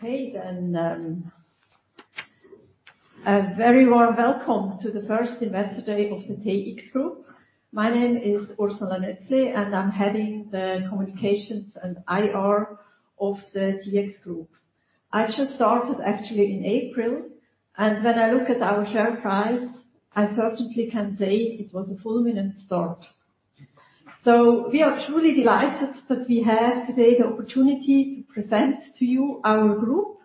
Okay, a very warm welcome to the first Investor Day of the TX Group. My name is Ursula Nötzli, and I'm heading the Communications and IR of the TX Group. I just started actually in April, and when I look at our share price, I certainly can say it was a fulminant start. We are truly delighted that we have today the opportunity to present to you our group.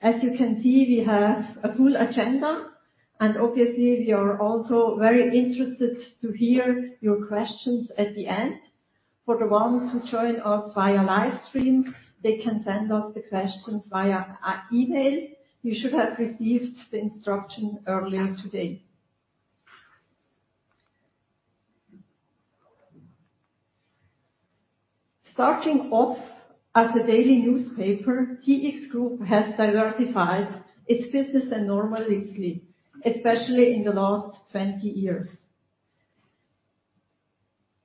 As you can see, we have a full agenda, and obviously, we are also very interested to hear your questions at the end. For the ones who join us via live stream, they can send us the questions via email. You should have received the instruction earlier today. Starting off as a daily newspaper, TX Group has diversified its business enormously, especially in the last 20 years.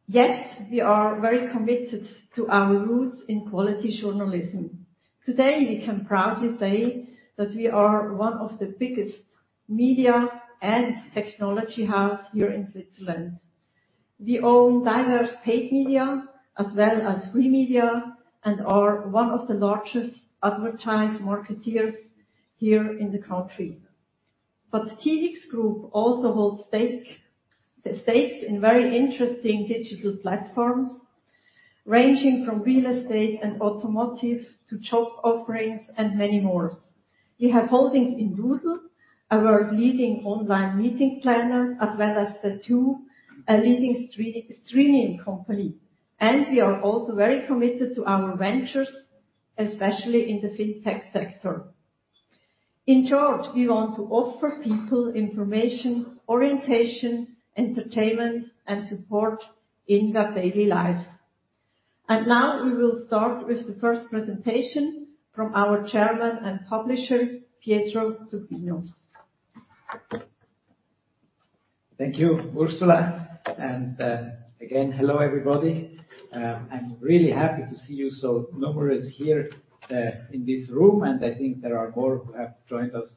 Yet we are very committed to our roots in quality journalism. Today, we can proudly say that we are one of the biggest media and technology houses here in Switzerland. We own diverse paid media as well as free media and are one of the largest advertising marketers here in the country. TX Group also holds stakes in very interesting digital platforms, ranging from real estate and automotive to job offerings, and many more. We have holdings in Doodle, a world-leading online meeting planner, as well as Zattoo, a leading streaming company. We are also very committed to our ventures, especially in the fintech sector. In short, we want to offer people information, orientation, entertainment, and support in their daily lives. Now we will start with the first presentation from our Chairman and Publisher, Pietro Supino. Thank you, Ursula. Again, hello, everybody. I'm really happy to see you so numerous here in this room, and I think there are more who have joined us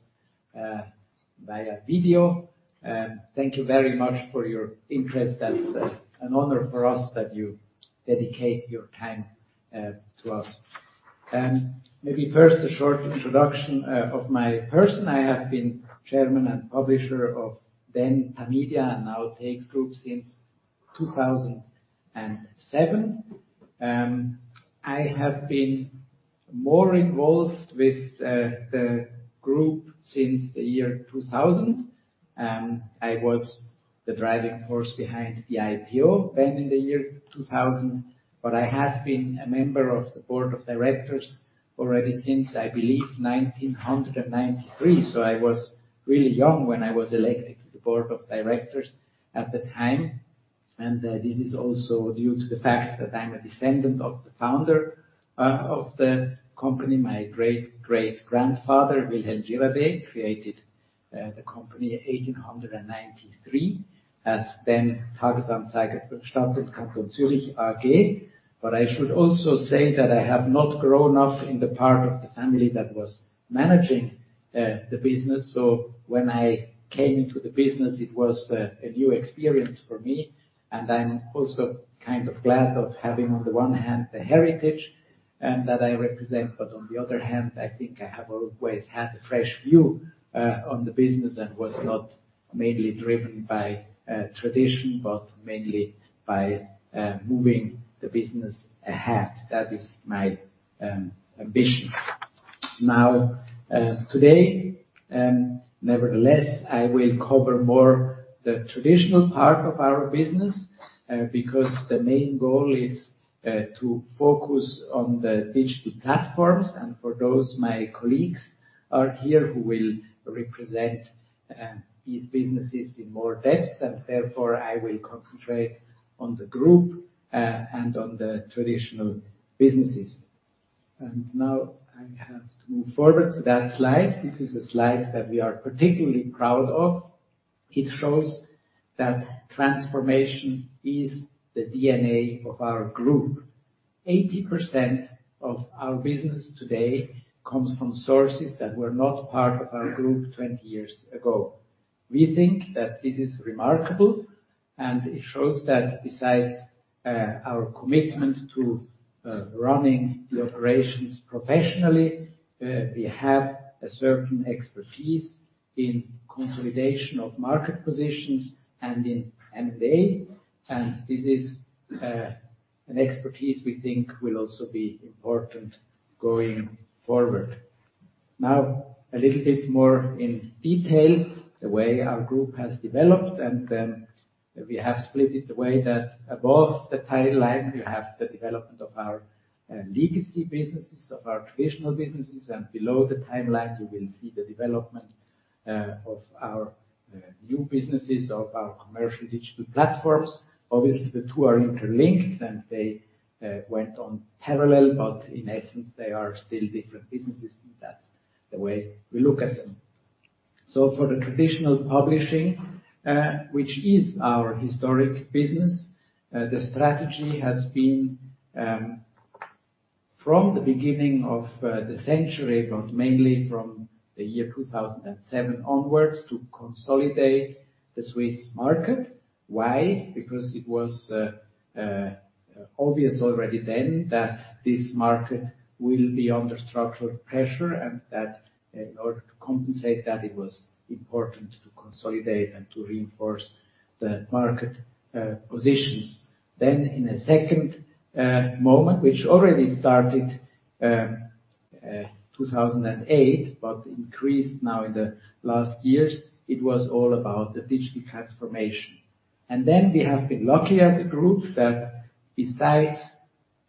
via video. Thank you very much for your interest. That's an honor for us that you dedicate your time to us. Maybe first a short introduction of my person. I have been Chairman and Publisher of then Tamedia and now TX Group since 2007. I have been more involved with the group since the year 2000. I was the driving force behind the IPO then in the year 2000, but I have been a member of the board of directors already since, I believe, 1993. I was really young when I was elected to the board of directors at the time. This is also due to the fact that I'm a descendant of the founder of the company. My great-great-grandfather, Wilhelm Girardet, created the company in 1893 as then Tages-Anzeiger Verlagsgesellschaft Kanton Zürich AG. I should also say that I have not grown up in the part of the family that was managing the business. When I came into the business, it was a new experience for me, and I'm also kind of glad of having on the one hand, the heritage that I represent, but on the other hand, I think I have always had a fresh view on the business and was not mainly driven by tradition, but mainly by moving the business ahead. That is my ambition. Now, today, nevertheless, I will cover more the traditional part of our business, because the main goal is to focus on the digital platforms. For those, my colleagues are here who will represent these businesses in more depth, and therefore I will concentrate on the group and on the traditional businesses. Now I have to move forward to that slide. This is a slide that we are particularly proud of. It shows that transformation is the DNA of our group. 80% of our business today comes from sources that were not part of our group 20 years ago. We think that this is remarkable, and it shows that besides our commitment to running the operations professionally, we have a certain expertise in consolidation of market positions and in M&A, and this is an expertise we think will also be important going forward. Now, a little bit more in detail, the way our group has developed, and then we have split it the way that above the timeline, you have the development of our legacy businesses, of our traditional businesses, and below the timeline, you will see the development of our new businesses, of our commercial digital platforms. Obviously, the two are interlinked, and they went on parallel, but in essence, they are still different businesses, and that's the way we look at them. For the traditional publishing, which is our historic business, the strategy has been from the beginning of the century, but mainly from the year 2007 onwards, to consolidate the Swiss market. Why? Because it was obvious already then that this market will be under structural pressure, and that in order to compensate that it was important to consolidate and to reinforce the market positions. In a second moment, which already started 2008, but increased now in the last years, it was all about the digital transformation. We have been lucky as a group that besides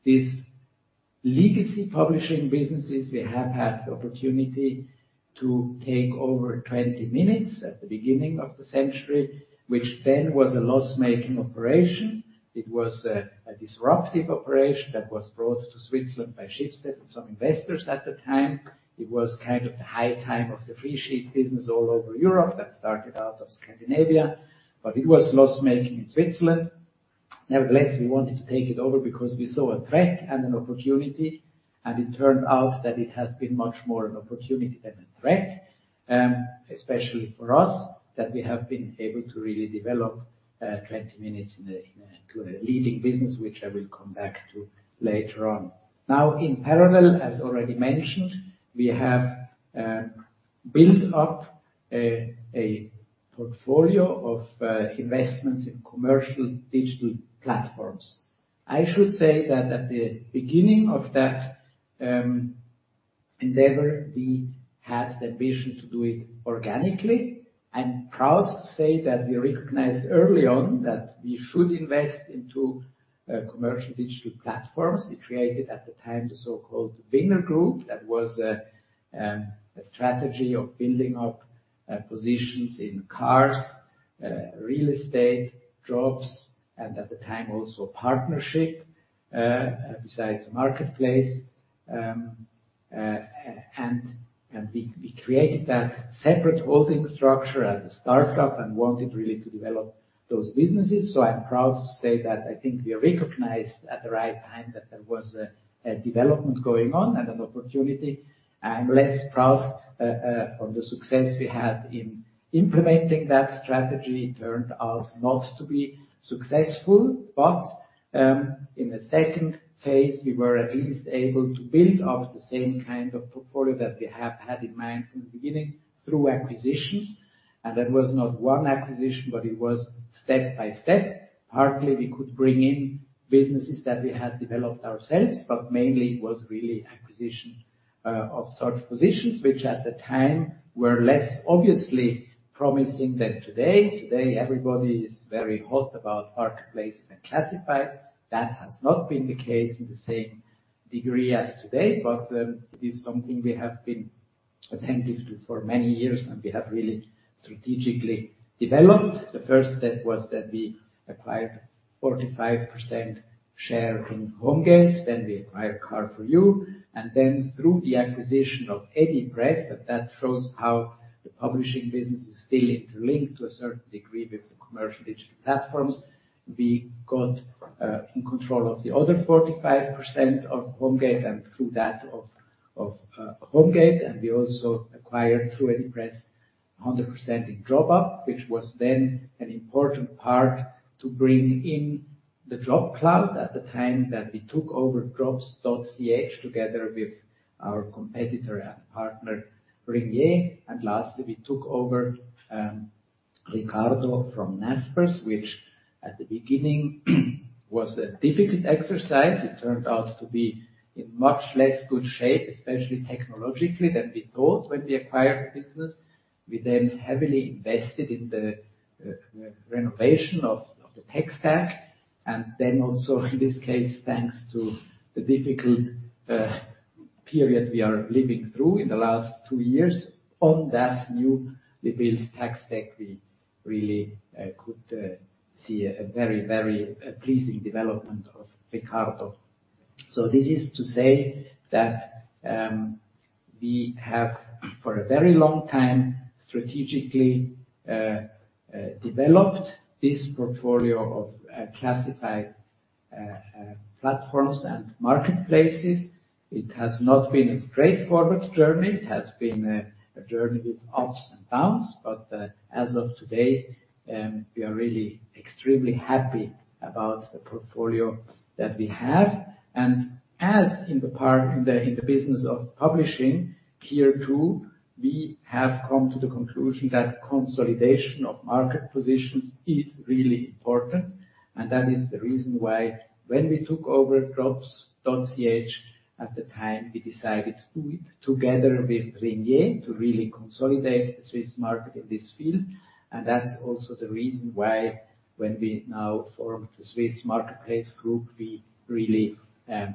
these legacy publishing businesses, we have had the opportunity to take over 20 Minuten at the beginning of the century, which then was a loss-making operation. It was a disruptive operation that was brought to Switzerland by Schibsted and some investors at the time. It was kind of the high time of the free sheet business all over Europe that started out of Scandinavia, but it was loss-making in Switzerland. Nevertheless, we wanted to take it over because we saw a threat and an opportunity, and it turned out that it has been much more an opportunity than a threat, especially for us, that we have been able to really develop 20 Minuten to a leading business, which I will come back to later on. Now, in parallel, as already mentioned, we have built up a portfolio of investments in commercial digital platforms. I should say that at the beginning of that endeavor, we had the ambition to do it organically. I'm proud to say that we recognized early on that we should invest into commercial digital platforms. We created at the time the so-called Winner Group. That was a strategy of building up positions in cars, real estate, jobs, and at the time also partnership besides marketplace, and we created that separate holding structure as a startup and wanted really to develop those businesses. I'm proud to say that I think we recognized at the right time that there was a development going on and an opportunity. I'm less proud on the success we had in implementing that strategy. It turned out not to be successful, but in the second phase, we were at least able to build up the same kind of portfolio that we have had in mind from the beginning through acquisitions. That was not one acquisition, but it was step by step. Partly, we could bring in businesses that we had developed ourselves, but mainly it was really acquisition of such positions, which at the time were less obviously promising than today. Today, everybody is very hot about marketplaces and classifieds. That has not been the case in the same degree as today, but it is something we have been attentive to for many years, and we have really strategically developed. The first step was that we acquired 45% share in Homegate. We acquired Car For You, and then through the acquisition of Edipresse, and that shows how the publishing business is still interlinked to a certain degree with the commercial digital platforms. We got in control of the other 45% of Homegate and through that of Homegate, and we also acquired through Edipresse 100% in JobUp, which was then an important part to bring in the JobCloud at the time that we took over jobs.ch, together with our competitor and partner, Ringier. Lastly, we took over Ricardo from Naspers, which at the beginning was a difficult exercise. It turned out to be in much less good shape, especially technologically, than we thought when we acquired the business. We then heavily invested in the renovation of the tech stack, and then also, in this case, thanks to the difficult period we are living through in the last two years. On that new rebuilt tech stack, we really could see a very pleasing development of Ricardo. This is to say that we have, for a very long time, strategically developed this portfolio of classified platforms and marketplaces. It has not been a straightforward journey. It has been a journey with ups and downs. As of today, we are really extremely happy about the portfolio that we have. In the business of publishing, here, too, we have come to the conclusion that consolidation of market positions is really important. That is the reason why when we took over jobs.ch at the time, we decided to do it together with Ringier to really consolidate the Swiss market in this field. That's also the reason why when we now formed the Swiss Marketplace Group, we really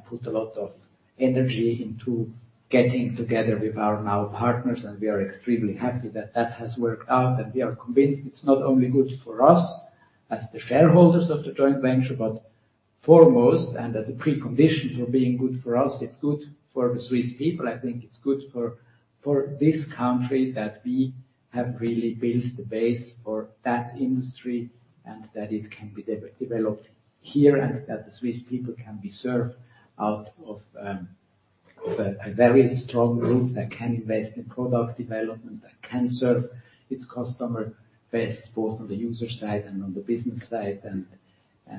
put a lot of energy into getting together with our now partners, and we are extremely happy that that has worked out. We are convinced it's not only good for us as the shareholders of the joint venture, but foremost, and as a precondition for being good for us, it's good for the Swiss people. I think it's good for this country that we have really built the base for that industry, and that it can be developed here, and that the Swiss people can be served out of a very strong group that can invest in product development, that can serve its customer base, both on the user side and on the business side,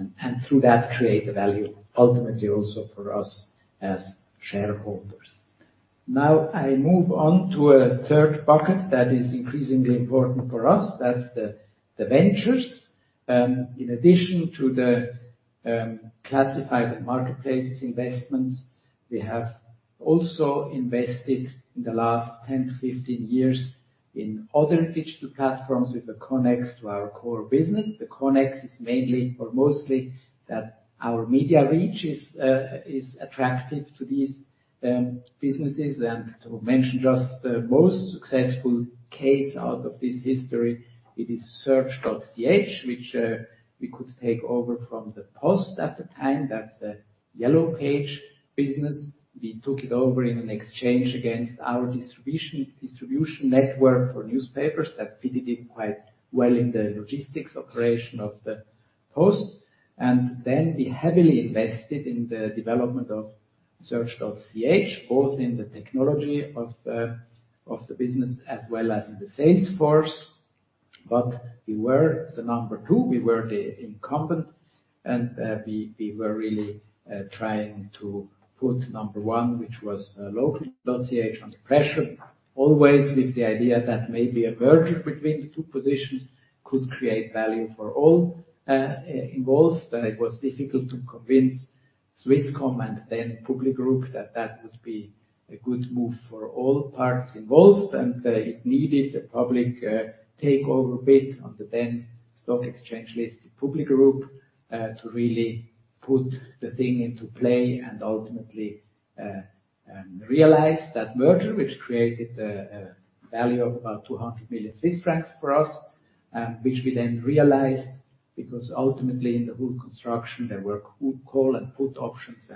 and through that create a value ultimately also for us as shareholders. Now, I move on to a third bucket that is increasingly important for us. That's the ventures. In addition to the classified and marketplaces investments, we have also invested in the last 10 years to 15 years in other digital platforms with a connection to our core business. The connection is mainly or mostly that our media reach is attractive to these businesses. To mention just the most successful case out of this history, it is search.ch, which we could take over from the post at the time. That's a yellow page business. We took it over in an exchange against our distribution network for newspapers that fitted in quite well in the logistics operation of the post. We heavily invested in the development of search.ch, both in the technology of the business as well as in the sales force. We were the number two. We were the incumbent, and we were really trying to put number one, which was local.ch, under pressure, always with the idea that maybe a merger between the two positions could create value for all involved. It was difficult to convince Swisscom and then PubliGroupe that that would be a good move for all parts involved. It needed a public takeover bid on the then stock exchange-listed PubliGroupe to really put the thing into play and ultimately realize that merger, which created a value of about 200 million Swiss francs for us, and which we then realized, because ultimately in the whole construction, there were call and put options.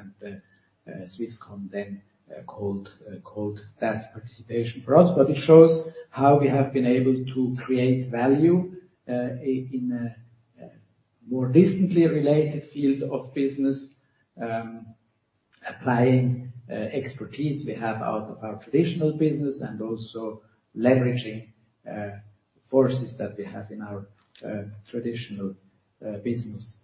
Swisscom then called that participation for us. It shows how we have been able to create value in a more distantly related field of business, applying expertise we have out of our traditional business and also leveraging forces that we have in our traditional business.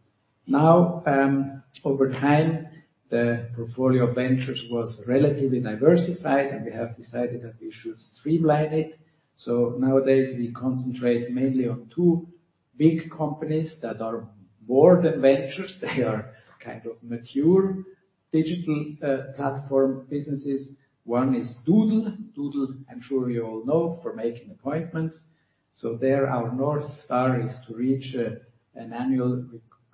Over time, the portfolio of ventures was relatively diversified, and we have decided that we should streamline it. Nowadays, we concentrate mainly on two big companies that are more than ventures. They are kind of mature digital platform businesses. One is Doodle. Doodle, I'm sure you all know, for making appointments. There, our North Star is to reach an annual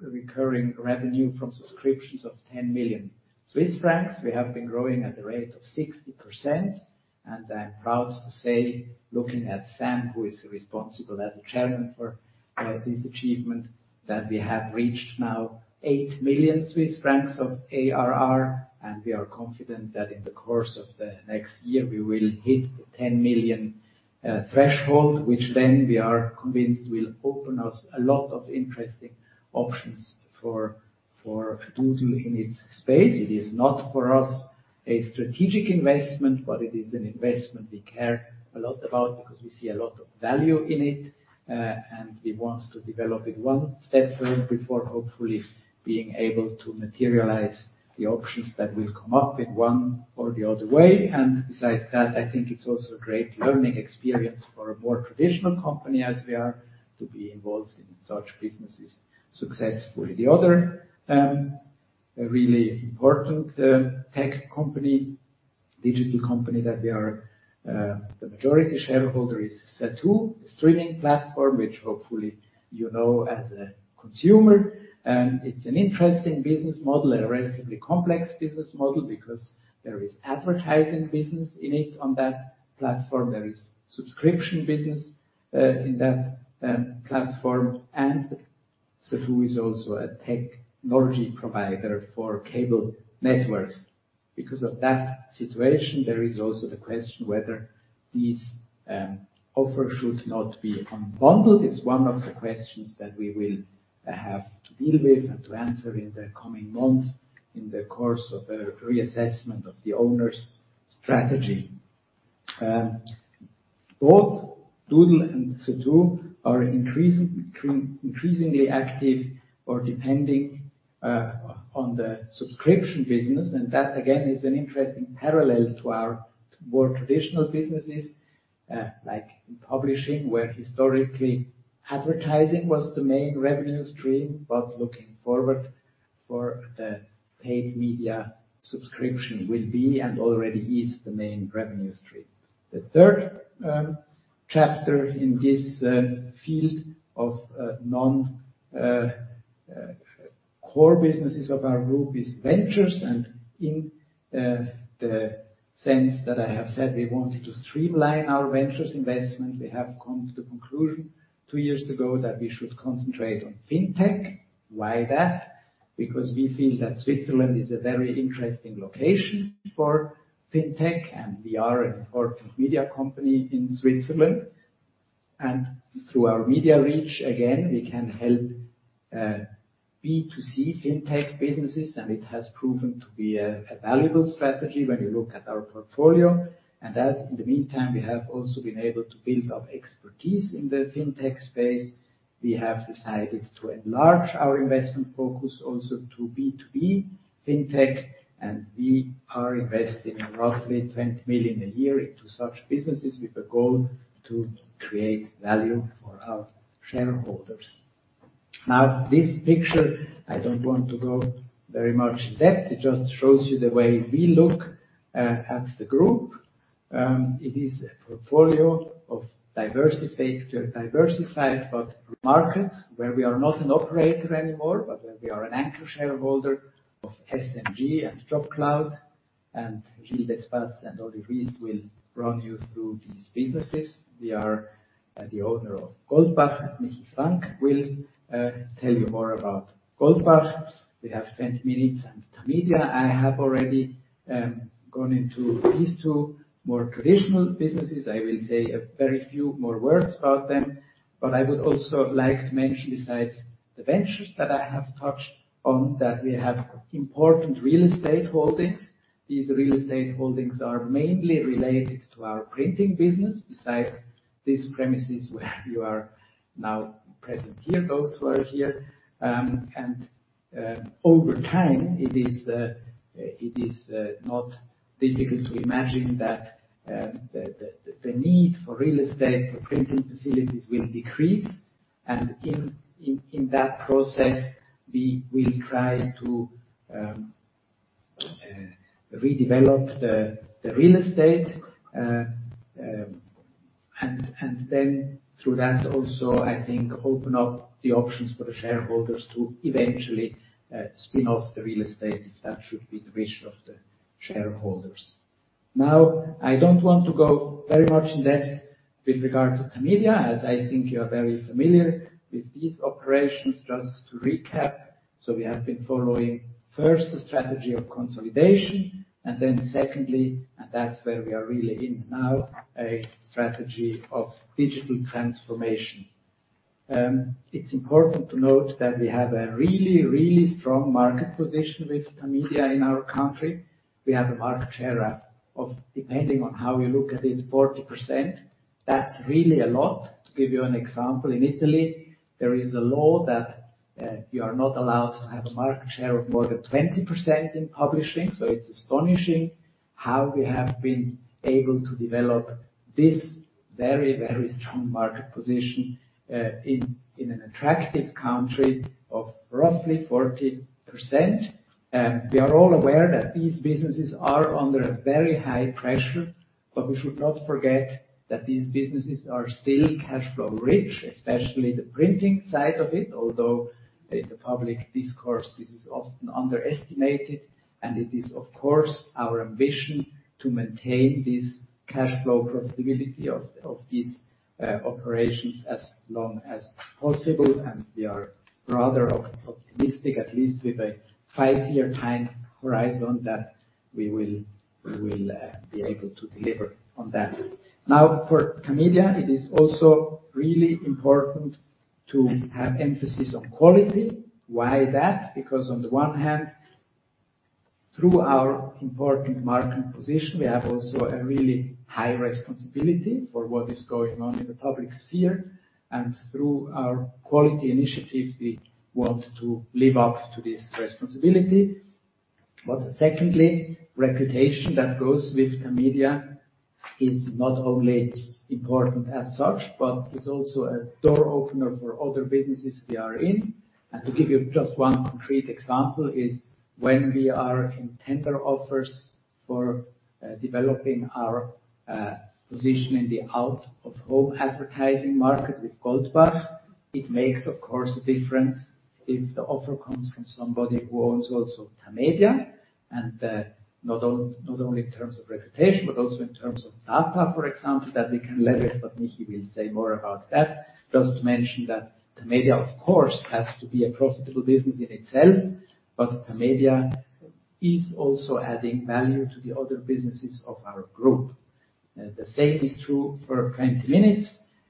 recurring revenue from subscriptions of 10 million Swiss francs. We have been growing at the rate of 60%, and I'm proud to say, looking at Sam, who is responsible as a chairman for this achievement, that we have reached now 8 million Swiss francs of ARR, and we are confident that in the course of the next year, we will hit the 10 million threshold, which then we are convinced will open us a lot of interesting options for Doodle in its space. It is not, for us, a strategic investment, but it is an investment we care a lot about because we see a lot of value in it, and we want to develop it one step further before hopefully being able to materialize the options that will come up in one or the other way. Besides that, I think it's also a great learning experience for a more traditional company as we are to be involved in such businesses successfully. The other really important tech company, digital company that we are the majority shareholder is Zattoo, a streaming platform, which hopefully you know as a consumer. It's an interesting business model, a relatively complex business model, because there is advertising business in it on that platform. There is subscription business in that platform. Zattoo is also a technology provider for cable networks. Because of that situation, there is also the question whether these offers should not be unbundled. It's one of the questions that we will have to deal with and to answer in the coming months in the course of a reassessment of the owner's strategy. Both Doodle and Zattoo are increasingly active or depending on the subscription business. That, again, is an interesting parallel to our more traditional businesses, like in publishing, where historically advertising was the main revenue stream. Looking forward, the paid media subscription will be and already is the main revenue stream. The third chapter in this field of non-core businesses of our group is ventures. Since that I have said we wanted to streamline our ventures investments, we have come to the conclusion two years ago that we should concentrate on fintech. Why that? Because we feel that Switzerland is a very interesting location for fintech, and we are an important media company in Switzerland. Through our media reach, again, we can help B2C fintech businesses, and it has proven to be a valuable strategy when you look at our portfolio. As in the meantime, we have also been able to build up expertise in the fintech space. We have decided to enlarge our investment focus also to B2B fintech, and we are investing roughly 20 million a year into such businesses with a goal to create value for our shareholders. Now, this picture, I don't want to go very much in depth. It just shows you the way we look at the group. It is a portfolio of diversified but markets where we are not an operator anymore, but where we are an anchor shareholder of SMG and JobCloud. Gilles Despas and Oli Rihs will run you through these businesses. We are the owner of Goldbach, and Michi Frank will tell you more about Goldbach. We have 20 minutes. Tamedia, I have already gone into these two more traditional businesses. I will say a very few more words about them, but I would also like to mention besides the ventures that I have touched on that we have important real estate holdings. These real estate holdings are mainly related to our printing business. Besides these premises where you are now present here, those who are here. Over time, it is not difficult to imagine that the need for real estate for printing facilities will decrease. In that process, we will try to redevelop the real estate. Through that also, I think, open up the options for the shareholders to eventually spin off the real estate if that should be the wish of the shareholders. Now, I don't want to go very much in depth with regard to Tamedia, as I think you are very familiar with these operations. Just to recap, we have been following, first, the strategy of consolidation, and then secondly, and that's where we are really in now, a strategy of digital transformation. It's important to note that we have a really strong market position with Tamedia in our country. We have a market share of, depending on how you look at it, 40%. That's really a lot. To give you an example, in Italy, there is a law that you are not allowed to have a market share of more than 20% in publishing. It's astonishing how we have been able to develop this very, very strong market position in an attractive country of roughly 40%. We are all aware that these businesses are under a very high pressure, but we should not forget that these businesses are still cash flow-rich, especially the printing side of it. Although in the public discourse, this is often underestimated, and it is, of course, our ambition to maintain this cash flow profitability of these operations as long as possible. We are rather optimistic, at least with a 5-year time horizon, that we will be able to deliver on that. Now, for Tamedia, it is also really important to have emphasis on quality. Why that? Because on the one hand, through our important market position, we have also a really high responsibility for what is going on in the public sphere. Through our quality initiatives, we want to live up to this responsibility. Secondly, reputation that goes with Tamedia is not only important as such, but is also a door-opener for other businesses we are in. To give you just one concrete example is when we are in tender offers for developing our position in the out-of-home advertising market with Goldbach. It makes, of course, a difference if the offer comes from somebody who owns also Tamedia, and, not only in terms of reputation, but also in terms of data, for example, that we can leverage, but Michi will say more about that. Just to mention that Tamedia, of course, has to be a profitable business in itself, but Tamedia is also adding value to the other businesses of our group. The same is true for 20 Minuten.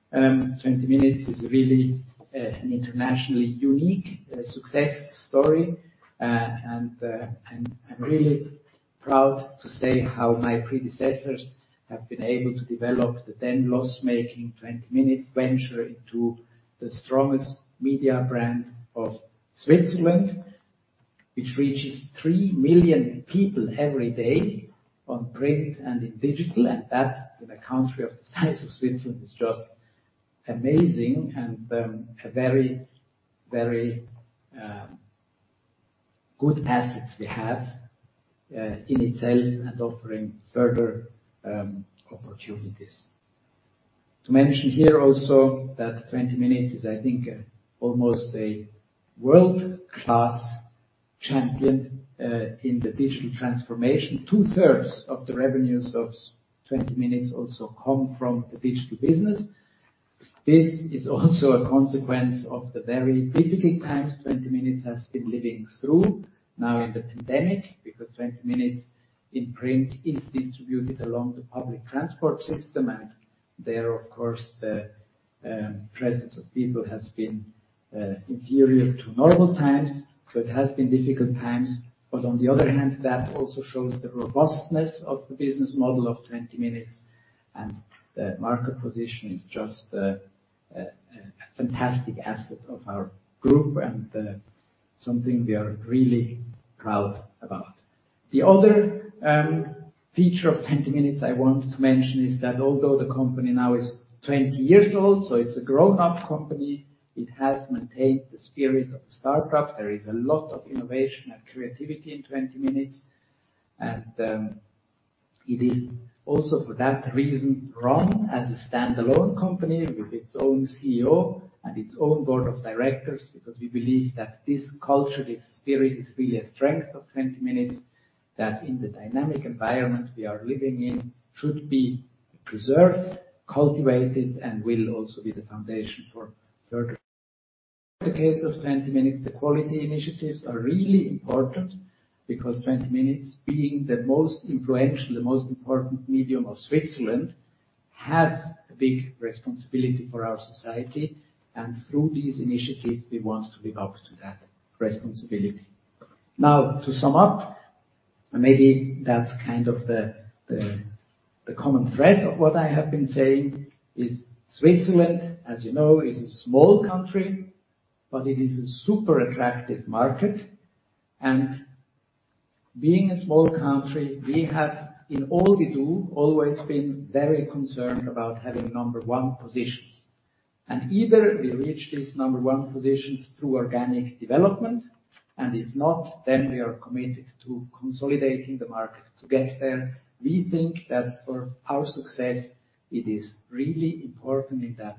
20 Minuten is really, an internationally unique, success story. I'm really proud to say how my predecessors have been able to develop the then loss-making 20 Minuten venture into the strongest media brand of Switzerland, which reaches 3 million people every day on print and in digital. That, in a country of the size of Switzerland, is just amazing and a very good assets we have in itself and offering further opportunities. To mention here also that 20 Minuten is, I think, almost a world-class champion in the digital transformation. Two-thirds of the revenues of 20 Minuten also come from the digital business. This is also a consequence of the very difficult times 20 Minuten has been living through now in the pandemic, because 20 Minuten in print is distributed along the public transport system. There, of course, the presence of people has been inferior to normal times, so it has been difficult times. On the other hand, that also shows the robustness of the business model of 20 Minuten, and the market position is just a fantastic asset of our group and something we are really proud about. The other feature of 20 Minuten I want to mention is that although the company now is 20 years old, so it's a grown-up company, it has maintained the spirit of a startup. There is a lot of innovation and creativity in 20 Minuten, and it is also for that reason run as a standalone company with its own CEO and its own board of directors, because we believe that this culture, this spirit, is really a strength of 20 Minuten, that in the dynamic environment we are living in should be preserved, cultivated, and will also be the foundation for further. The case of 20 Minuten, the quality initiatives are really important because 20 Minuten, being the most influential, the most important medium of Switzerland, has a big responsibility for our society. Through this initiative, we want to live up to that responsibility. Now to sum up, and maybe that's kind of the common thread of what I have been saying, is Switzerland, as you know, is a small country, but it is a super attractive market. Being a small country, we have, in all we do, always been very concerned about having number one positions. Either we reach these number one positions through organic development, and if not, then we are committed to consolidating the market to get there. We think that for our success, it is really important in that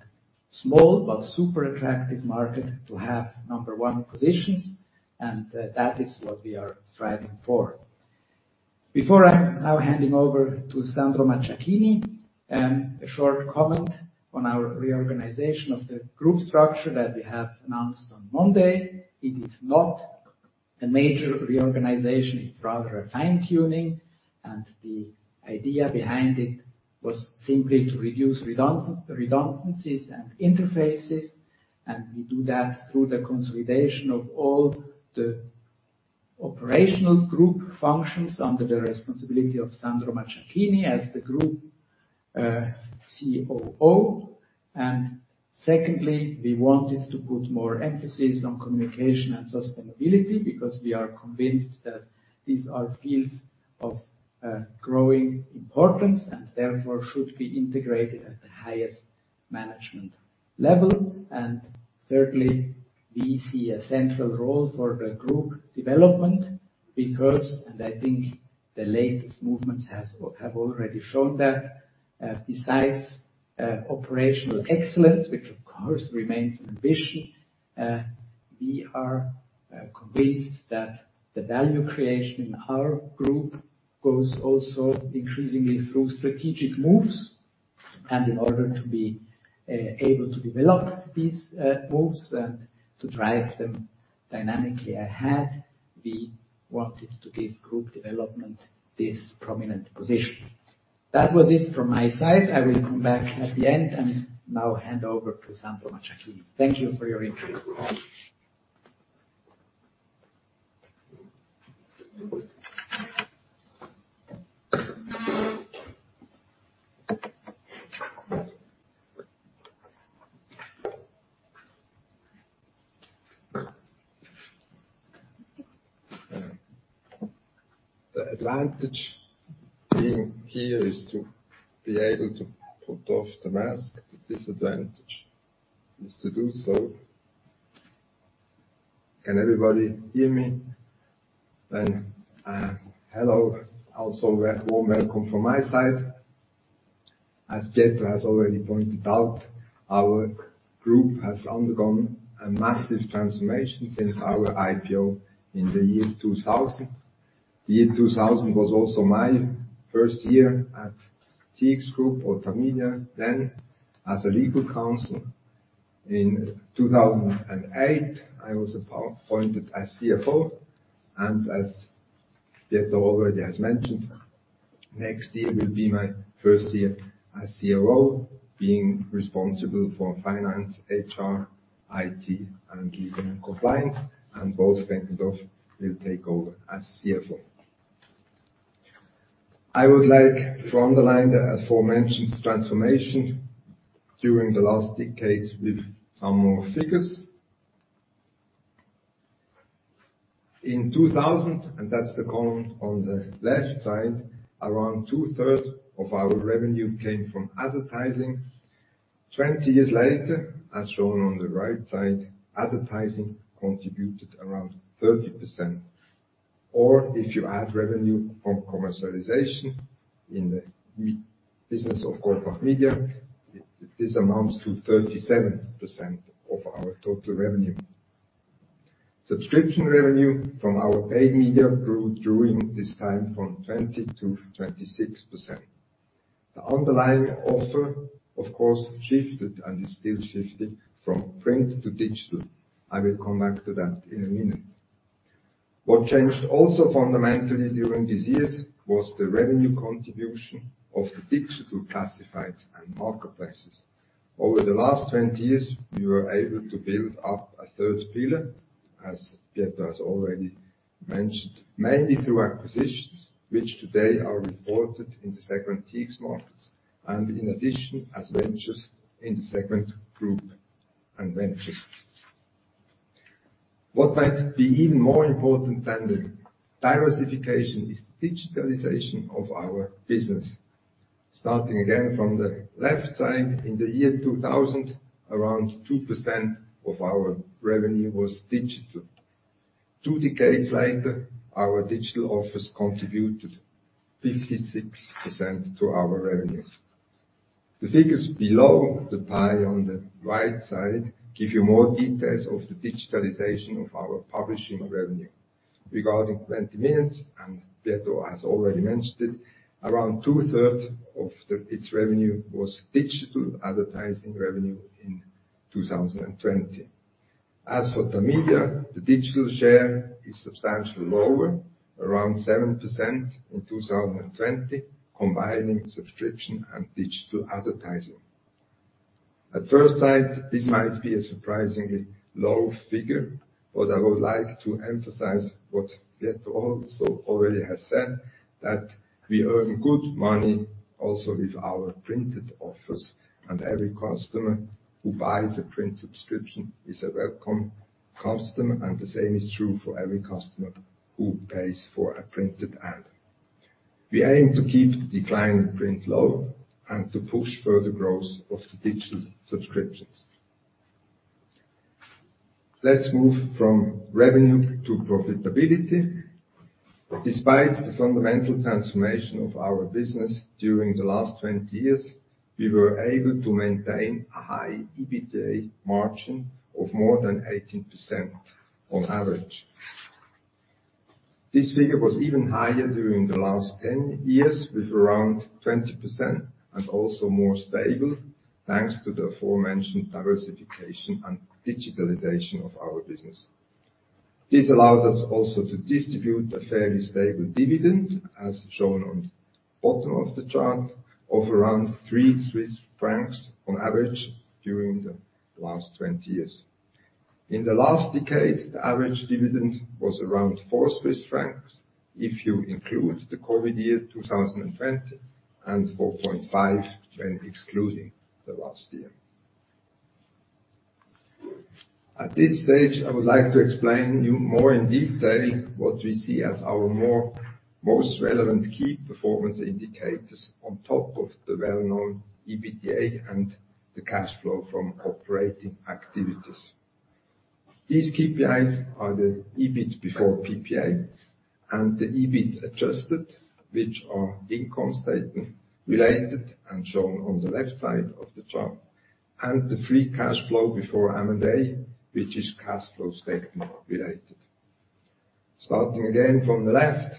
small but super attractive market to have number one positions, and that is what we are striving for. Before I'm now handing over to Sandro Macciacchini, a short comment on our reorganization of the group structure that we have announced on Monday. It is not a major reorganization. It's rather a fine-tuning, and the idea behind it was simply to reduce redundancies and interfaces, and we do that through the consolidation of all the operational group functions under the responsibility of Sandro Macciacchini as the group COO. Secondly, we wanted to put more emphasis on communication and sustainability because we are convinced that these are fields of growing importance and therefore should be integrated at the highest management level. Thirdly, we see a central role for the group development because, and I think the latest movements have already shown that, besides, operational excellence, which of course remains an ambition, we are, convinced that the value creation in our group goes also increasingly through strategic moves. In order to be, able to develop these, moves and to drive them dynamically ahead, we wanted to give group development this prominent position. That was it from my side. I will come back at the end and now hand over to Sandro Macciacchini. Thank you for your interest. The advantage being here is to be able to put off the mask. The disadvantage is to do so. Can everybody hear me? Hello, also a warm welcome from my side. As Pietro has already pointed out, our group has undergone a massive transformation since our IPO in 2000. The year 2000 was also my first year at TX Group or Tamedia then as a legal counsel. In 2008, I was appointed as CFO. As Pietro already has mentioned, next year will be my first year as COO, being responsible for finance, HR, IT, and legal and compliance. Wolf-Gerrit Benkendorff will take over as CFO. I would like to underline the aforementioned transformation during the last decades with some more figures. In 2000, and that's the column on the left side, around two-thirds of our revenue came from advertising. 20 years later, as shown on the right side, advertising contributed around 30%. If you add revenue from commercialization in the business of Ringier, this amounts to 37% of our total revenue. Subscription revenue from our paid media grew during this time from 20% to 26%. The underlying offer, of course, shifted and is still shifting from print to digital. I will come back to that in a minute. What changed also fundamentally during these years was the revenue contribution of the digital classifieds and marketplaces. Over the last 20 years, we were able to build up a third pillar, as Pietro has already mentioned, mainly through acquisitions, which today are reported in the segment TX Markets, and in addition, as ventures in the segment Group & Ventures. What might be even more important than the diversification is digitalization of our business. Starting again from the left side, in the year 2000, around 2% of our revenue was digital. Two decades later, our digital offers contributed 56% to our revenue. The figures below the pie on the right side give you more details of the digitalization of our publishing revenue. Regarding 20 Minuten, Pietro has already mentioned it, around two-thirds of its revenue was digital advertising revenue in 2020. As for the media, the digital share is substantially lower, around 7% in 2020, combining subscription and digital advertising. At first sight, this might be a surprisingly low figure, but I would like to emphasize what Pietro also already has said, that we earn good money also with our printed offers, and every customer who buys a print subscription is a welcome customer, and the same is true for every customer who pays for a printed ad. We aim to keep the decline in print low and to push further growth of the digital subscriptions. Let's move from revenue to profitability. Despite the fundamental transformation of our business during the last 20 years, we were able to maintain a high EBITDA margin of more than 18% on average. This figure was even higher during the last 10 years, with around 20% and also more stable, thanks to the aforementioned diversification and digitalization of our business. This allowed us also to distribute a fairly stable dividend, as shown on the bottom of the chart, of around 3 Swiss francs on average during the last 20 years. In the last decade, the average dividend was around 4 Swiss francs, if you include the COVID year, 2020, and 4.5 when excluding the last year. At this stage, I would like to explain to you more in detail what we see as our most relevant key performance indicators on top of the well-known EBITDA and the cash flow from operating activities. These KPIs are the EBIT before PPA and the EBIT adjusted, which are income statement related and shown on the left side of the chart, and the free cash flow before M&A, which is cash flow statement related. Starting again from the left,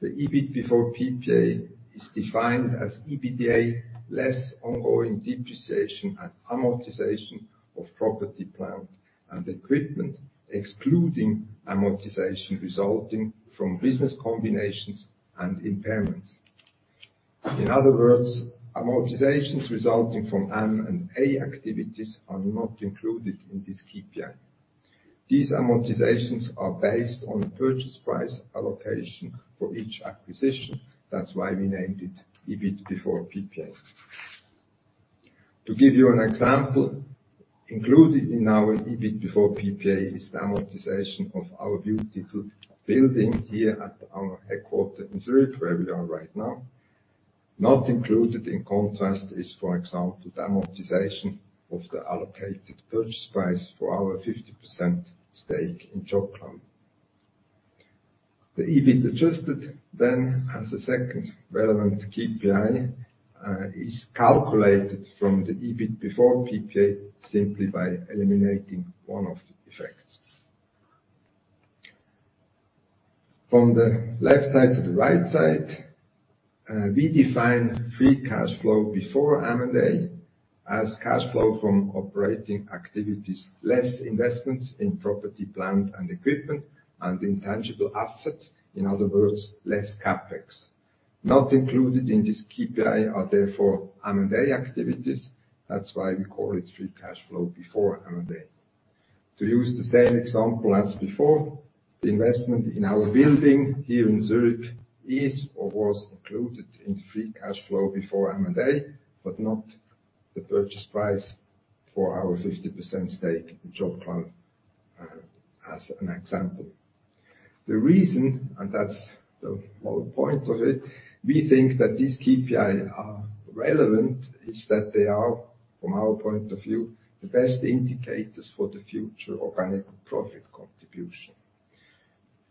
the EBIT before PPA is defined as EBITDA less ongoing depreciation and amortization of property, plant, and equipment, excluding amortization resulting from business combinations and impairments. In other words, amortizations resulting from M&A activities are not included in this KPI. These amortizations are based on purchase price allocation for each acquisition. That's why we named it EBIT before PPA. To give you an example, included in our EBIT before PPA is the amortization of our beautiful building here at our headquarters in Zurich, where we are right now. Not included, in contrast is, for example, the amortization of the allocated purchase price for our 50% stake in JobCloud. The EBIT adjusted then as a second relevant KPI is calculated from the EBIT before PPA simply by eliminating one of the effects. From the left side to the right side, we define free cash flow before M&A as cash flow from operating activities, less investments in property, plant, and equipment and intangible assets. In other words, less CapEx. Not included in this KPI are therefore M&A activities. That's why we call it free cash flow before M&A. To use the same example as before, the investment in our building here in Zurich is or was included in free cash flow before M&A, but not the purchase price for our 50% stake in JobCloud, as an example. The reason, and that's the whole point of it, we think that these KPI are relevant, is that they are, from our point of view, the best indicators for the future organic profit contribution.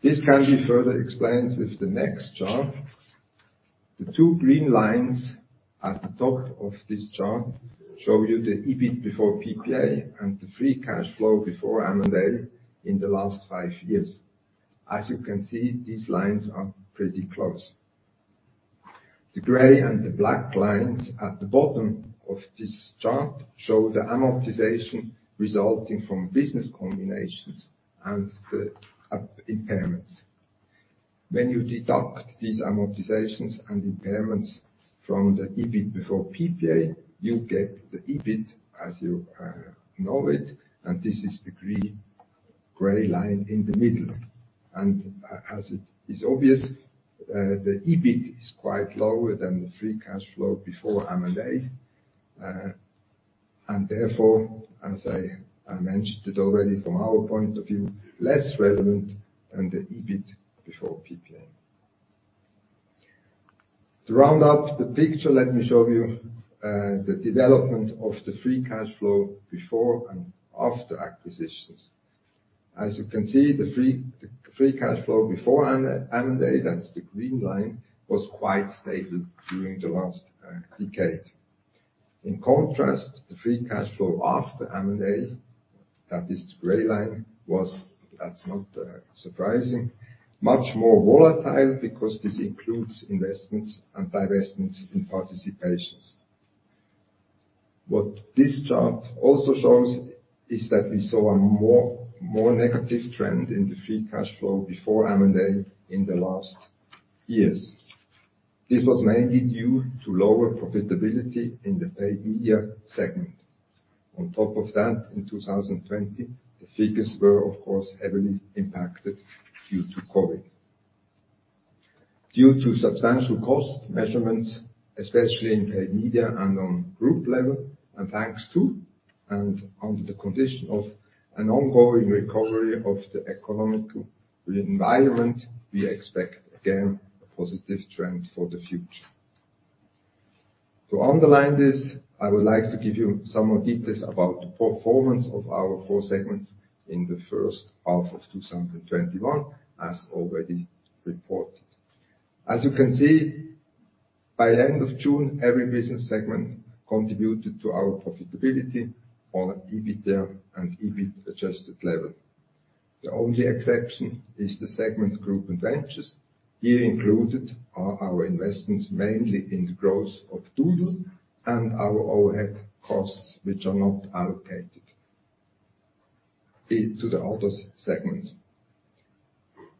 This can be further explained with the next chart. The two green lines at the top of this chart show you the EBIT before PPA and the free cash flow before M&A in the last five years. As you can see, these lines are pretty close. The gray and the black lines at the bottom of this chart show the amortization resulting from business combinations and the impairments. When you deduct these amortizations and impairments from the EBIT before PPA, you get the EBIT as you know it, and this is the green-gray line in the middle. As it is obvious, the EBIT is quite lower than the free cash flow before M&A and therefore, as I mentioned it already, from our point of view, less relevant than the EBIT before PPA. To round up the picture, let me show you the development of the free cash flow before and after acquisitions. As you can see, the free cash flow before an M&A, that's the green line, was quite stable during the last decade. In contrast, the free cash flow after M&A, that is the gray line, was much more volatile. That's not surprising because this includes investments and divestments in participations. What this chart also shows is that we saw a more negative trend in the free cash flow before M&A in the last years. This was mainly due to lower profitability in the paid media segment. On top of that, in 2020, the figures were of course heavily impacted due to COVID. Due to substantial cost measures, especially in paid media and on group level, and thanks to, and under the condition of an ongoing recovery of the economic environment, we expect again a positive trend for the future. To underline this, I would like to give you some more details about the performance of our four segments in the first half of 2021, as already reported. As you can see, by the end of June, every business segment contributed to our profitability on an EBIT and EBIT-adjusted level. The only exception is the segment Group & Ventures. Here included are our investments mainly in the growth of Doodle and our overhead costs, which are not allocated to the other segments.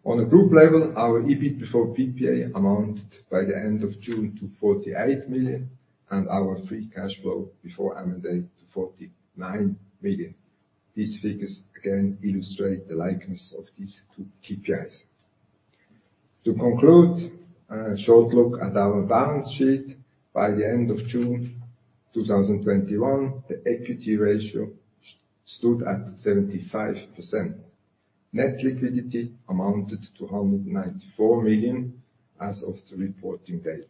On a group level, our EBIT before PPA amounted by the end of June to 48 million, and our free cash flow before M&A to 49 million. These figures again illustrate the likeness of these two KPIs. To conclude, a short look at our balance sheet. By the end of June 2021, the equity ratio stood at 75%. Net liquidity amounted to 194 million as of the reporting date.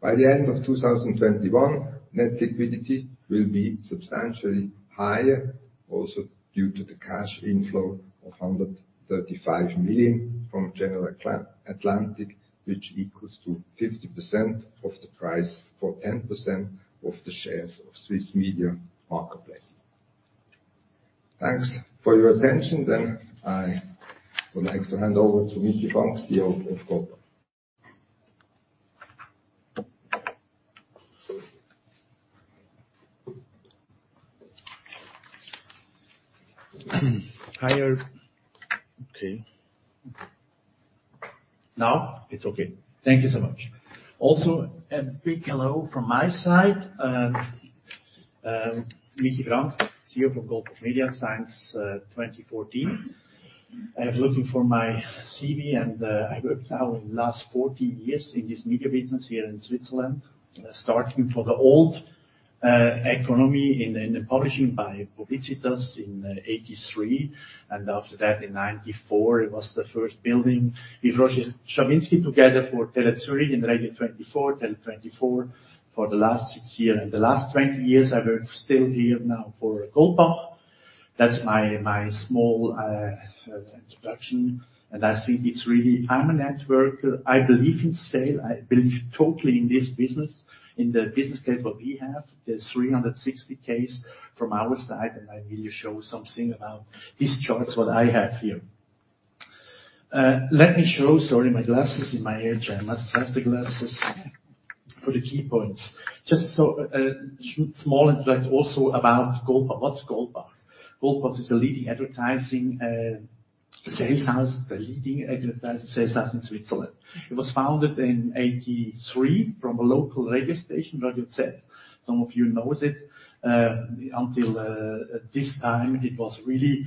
By the end of 2021, net liquidity will be substantially higher, also due to the cash inflow of 135 million from General Atlantic, which equals to 50% of the price for 10% of the shares of SMG Swiss Marketplace Group. Thanks for your attention. I would like to hand over to Michi Frank, CEO of Goldbach. Higher. Okay. Now? It's okay. Thank you so much. Also, a big hello from my side. Michi Frank, CEO from Goldbach Media since 2014. I'm looking for my CV, and I worked now in the last 40 years in this media business here in Switzerland. Starting for the old economy in the publishing by Publicitas in 1983. After that in 1994, it was the first building with Roger Schawinski together for TeleZüri and Radio 24, Tele 24 for the last six years. The last 20 years, I work still here now for Goldbach. That's my small introduction. I think it's really. I'm a networker. I believe in sales. I believe totally in this business. In the business case what we have, the 360 case from our side, and I will show something about these charts, what I have here. In my age, I must have the glasses for the key points. Just so, small intro also about Goldbach. What's Goldbach? Goldbach is a leading advertising sales house, the leading advertising sales house in Switzerland. It was founded in 1983 from a local radio station, Radio Zürisee. Some of you knows it. Until this time, it was really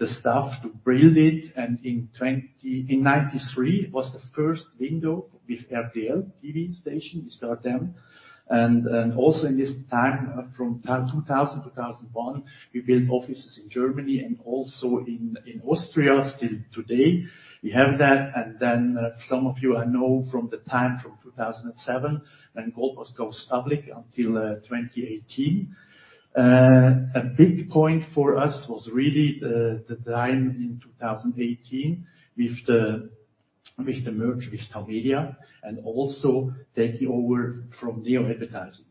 the staff to build it. In 1993 was the first window with RTL TV station. We start them. Also in this time, from 2001, we built offices in Germany and also in Austria. Still today we have that. Then some of you I know from the time, from 2007, when Goldbach goes public until 2018. A big point for us was really the time in 2018 with the merger with Tamedia, also taking over from Neo Advertising.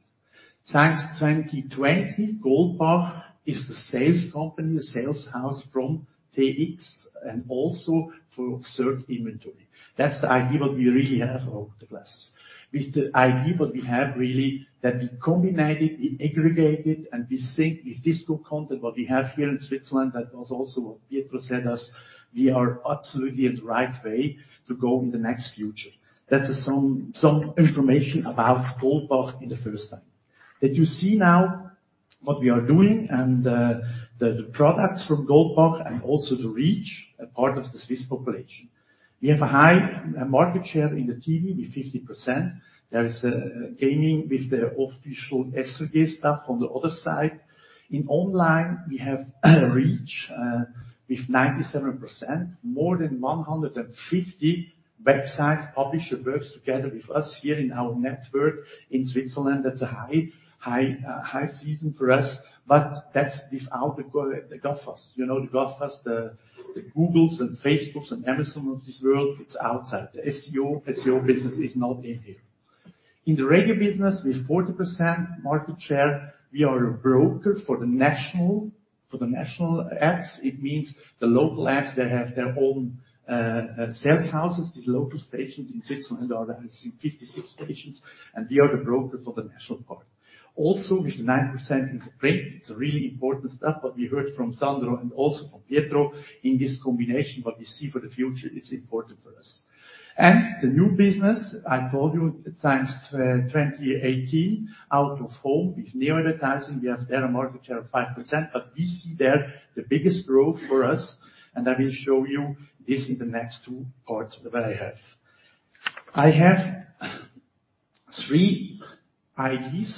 Since 2020, Goldbach is the sales company, the sales house from TX, and also for third-party inventory. That's the idea what we really have over the classifieds. With the idea what we have really, that we combined it, we aggregate it, and we think with this good content, what we have here in Switzerland, that was also what Pietro said us, we are absolutely in the right way to go in the next future. That's some information about Goldbach in the first time. That you see now what we are doing and the products from Goldbach, and also the reach a part of the Swiss population. We have a high market share in the TV with 50%. There is a gaming with the official SVJ stuff on the other side. In online, we have a reach with 97%, more than 150 website publisher works together with us here in our network in Switzerland. That's a high season for us, but that's without the GAFAs. You know, the GAFAs, the Googles and Facebooks and Amazon of this world, it's outside. The SEO business is not in here. In the radio business, with 40% market share, we are a broker for the national ads. It means the local ads, they have their own sales houses. The local stations in Switzerland has 56 stations, and we are the broker for the national part. With 9% in print, it's a really important stuff, what we heard from Sandro and also from Pietro. In this combination, what we see for the future, it's important for us. The new business, I told you, since 2018, out-of-home with Neo Advertising, we have there a market share of 5%, but we see there the biggest growth for us, and I will show you this in the next two parts that I have. I have three ideas,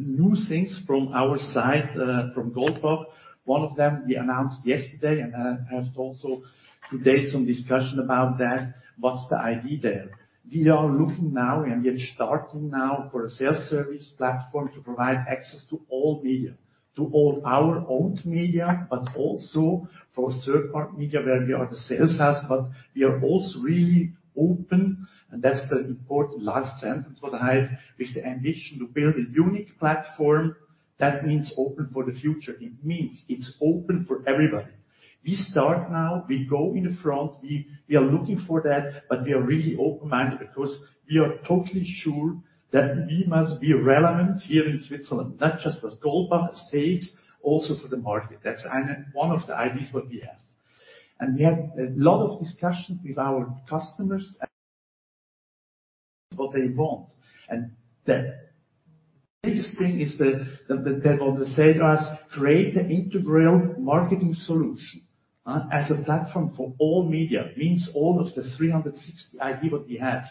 new things from our side, from Goldbach. One of them we announced yesterday, and I have also today some discussion about that. What's the idea there? We are looking now and we are starting now for a self-service platform to provide access to all media, to all our own media, but also for third-party media where we are the sales house. We are also really open, and that's the important last sentence what I have, with the ambition to build a unique platform that means open for the future. It means it's open for everybody. We start now, we go in the front, we are looking for that, but we are really open-minded because we are totally sure that we must be relevant here in Switzerland, not just with Goldbach stakes, also for the market. That's one of the ideas what we have. We have a lot of discussions with our customers. What they want. The biggest thing is they said to us, "Create an integral marketing solution as a platform for all media." Means all of the 360 idea what we have,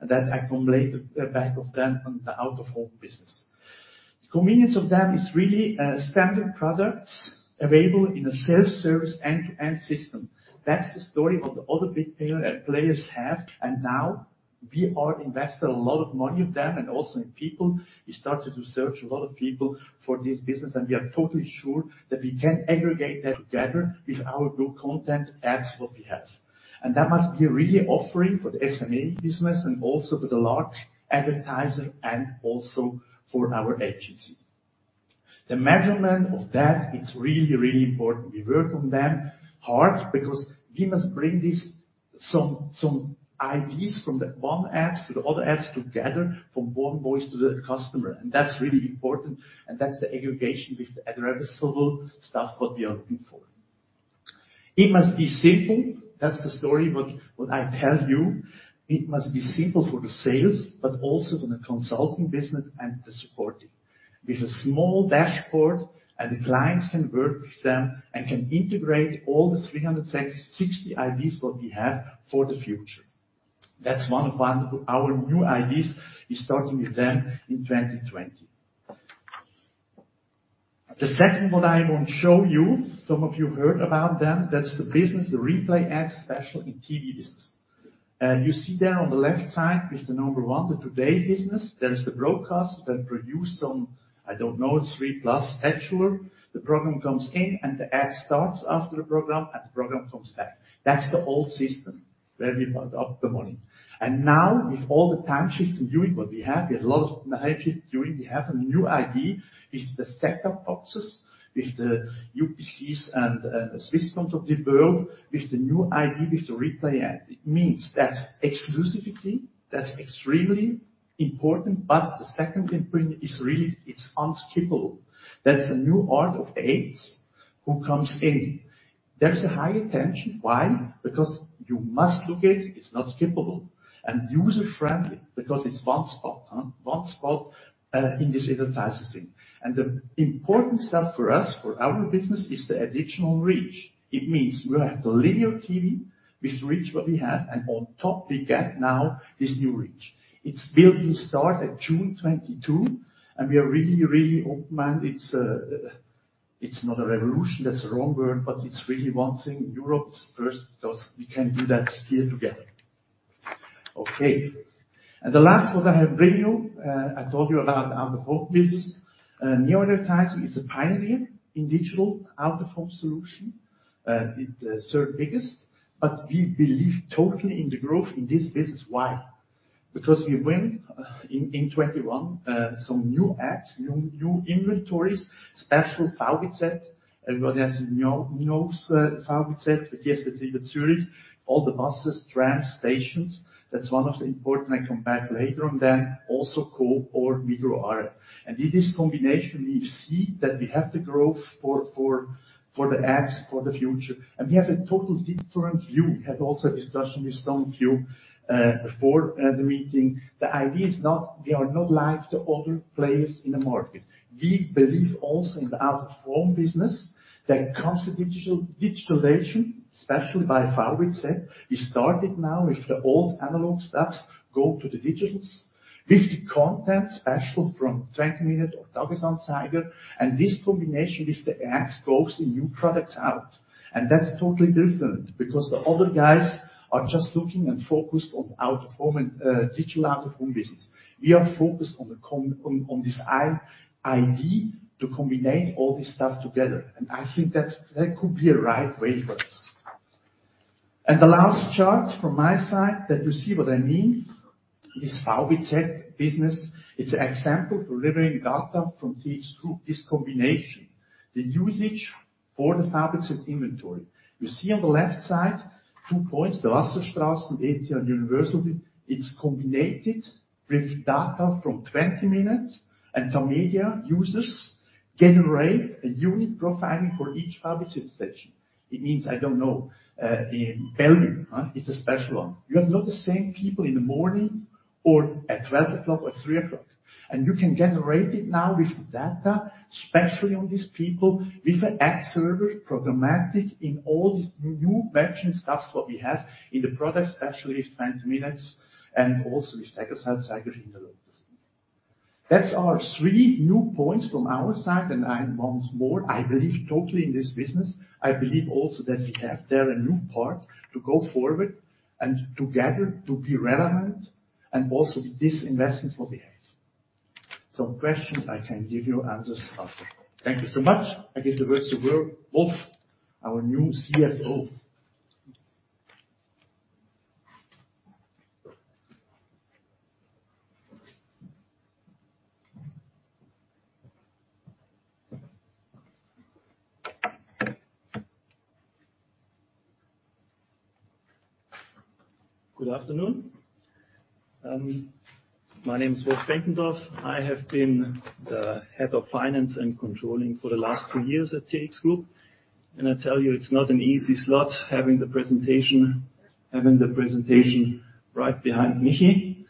and that accumulate back of them on the out-of-home business. convenience of them is really standard products available in a self-service end-to-end system. That's the story what the other big players have, and now we are invested a lot of money with them and also in people. We start to do search a lot of people for this business, and we are totally sure that we can aggregate that together with our good content ads what we have. That must be a real offering for the SME business and also for the large advertiser and also for our agency. The measurement of that, it's really, really important. We work on them hard because we must bring some ideas from the one ads to the other ads together from one voice to the customer. That's really important, and that's the aggregation with the addressable stuff what we are looking for. It must be simple. That's the story what I tell you. It must be simple for the sales, but also for the consulting business and the supporting. With a small dashboard, and the clients can work with them and can integrate all the 360 ideas what we have for the future. That's one of our new ideas starting with them in 2020. The second one I want to show you, some of you heard about them. That's the business, the replay ads special in TV business. You see there on the left side with the number 1, the today business, there is the broadcast that produce some, I don't know, 3+ scheduler. The program comes in, and the ad starts after the program, and the program comes back. That's the old system where we put up the money. Now with all the time shifts in doing what we have, we have a lot of time shift doing. We have a new idea with the set-top boxes, with the UPCs and the Swisscoms of the world, with the new idea, with the replay ad. It means that's exclusively, that's extremely important, but the second imprint is really, it's unskippable. That's a new art of ads who comes in. There's a high attention. Why? Because you must look it's not skippable. User-friendly because it's one spot in this advertising. The important step for us, for our business, is the additional reach. It means we have the linear TV with reach what we have, and on top we get now this new reach. It's building start at June 2022, and we are really, really open-minded. It's not a revolution, that's the wrong word, but it's really one thing. Europe is first because we can do that here together. Okay. The last what I have bring you, I told you about out-of-home business. Neo Advertising is a pioneer in digital out-of-home solution. It's third biggest, but we believe totally in the growth in this business. Why? Because we win in 2021 some new ads, new inventories, special VBZ. Everybody knows VBZ, but yes, between the Zurich, all the buses, trams, stations, that's one of the important I come back later on. Then also Coop or Migros Aare. With this combination, we see that we have the growth for the ads, for the future. We have a total different view. We had also a discussion with some of you, before, the meeting. The idea is we are not like the other players in the market. We believe also in the out-of-home business that comes to digitalization, especially by VBZ, is started now with the old analog stuff go to the digital. With the content, especially from 20 Minuten or Tages-Anzeiger, and this combination with the ads grows the new products out. That's totally different, because the other guys are just looking and focused on out-of-home and digital out-of-home business. We are focused on this idea to combine all this stuff together. I think that could be a right way for us. The last chart from my side that you see what I mean is VBZ business. It's an example delivering data from TX Group, this combination. The usage for the VBZ set inventory. You see on the left side, two points, the Wasserstrasse and ETH/Universitätsspital. It's combined with data from 20 Minuten, and Tamedia users generate a unique profiling for each VBZ set station. It means, I don't know, in Bellevue, it's a special one. You have not the same people in the morning or at 12 o'clock or 3 o'clock. You can generate it now with the data, especially on these people, with an ad server, programmatic, in all these new matching stuffs what we have in the product, especially with 20 Minuten and also with Tages-Anzeiger. That's our three new points from our side, and I once more, I believe totally in this business. I believe also that we have there a new part to go forward and together to be relevant, and also this investment will behave. Some questions I can give you answers after. Thank you so much. I give the words to Wolf, our new CFO. Good afternoon. My name is Wolf Benkendorff. I have been the Head of Finance and Controlling for the last two years at TX Group, and I tell you, it's not an easy slot having the presentation right behind Michi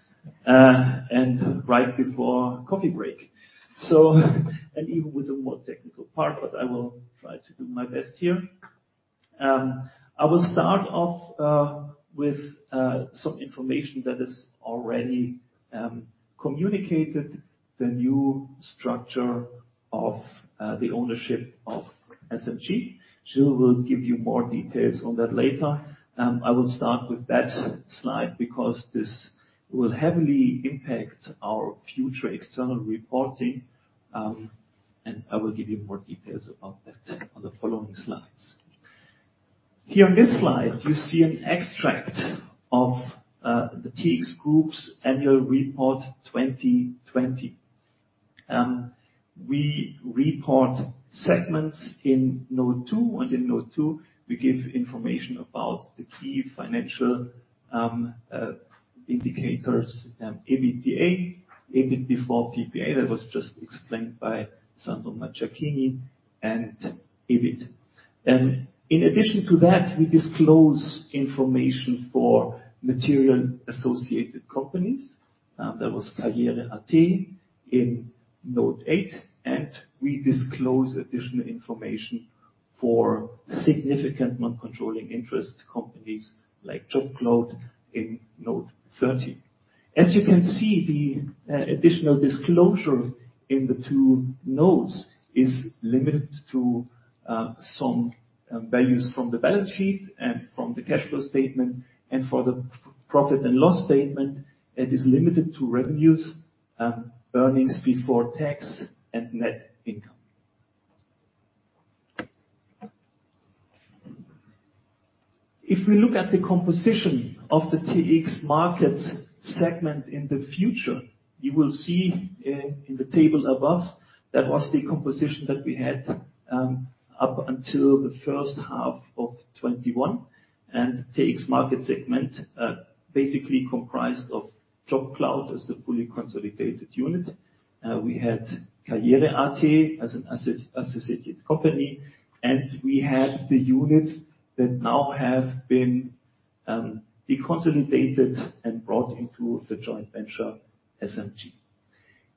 and right before coffee break. And even with a more technical part, but I will try to do my best here. I will start off with some information that is already communicated, the new structure of the ownership of SMG. Jill will give you more details on that later. I will start with that slide because this will heavily impact our future external reporting, and I will give you more details about that on the following slides. Here on this slide, you see an extract of the TX Group's annual report 2020. We report segments in note two, and in note two, we give information about the key financial indicators, EBITDA, EBIT before PPA. That was just explained by Sandro Macciacchini, and EBIT. In addition to that, we disclose information for material associated companies. There was karriere.at in note eight, and we disclose additional information for significant non-controlling interest companies like JobCloud in note 13. As you can see, the additional disclosure in the two notes is limited to some values from the balance sheet and from the cash flow statement. For the profit and loss statement, it is limited to revenues, earnings before tax and net income. If we look at the composition of the TX Markets segment in the future, you will see in the table above, that was the composition that we had up until the first half of 2021. TX Markets segment basically comprised of JobCloud as a fully consolidated unit. We had karriere.at as an associated company, and we had the units that now have been deconsolidated and brought into the joint venture SMG.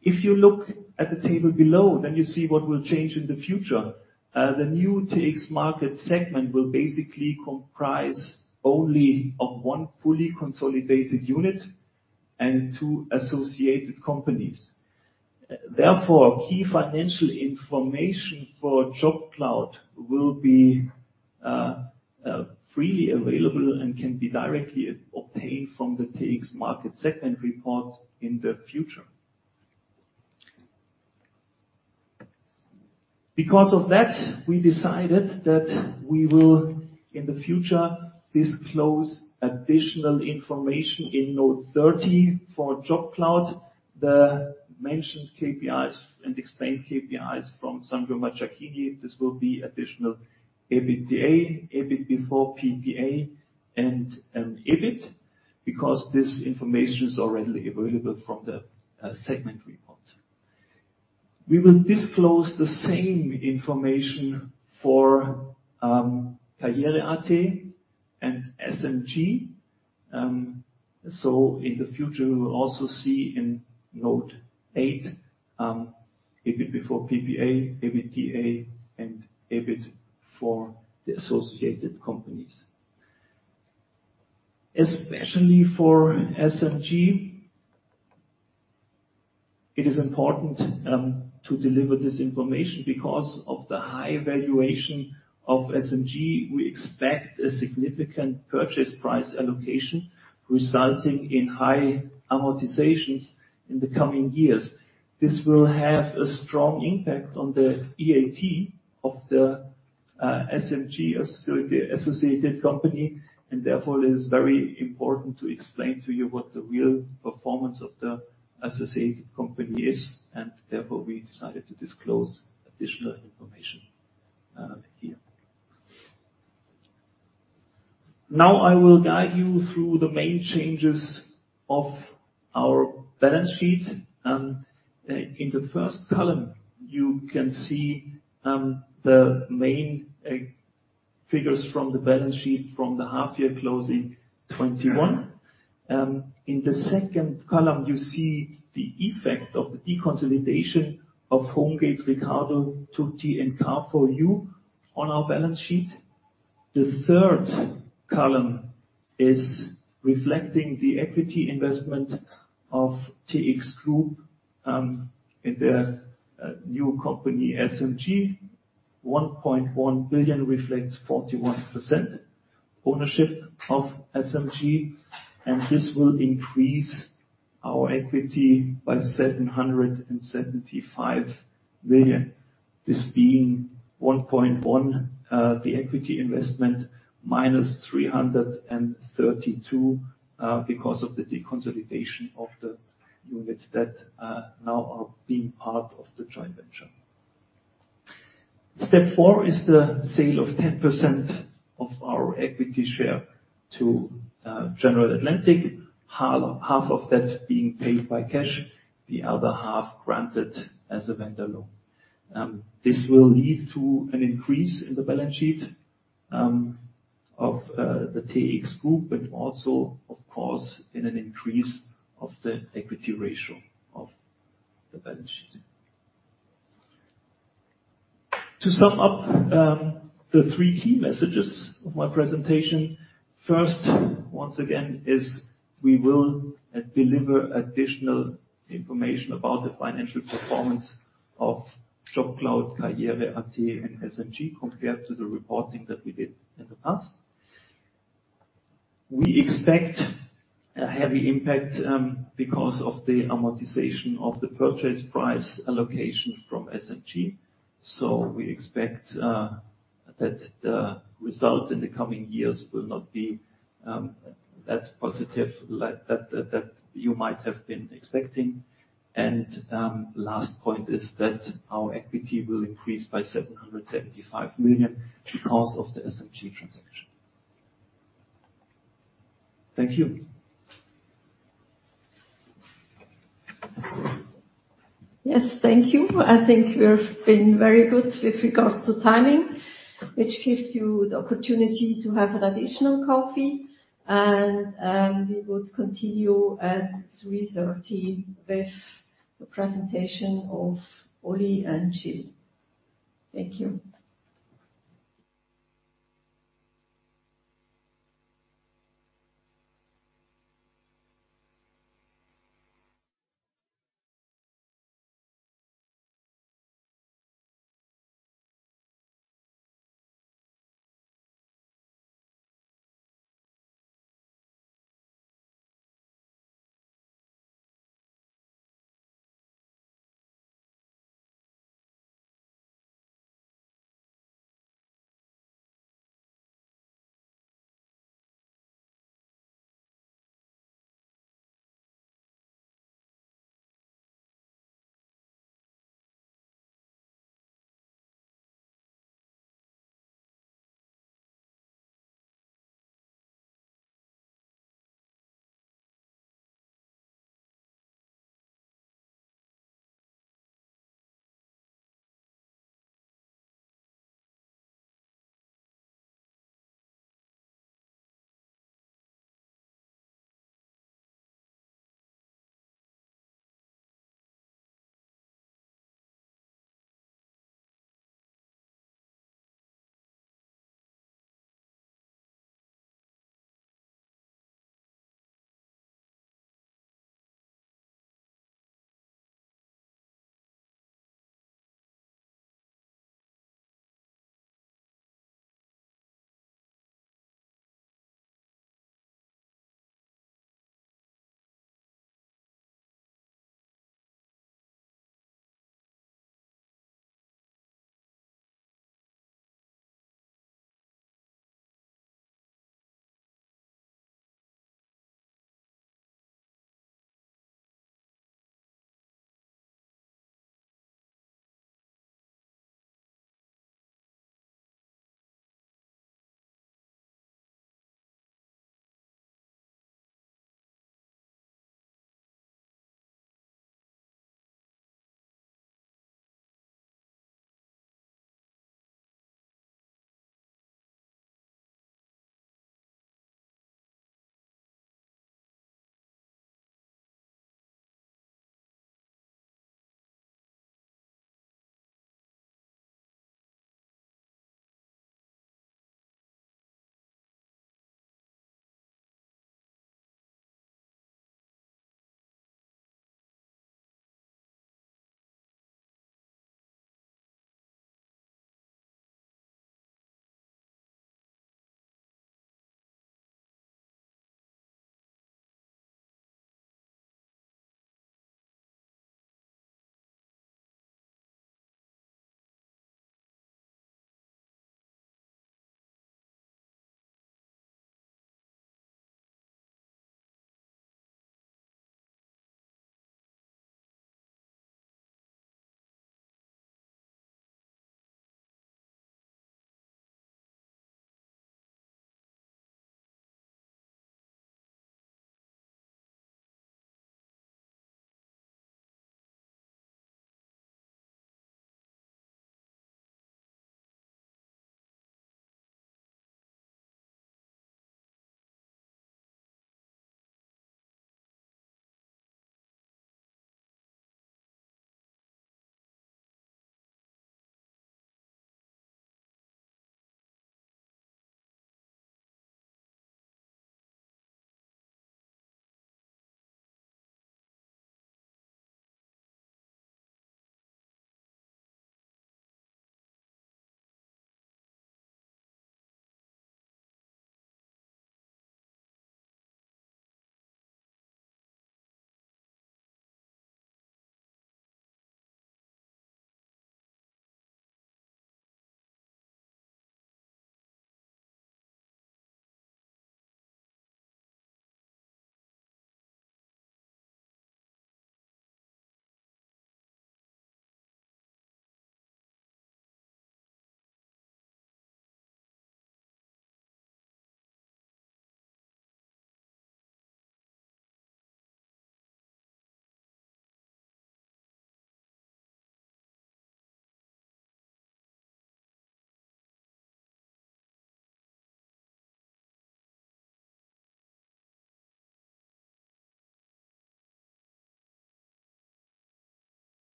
If you look at the table below, then you see what will change in the future. The new TX Markets segment will basically comprise only of one fully consolidated unit and two associated companies. Therefore, key financial information for JobCloud will be freely available and can be directly obtained from the TX Markets segment report in the future. Because of that, we decided that we will, in the future, disclose additional information in Note 30 for JobCloud, the mentioned KPIs and explained KPIs from Sandro Macciacchini. This will be additional EBITDA, EBIT before PPA and EBIT, because this information is already available from the segment report. We will disclose the same information for karriere.at and SMG. In the future, we will also see in Note 8 EBIT before PPA, EBITDA, and EBIT for the associated companies. Especially for SMG, it is important to deliver this information. Because of the high valuation of SMG, we expect a significant purchase price allocation resulting in high amortizations in the coming years. This will have a strong impact on the EAT of the SMG as the associated company, and therefore it is very important to explain to you what the real performance of the associated company is, and therefore we decided to disclose additional information here. Now I will guide you through the main changes of our balance sheet. In the first column, you can see the main figures from the balance sheet from the half-year closing 2021. In the second column, you see the effect of the deconsolidation of Homegate, Ricardo, Tutti, and Car for You on our balance sheet. The third column is reflecting the equity investment of TX Group in their new company, SMG. 1.1 billion reflects 41% ownership of SMG, and this will increase our equity by 775 million, this being 1.1, the equity investment, minus 332 million, because of the deconsolidation of the units that now are being part of the joint venture. Step four is the sale of 10% of our equity share to General Atlantic, half of that being paid by cash, the other half granted as a vendor loan. This will lead to an increase in the balance sheet of the TX Group, but also, of course, in an increase of the equity ratio of the balance sheet. To sum up, the three key messages of my presentation. First, once again, we will deliver additional information about the financial performance of JobCloud, karriere.at, and SMG compared to the reporting that we did in the past. We expect a heavy impact because of the amortization of the purchase price allocation from SMG. We expect that the result in the coming years will not be that positive that you might have been expecting. Last point is that our equity will increase by 775 million because of the SMG transaction. Thank you. Yes. Thank you. I think you have been very good with regards to timing, which gives you the opportunity to have an additional coffee. We would continue at 3:30 with the presentation of Oli and Gill. Thank you.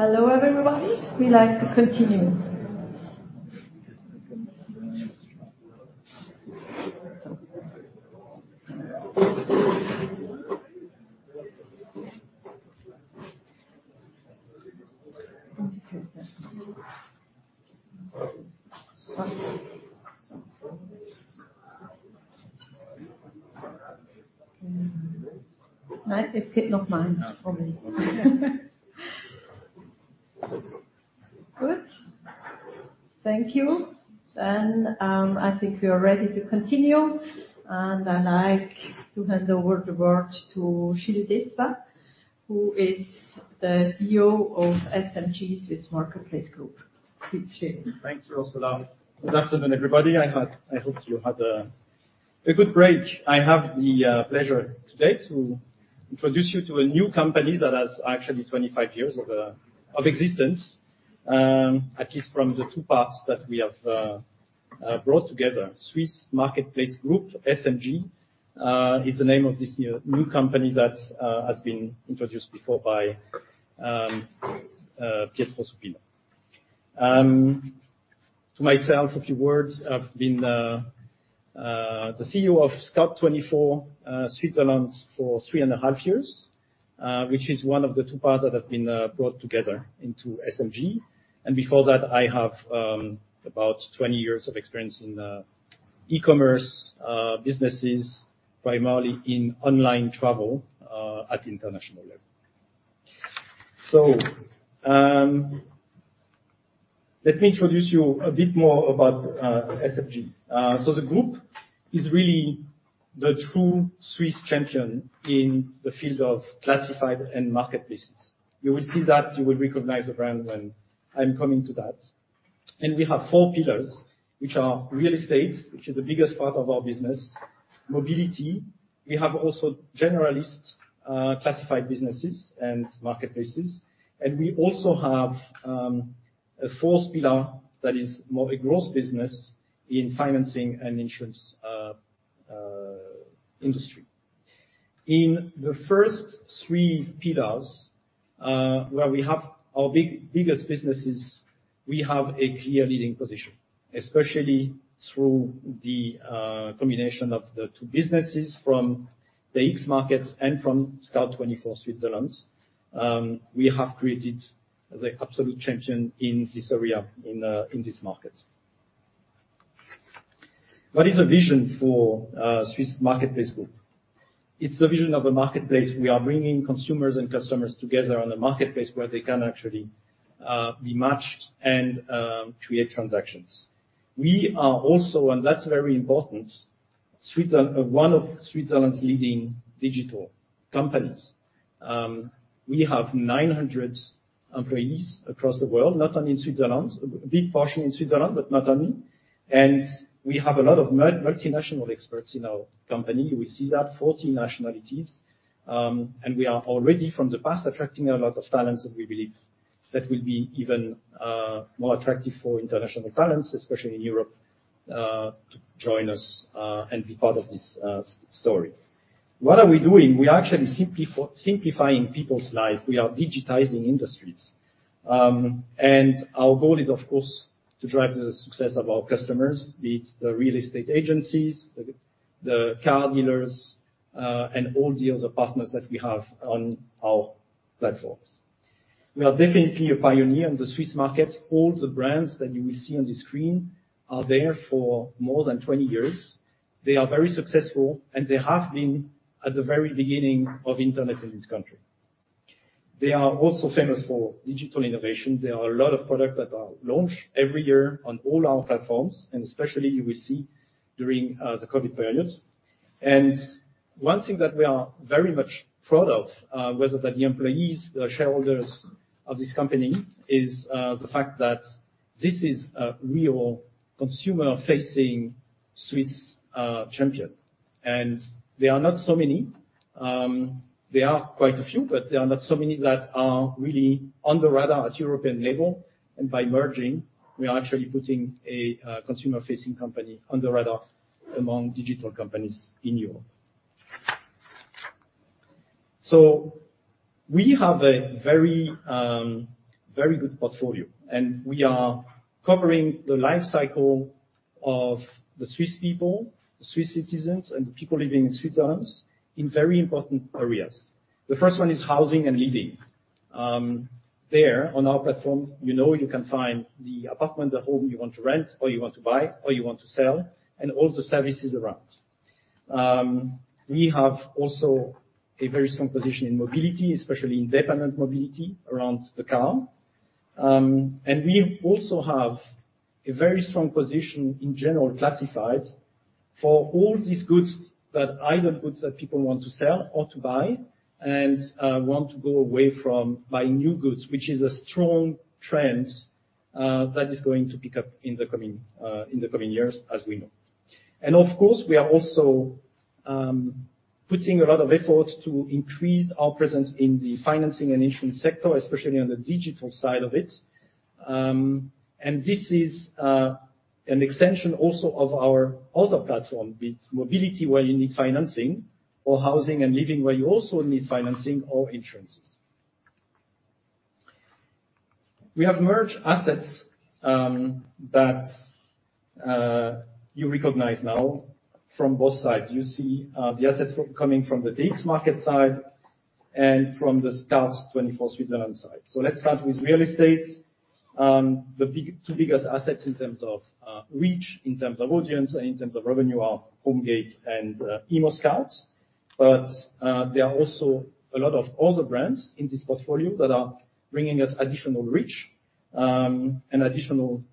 Hello everybody. We'd like to continue. Good. Thank you. I think we are ready to continue, and I'd like to hand over the word to Gilles Despas, who is the CEO of SMG Swiss Marketplace Group. Please, Gilles. Thank you, Ursula. Good afternoon, everybody. I hope you had a good break. I have the pleasure today to introduce you to a new company that has actually 25 years of existence, at least from the two parts that we have brought together. Swiss Marketplace Group, SMG, is the name of this new company that has been introduced before by Pietro Supino. To myself, a few words. I've been the CEO of Scout24, Switzerland for three and a half years, which is one of the two parts that have been brought together into SMG. Before that, I have about 20 years of experience in e-commerce businesses, primarily in online travel, at international level. Let me introduce you a bit more about SMG. The group is really the true Swiss champion in the field of classifieds and marketplaces. You will see that you will recognize the brand when I'm coming to that. We have four pillars, which are real estate, which is the biggest part of our business, mobility. We have also generalist classified businesses and marketplaces, and we also have a fourth pillar that is more a growth business in financing and insurance industry. In the first three pillars, where we have our biggest businesses, we have a clear leading position, especially through the combination of the two businesses from the TX Markets and from Scout24 Switzerland. We have created the absolute champion in this area, in this market. What is the vision for SMG Swiss Marketplace Group? It's the vision of a marketplace. We are bringing consumers and customers together on a marketplace where they can actually be matched and create transactions. We are also, and that's very important, one of Switzerland's leading digital companies. We have 900 employees across the world, not only in Switzerland. A big portion in Switzerland, but not only. We have a lot of multinational experts in our company. We see that, 40 nationalities, and we are already from the past attracting a lot of talents, and we believe that will be even more attractive for international talents, especially in Europe, to join us, and be part of this story. What are we doing? We are actually simplifying people's life. We are digitizing industries. Our goal is, of course, to drive the success of our customers, be it the real estate agencies, the car dealers, and all the other partners that we have on our platforms. We are definitely a pioneer in the Swiss markets. All the brands that you will see on the screen are there for more than 20 years. They are very successful, and they have been at the very beginning of internet in this country. They are also famous for digital innovation. There are a lot of products that are launched every year on all our platforms, and especially you will see during the COVID period. One thing that we are very much proud of, whether they're the employees, the shareholders of this company, is the fact that this is a real consumer-facing Swiss champion. There are not so many. There are quite a few, but there are not so many that are really on the radar at European level. By merging, we are actually putting a consumer-facing company on the radar among digital companies in Europe. We have a very, very good portfolio, and we are covering the life cycle of the Swiss people, the Swiss citizens, and the people living in Switzerland in very important areas. The first one is housing and living. There on our platform, you know you can find the apartment or home you want to rent, or you want to buy, or you want to sell, and all the services around. We have also a very strong position in mobility, especially in dependent mobility around the car. We also have a very strong position in general classified for all these goods that. either goods that people want to sell or to buy and want to go away from buying new goods, which is a strong trend that is going to pick up in the coming years, as we know. Of course, we are also putting a lot of efforts to increase our presence in the financing and insurance sector, especially on the digital side of it. This is an extension also of our other platform, be it mobility, where you need financing or housing and living, where you also need financing or insurances. We have merged assets that you recognize now from both sides. You see the assets coming from the TX Markets side and from the Scout24 Switzerland side. Let's start with real estate. The two biggest assets in terms of reach, in terms of audience, and in terms of revenue are Homegate and ImmoScout24. There are also a lot of other brands in this portfolio that are bringing us additional reach and additional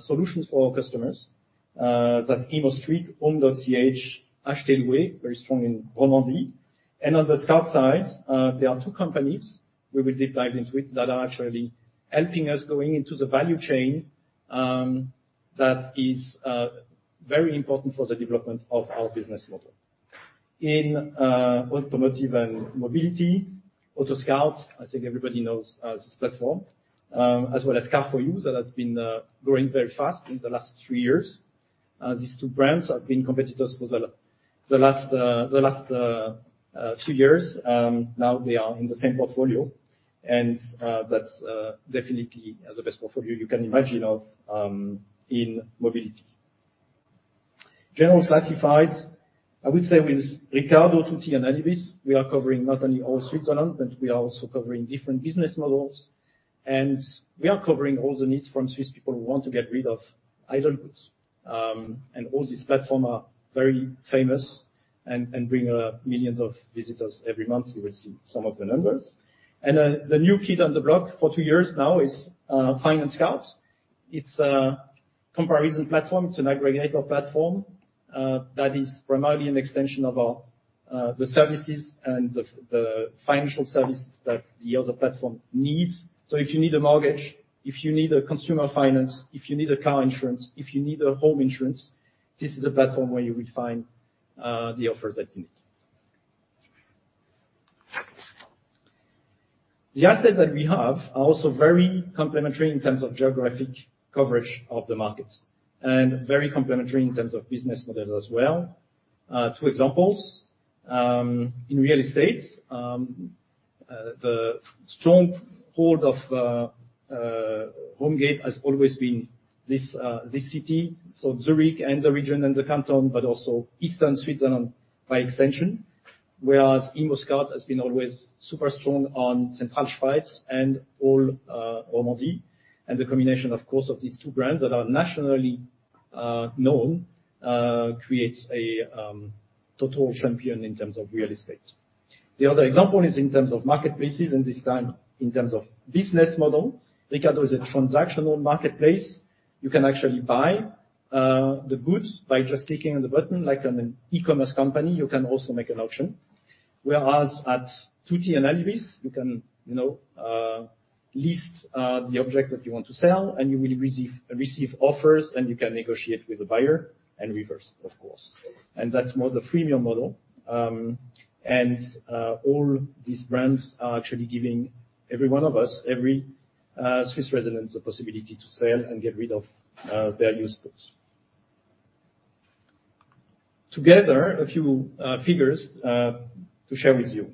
solutions for our customers. That's ImmoStreet.ch, home.ch, Acheter-Louer.ch, very strong in Romandie. On the Scout side, there are two companies we will deep dive into it, that are actually helping us going into the value chain, that is very important for the development of our business model. In automotive and mobility, AutoScout24, I think everybody knows this platform, as well as CAR FOR YOU, that has been growing very fast in the last three years. These two brands have been competitors for the last few years. Now they are in the same portfolio, and that's definitely the best portfolio you can imagine of in mobility. General classifieds, I would say with Ricardo, Tutti and Anibis, we are covering not only all Switzerland, but we are also covering different business models, and we are covering all the needs from Swiss people who want to get rid of idle goods. And all these platforms are very famous and bring millions of visitors every month. You will see some of the numbers. The new kid on the block for two years now is FinanceScout24. It's a comparison platform. It's an aggregator platform that is primarily an extension of our the services and the financial services that the other platform needs. If you need a mortgage, if you need a consumer finance, if you need a car insurance, if you need a home insurance, this is the platform where you will find the offers that you need. The assets that we have are also very complementary in terms of geographic coverage of the market and very complementary in terms of business model as well. Two examples. In real estate, the strong hold of Homegate has always been this city, so Zurich and the region and the canton, but also eastern Switzerland by extension, whereas ImmoScout has been always super strong on Central Switzerland and all Romandie. The combination, of course, of these two brands that are nationally known creates a total champion in terms of real estate. The other example is in terms of marketplaces, and this time in terms of business model. Ricardo is a transactional marketplace. You can actually buy the goods by just clicking on the button like on an e-commerce company. You can also make an auction. Whereas at Tutti and Anibis, you can, you know, list the object that you want to sell, and you will receive offers, and you can negotiate with the buyer and vice versa, of course. That's more the freemium model. All these brands are actually giving every one of us, every Swiss resident, the possibility to sell and get rid of their used goods. Together, a few figures to share with you.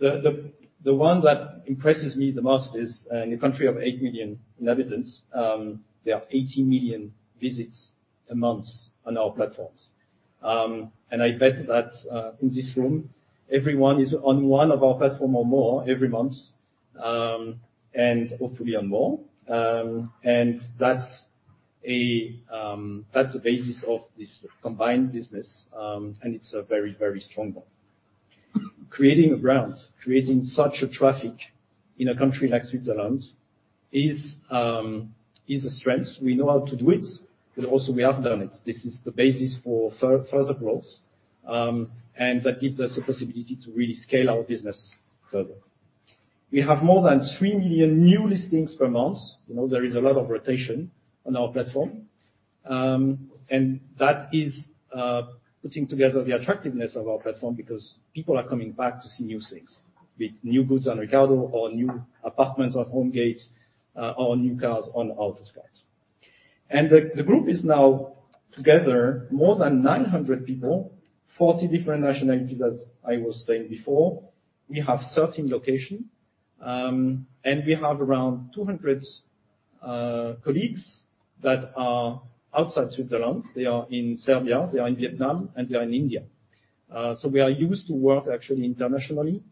The one that impresses me the most is in a country of 8 million inhabitants, there are 80 million visits a month on our platforms. I bet that in this room, everyone is on one of our platform or more every month, and hopefully on more. That's the basis of this combined business, and it's a very, very strong one. Creating a brand, creating such a traffic in a country like Switzerland is a strength. We know how to do it, but also we have done it. This is the basis for further growth, and that gives us a possibility to really scale our business further. We have more than 3 million new listings per month. You know, there is a lot of rotation on our platform. That is putting together the attractiveness of our platform because people are coming back to see new things, be it new goods on Ricardo or new apartments on Homegate, or new cars on AutoScout. The group is now together more than 900 people, 40 different nationalities, as I was saying before. We have 13 locations, and we have around 200 colleagues that are outside Switzerland. They are in Serbia, they are in Vietnam, and they are in India. We are used to work actually internationally,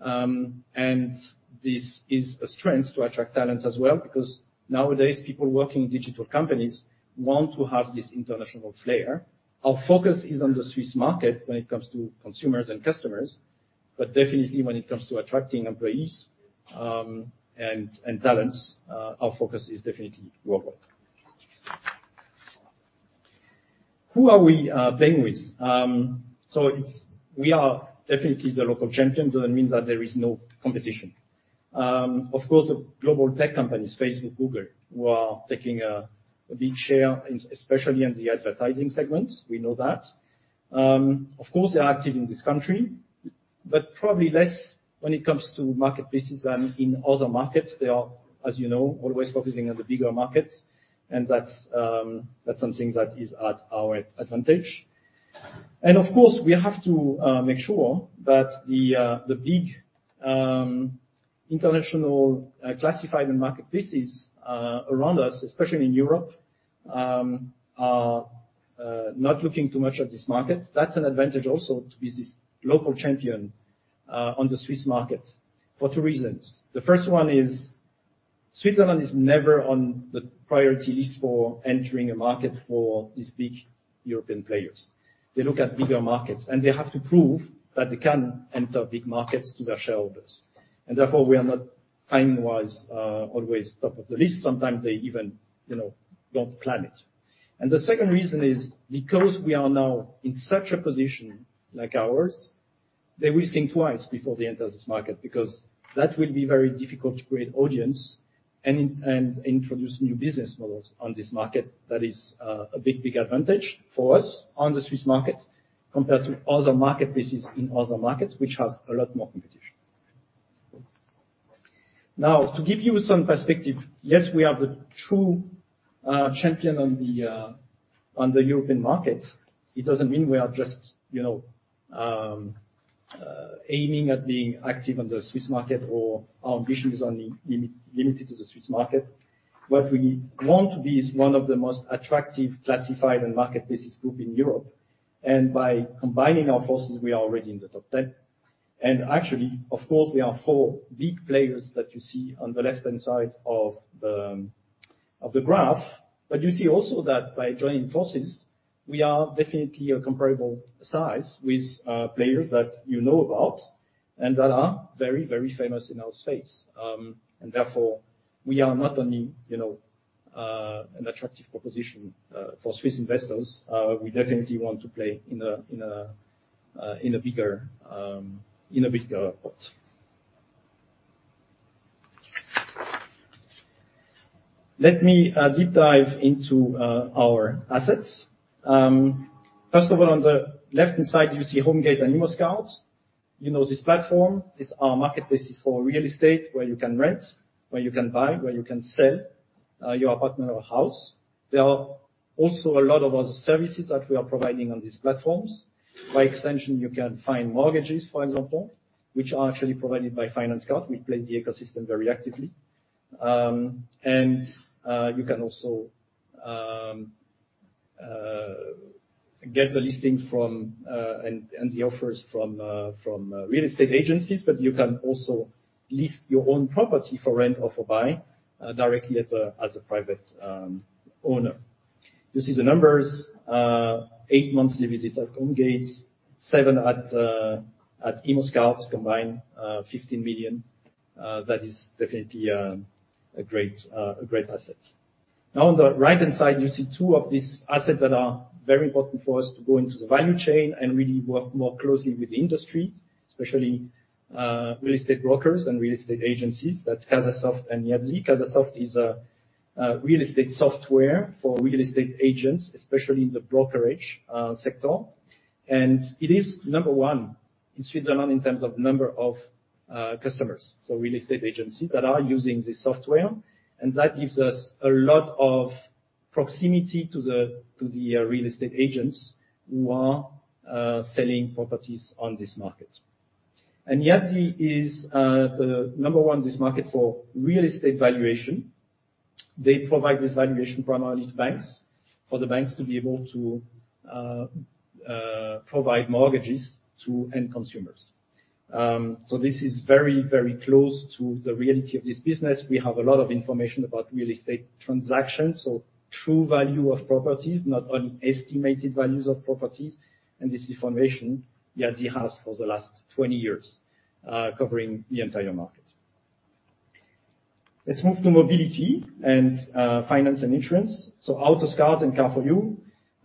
and this is a strength to attract talents as well, because nowadays people working in digital companies want to have this international flair. Our focus is on the Swiss market when it comes to consumers and customers, but definitely when it comes to attracting employees, and talents, our focus is definitely worldwide. Who are we playing with? We are definitely the local champion. It doesn't mean that there is no competition. Of course, the global tech companies, Facebook, Google, who are taking a big share especially in the advertising segment, we know that. Of course, they are active in this country, but probably less when it comes to marketplaces than in other markets. They are, as you know, always focusing on the bigger markets, and that's something that is at our advantage. Of course, we have to make sure that the big international classified and marketplaces around us, especially in Europe, are not looking too much at this market. That's an advantage also to be this local champion on the Swiss market for two reasons. The first one is Switzerland is never on the priority list for entering a market for these big European players. They look at bigger markets, and they have to prove that they can enter big markets to their shareholders. Therefore, we are not timewise always top of the list. Sometimes they even, you know, don't plan it. The second reason is because we are now in such a position like ours, they're thinking twice before they enter this market, because that will be very difficult to create audience and introduce new business models on this market. That is a big advantage for us on the Swiss market compared to other marketplaces in other markets which have a lot more competition. Now, to give you some perspective, yes, we are the true champion on the European market. It doesn't mean we are just, you know, aiming at being active on the Swiss market or our ambition is only limited to the Swiss market. What we want to be is one of the most attractive classifieds and marketplaces group in Europe, and by combining our forces, we are already in the top ten. Actually, of course, there are four big players that you see on the left-hand side of the graph. You see also that by joining forces, we are definitely a comparable size with players that you know about and that are very, very famous in our space. Therefore, we are not only, you know, an attractive proposition for Swiss investors, we definitely want to play in a bigger pot. Let me deep dive into our assets. First of all, on the left-hand side, you see Homegate and ImmoScout. You know this platform. These are marketplaces for real estate where you can rent, where you can buy, where you can sell your apartment or house. There are also a lot of other services that we are providing on these platforms. By extension, you can find mortgages, for example, which are actually provided by FinanceScout. We play the ecosystem very actively. You can also get the listings and the offers from real estate agencies, but you can also list your own property for rent or for buy directly as a private owner. You see the numbers, 8 million monthly visits at Homegate, 7 million at ImmoScout. Combined, 15 million, that is definitely a great asset. Now on the right-hand side, you see two of these assets that are very important for us to go into the value chain and really work more closely with the industry, especially real estate brokers and real estate agencies. That's CASASOFT and IAZI. CASASOFT is a real estate software for real estate agents, especially in the brokerage sector. It is number one in Switzerland in terms of number of customers, so real estate agencies that are using this software. That gives us a lot of proximity to the real estate agents who are selling properties on this market. IAZI is the number one in this market for real estate valuation. They provide this valuation primarily to banks for the banks to be able to provide mortgages to end consumers. This is very, very close to the reality of this business. We have a lot of information about real estate transactions, so true value of properties, not only estimated values of properties. This information, IAZI has for the last 20 years, covering the entire market. Let's move to mobility and finance and insurance. AutoScout and Car for You.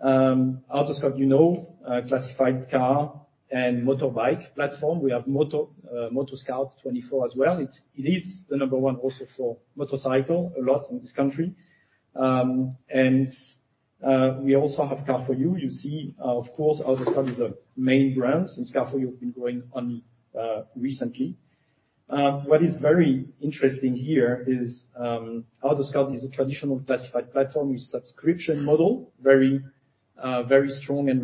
AutoScout, you know, classified car and motorbike platform. We have MotoScout24 as well. It is the number one also for motorcycle a lot in this country. We also have Car for You. You see, of course, AutoScout is a main brand, since Car for You has been growing only recently. What is very interesting here is, AutoScout24 is a traditional classified platform with subscription model, very strong and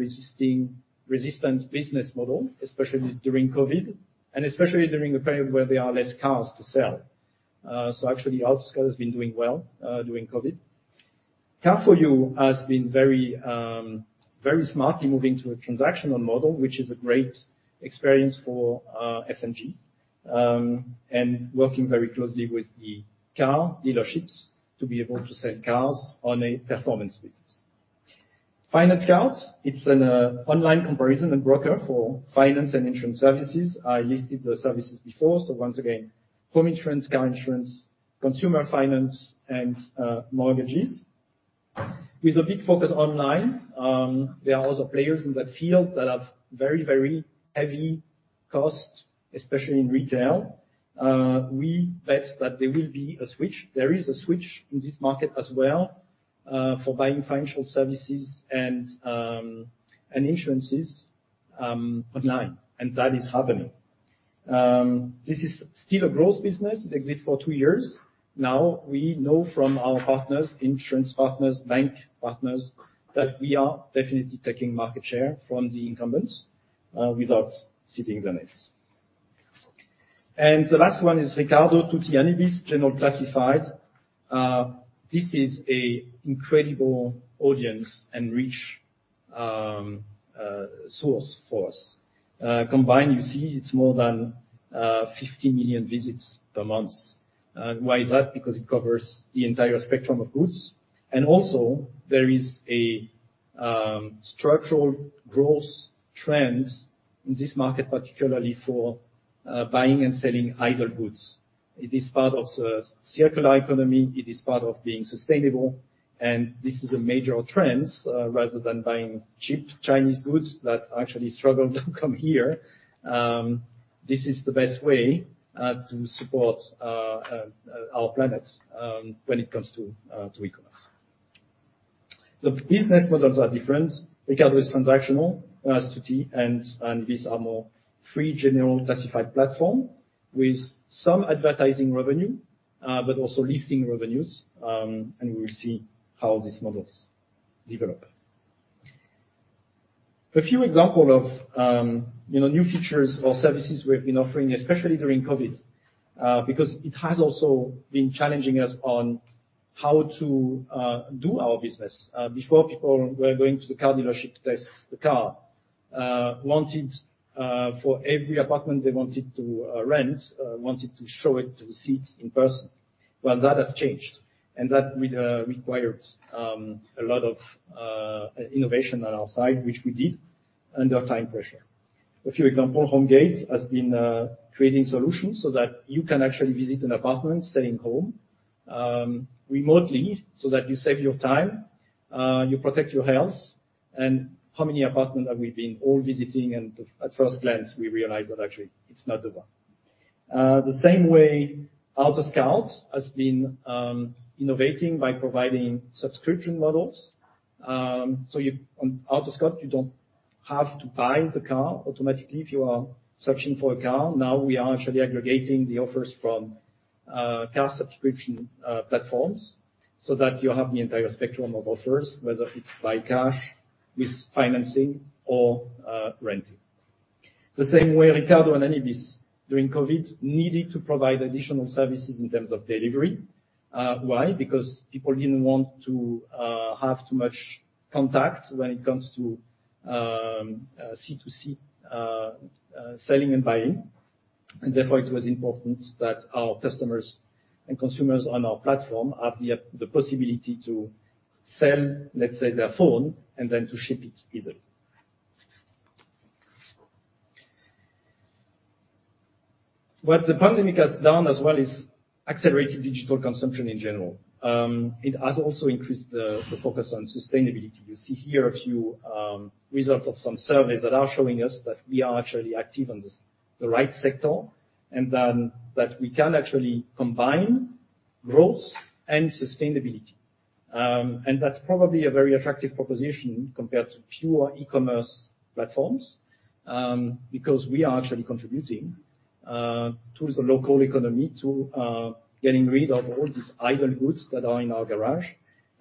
resistant business model, especially during COVID, and especially during a period where there are less cars to sell. Actually, AutoScout24 has been doing well during COVID. CAR FOR YOU has been very smartly moving to a transactional model, which is a great experience for SMG, and working very closely with the car dealerships to be able to sell cars on a performance basis. FinanceScout24, it's an online comparison and broker for finance and insurance services. I listed the services before. Once again, home insurance, car insurance, consumer finance, and mortgages. With a big focus online, there are other players in that field that have very, very heavy costs, especially in retail. We bet that there will be a switch. There is a switch in this market as well, for buying financial services and insurances online, and that is happening. This is still a growth business. It exists for two years. Now, we know from our partners, insurance partners, bank partners, that we are definitely taking market share from the incumbents, without sitting on it. The last one is Ricardo, Tutti, Anibis, general classified. This is an incredible audience and reach, source for us. Combined, you see it's more than 50 million visits per month. Why is that? Because it covers the entire spectrum of goods. Also there is a structural growth trend in this market, particularly for buying and selling idle goods. It is part of the circular economy, it is part of being sustainable, and this is a major trend, rather than buying cheap Chinese goods that actually struggle to come here. This is the best way to support our planet when it comes to e-commerce. The business models are different. Ricardo is transactional, Tutti, and Anibis are more free general classified platform with some advertising revenue, but also listing revenues, and we will see how these models develop. A few example of, you know, new features or services we've been offering, especially during COVID, because it has also been challenging us on how to do our business. Before people were going to the car dealership to test the car they wanted. For every apartment they wanted to rent, they wanted to see it in person. Well, that has changed, and that required a lot of innovation on our side, which we did under time pressure. A few examples, Homegate has been creating solutions so that you can actually visit an apartment staying home remotely, so that you save your time, you protect your health, and how many apartments have we all been visiting and at first glance, we realize that actually it's not the one. The same way, AutoScout has been innovating by providing subscription models. So on AutoScout, you don't have to buy the car automatically if you are searching for a car. Now we are actually aggregating the offers from car subscription platforms so that you have the entire spectrum of offers, whether it's by cash, with financing, or renting. The same way, Ricardo and Anibis during COVID needed to provide additional services in terms of delivery. Why? Because people didn't want to have too much contact when it comes to C2C selling and buying. Therefore, it was important that our customers and consumers on our platform have the possibility to sell, let's say, their phone and then to ship it easily. What the pandemic has done as well is accelerated digital consumption in general. It has also increased the focus on sustainability. You see here a few results of some surveys that are showing us that we are actually active on this, the right sector, and then that we can actually combine growth and sustainability. That's probably a very attractive proposition compared to pure e-commerce platforms, because we are actually contributing to the local economy, to getting rid of all these idle goods that are in our garage.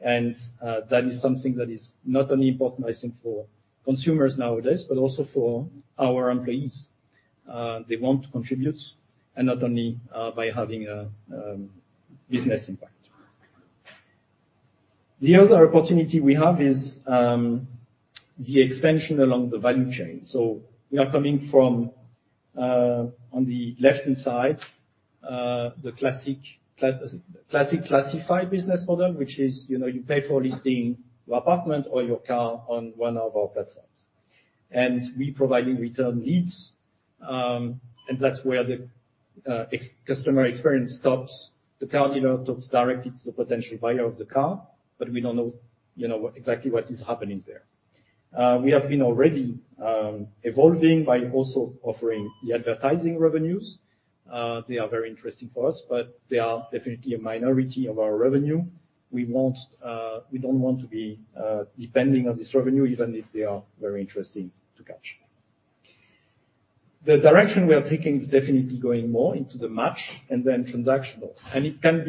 That is something that is not only important, I think, for consumers nowadays, but also for our employees. They want to contribute, and not only by having a business impact. The other opportunity we have is the expansion along the value chain. We are coming from on the left-hand side the classic classified business model, which is, you know, you pay for listing your apartment or your car on one of our platforms. We provide you return leads, and that's where the end-customer experience stops. The car dealer talks directly to the potential buyer of the car, but we don't know, you know, exactly what is happening there. We have been already evolving by also offering the advertising revenues. They are very interesting for us, but they are definitely a minority of our revenue. We don't want to be dependent on this revenue, even if they are very interesting to catch. The direction we are taking is definitely going more into the matching and then transactional. It can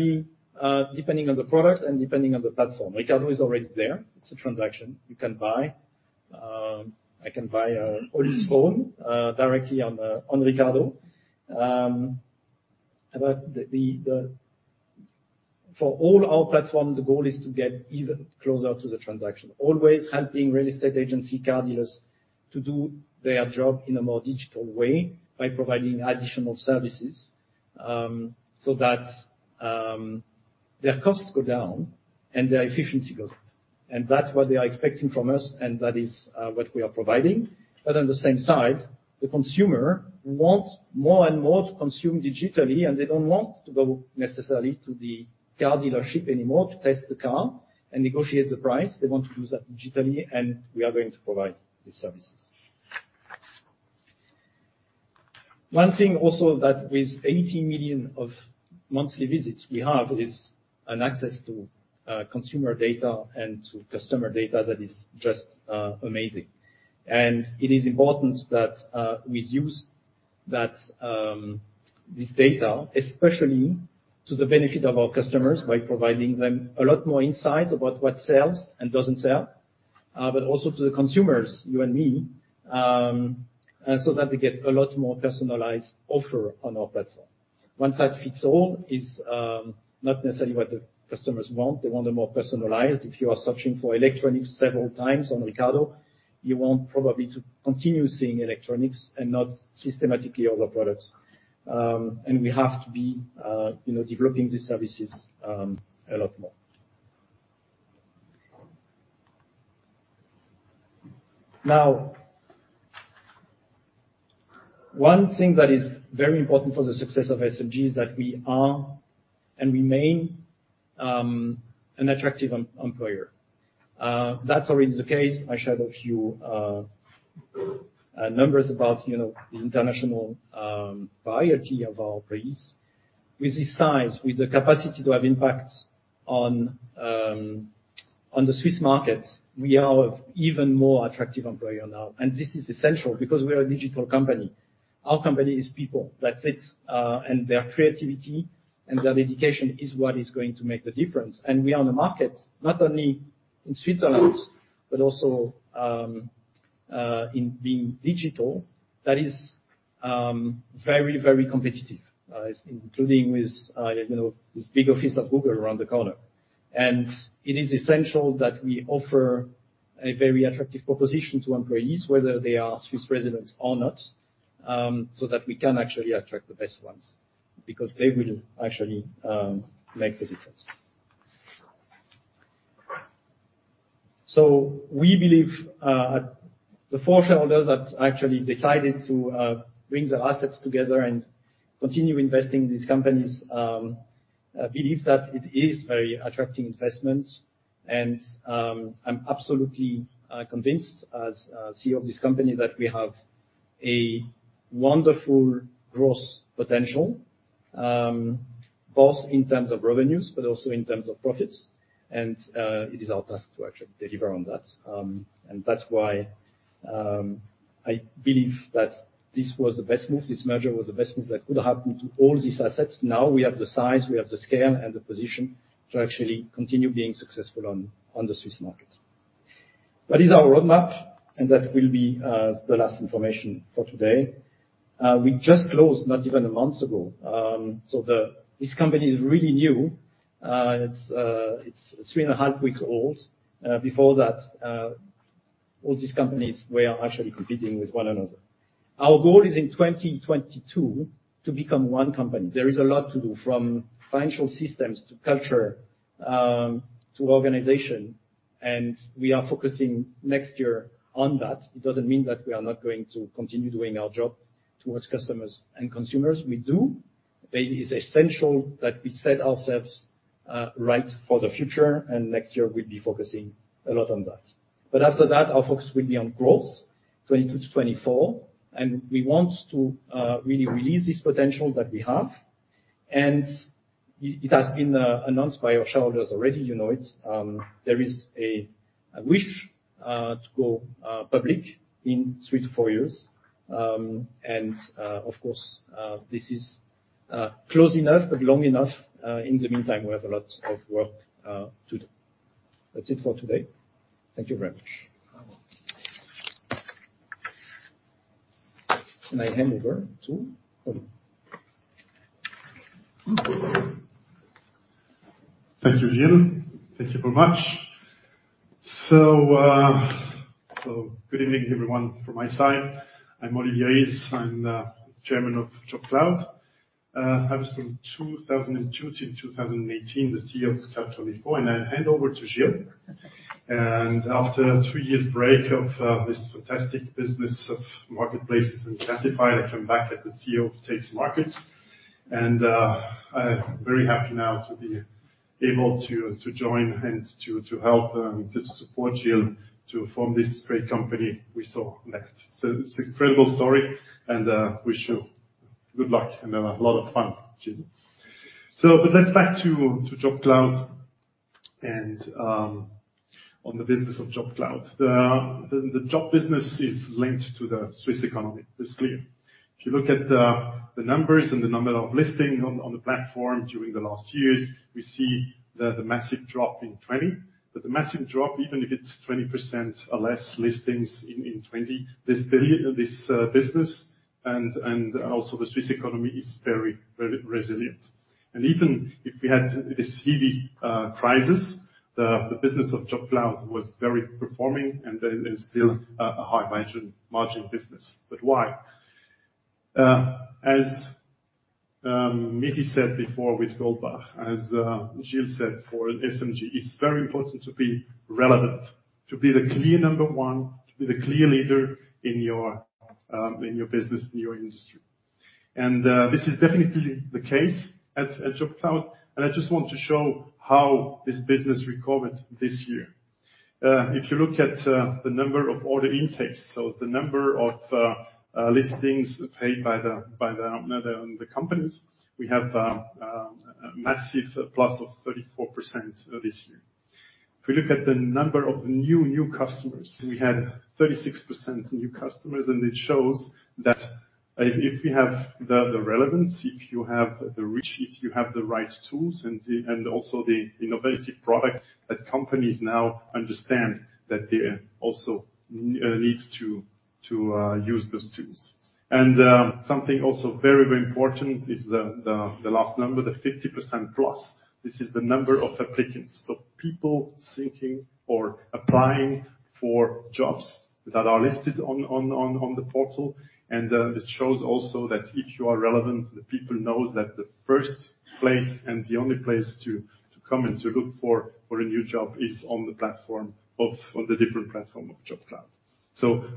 be, depending on the product and depending on the platform. Ricardo is already there. It's a transaction. You can buy. I can buy a used phone, directly on Ricardo. For all our platform, the goal is to get even closer to the transaction, always helping real estate agency car dealers to do their job in a more digital way by providing additional services, so that their costs go down and their efficiency goes up. That's what they are expecting from us, and that is what we are providing. On the same side, the consumer want more and more to consume digitally, and they don't want to go necessarily to the car dealership anymore to test the car and negotiate the price. They want to do that digitally, and we are going to provide these services. One thing also that with 80 million of monthly visits we have is an access to consumer data and to customer data that is just amazing. It is important that we use that this data, especially to the benefit of our customers, by providing them a lot more insights about what sells and doesn't sell, but also to the consumers, you and me, so that they get a lot more personalized offer on our platform. One size fits all is not necessarily what the customers want. They want it more personalized. If you are searching for electronics several times on Ricardo, you want probably to continue seeing electronics and not systematically other products. We have to be, you know, developing these services a lot more. Now, one thing that is very important for the success of SMG is that we are and remain an attractive employer. That's already the case. I showed a few numbers about, you know, the international variety of our employees. With this size, with the capacity to have impact on the Swiss market, we are even more attractive employer now. This is essential because we are a digital company. Our company is people. That's it. Their creativity and their dedication is what is going to make the difference. We are on the market, not only in Switzerland, but also in being digital, that is very, very competitive, including with, you know, this big office of Google around the corner. It is essential that we offer a very attractive proposition to employees, whether they are Swiss residents or not, so that we can actually attract the best ones because they will actually make the difference. We believe the four shareholders that actually decided to bring their assets together and continue investing in these companies believe that it is very attractive investments. I'm absolutely convinced as CEO of this company that we have a wonderful growth potential both in terms of revenues but also in terms of profits. It is our task to actually deliver on that. That's why I believe that this was the best move. This merger was the best move that could happen to all these assets. Now we have the size, we have the scale and the position to actually continue being successful on the Swiss market. That is our roadmap, and that will be the last information for today. We just closed not even a month ago, so this company is really new. It's three and a half weeks old. Before that, all these companies were actually competing with one another. Our goal is in 2022 to become one company. There is a lot to do, from financial systems to culture, to organization, and we are focusing next year on that. It doesn't mean that we are not going to continue doing our job towards customers and consumers. We do. It is essential that we set ourselves right for the future, and next year we'll be focusing a lot on that. After that, our focus will be on growth, 2022-2024, and we want to really release this potential that we have. It has been announced by our shareholders already, you know it. There is a wish to go public in 3 years-4 years. Of course, this is close enough but long enough. In the meantime, we have a lot of work to do. That's it for today. Thank you very much. I hand over to Olivier. Thank you, Gill. Thank you very much. Good evening, everyone from my side. I'm Oli Rihs. I'm Chairman of JobCloud. I was from 2002 till 2018 the CEO of search.ch, and I hand over to Gill. After a three-year break of this fantastic business of marketplaces and classifieds, I come back as the CEO of TX Markets. I'm very happy now to be able to join and help to support Gill to form this great company we saw next. It's an incredible story, and wish you good luck and a lot of fun, Gill. Let's back to JobCloud and on the business of JobCloud. The job business is linked to the Swiss economy. This is clear. If you look at the numbers and the number of listings on the platform during the last years, we see the massive drop in 2020. The massive drop, even if it's 20% or less listings in 2020, this business and also the Swiss economy is very resilient. Even if we had this heavy crisis, the business of JobCloud was very performing and still a high margin business. Why? As Michi said before with Goldbach, as Gilles said for SMG, it's very important to be relevant, to be the clear number one, to be the clear leader in your business, in your industry. This is definitely the case at JobCloud, and I just want to show how this business recovered this year. If you look at the number of order intakes, a massive plus of 34% this year. If we look at the number of new customers, we had 36% new customers, and it shows that if you have the relevance, if you have the reach, if you have the right tools and also the innovative product, that companies now understand that they also need to use those tools. Something also very important is the last number, the 50%+. This is the number of applicants. People seeking or applying for jobs that are listed on the portal, and this shows also that if you are relevant, the people knows that the first place and the only place to come and to look for a new job is on the different platform of JobCloud.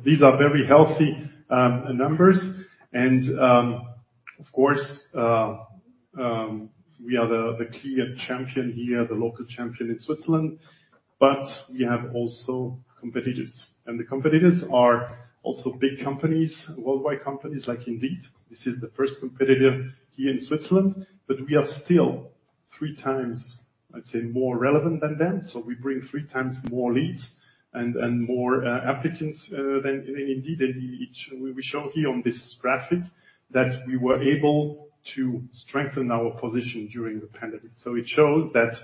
These are very healthy numbers. Of course, we are the clear champion here, the local champion in Switzerland, but we have also competitors. The competitors are also big companies, worldwide companies like Indeed. This is the first competitor here in Switzerland, but we are still three times, I'd say, more relevant than them. We bring three times more leads and more applicants than Indeed. We show here on this graphic that we were able to strengthen our position during the pandemic. It shows that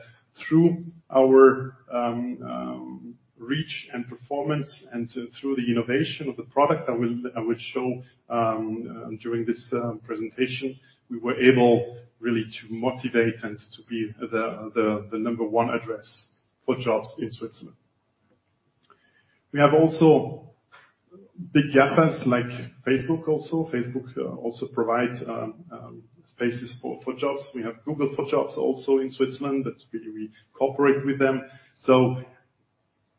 through our reach and performance and through the innovation of the product I will show during this presentation, we were able really to motivate and to be the number one address for jobs in Switzerland. We have also big GAFAs like Facebook. Facebook also provides spaces for jobs. We have Google for Jobs also in Switzerland, but we cooperate with them.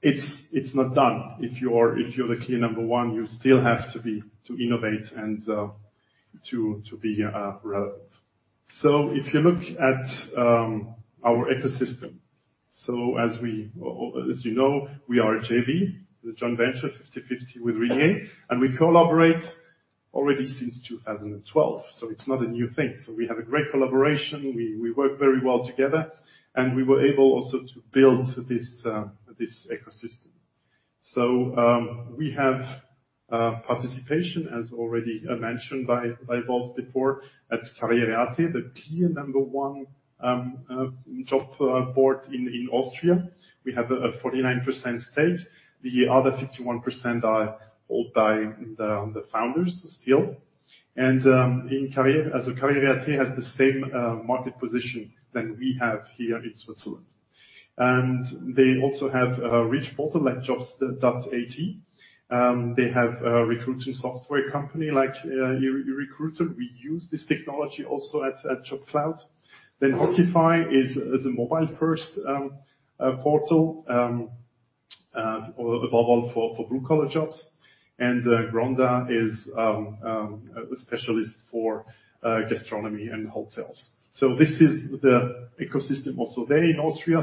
It's not done. If you're the clear number one, you still have to innovate and to be relevant. If you look at our ecosystem. As you know, we are a JV, the joint venture 50/50 with Ringier, and we collaborate already since 2012. It's not a new thing. We have a great collaboration. We work very well together, and we were able also to build this ecosystem. We have participation, as already mentioned by both before, at karriere.at, the key and number one job board in Austria. We have a 49% stake. The other 51% are all by the founders still. karriere.at has the same market position than we have here in Switzerland. They also have a rich portal like karriere.at. They have a recruiting software company like eRecruiter. We use this technology also at JobCloud. hokify is a mobile-first portal above all for blue-collar jobs. Gronda is a specialist for gastronomy and hotels. This is the ecosystem also there in Austria.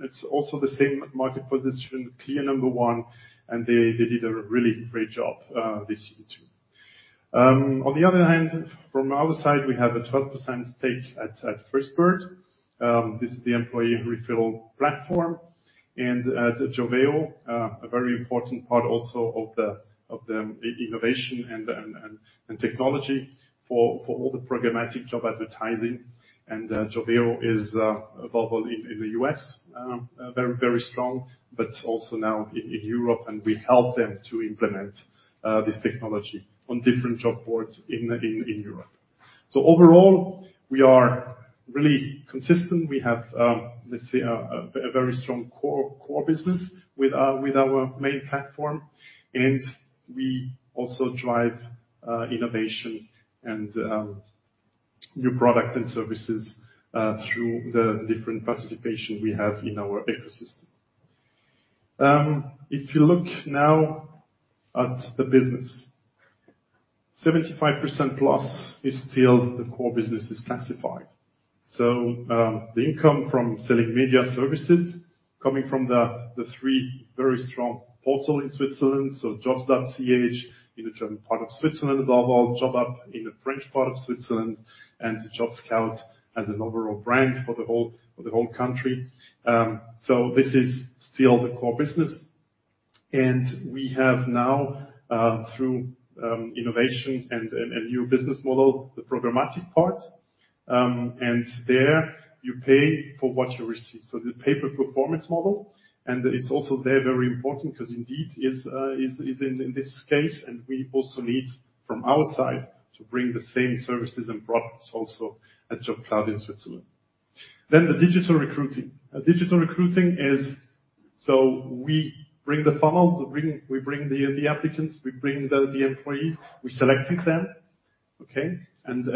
It's also the same market position, clear number one, and they did a really great job this year too. On the other hand, from our side, we have a 12% stake at Firstbird. This is the employee referral platform. At Joveo, a very important part also of the innovation and technology for all the programmatic job advertising. Joveo is available in the U.S., very strong, but also now in Europe. We help them to implement this technology on different job boards in Europe. Overall, we are really consistent. We have, let's say a very strong core business with our main platform. We also drive innovation and new product and services through the different participation we have in our ecosystem. If you look now at the business, 75% plus is still the core business, classifieds. The income from selling media services coming from the three very strong portals in Switzerland, so jobs.ch in the German part of Switzerland, above all, JobUp in the French part of Switzerland, and the JobScout24 as an overall brand for the whole country. This is still the core business. We have now through innovation and new business model, the programmatic part. There you pay for what you receive. The pay-per-performance model, and it's also there very important because Indeed is in this case, and we also need from our side to bring the same services and products also at JobCloud in Switzerland. Digital recruiting is. We bring the funnel, we bring the applicants, we bring the employees, we selected them, okay? And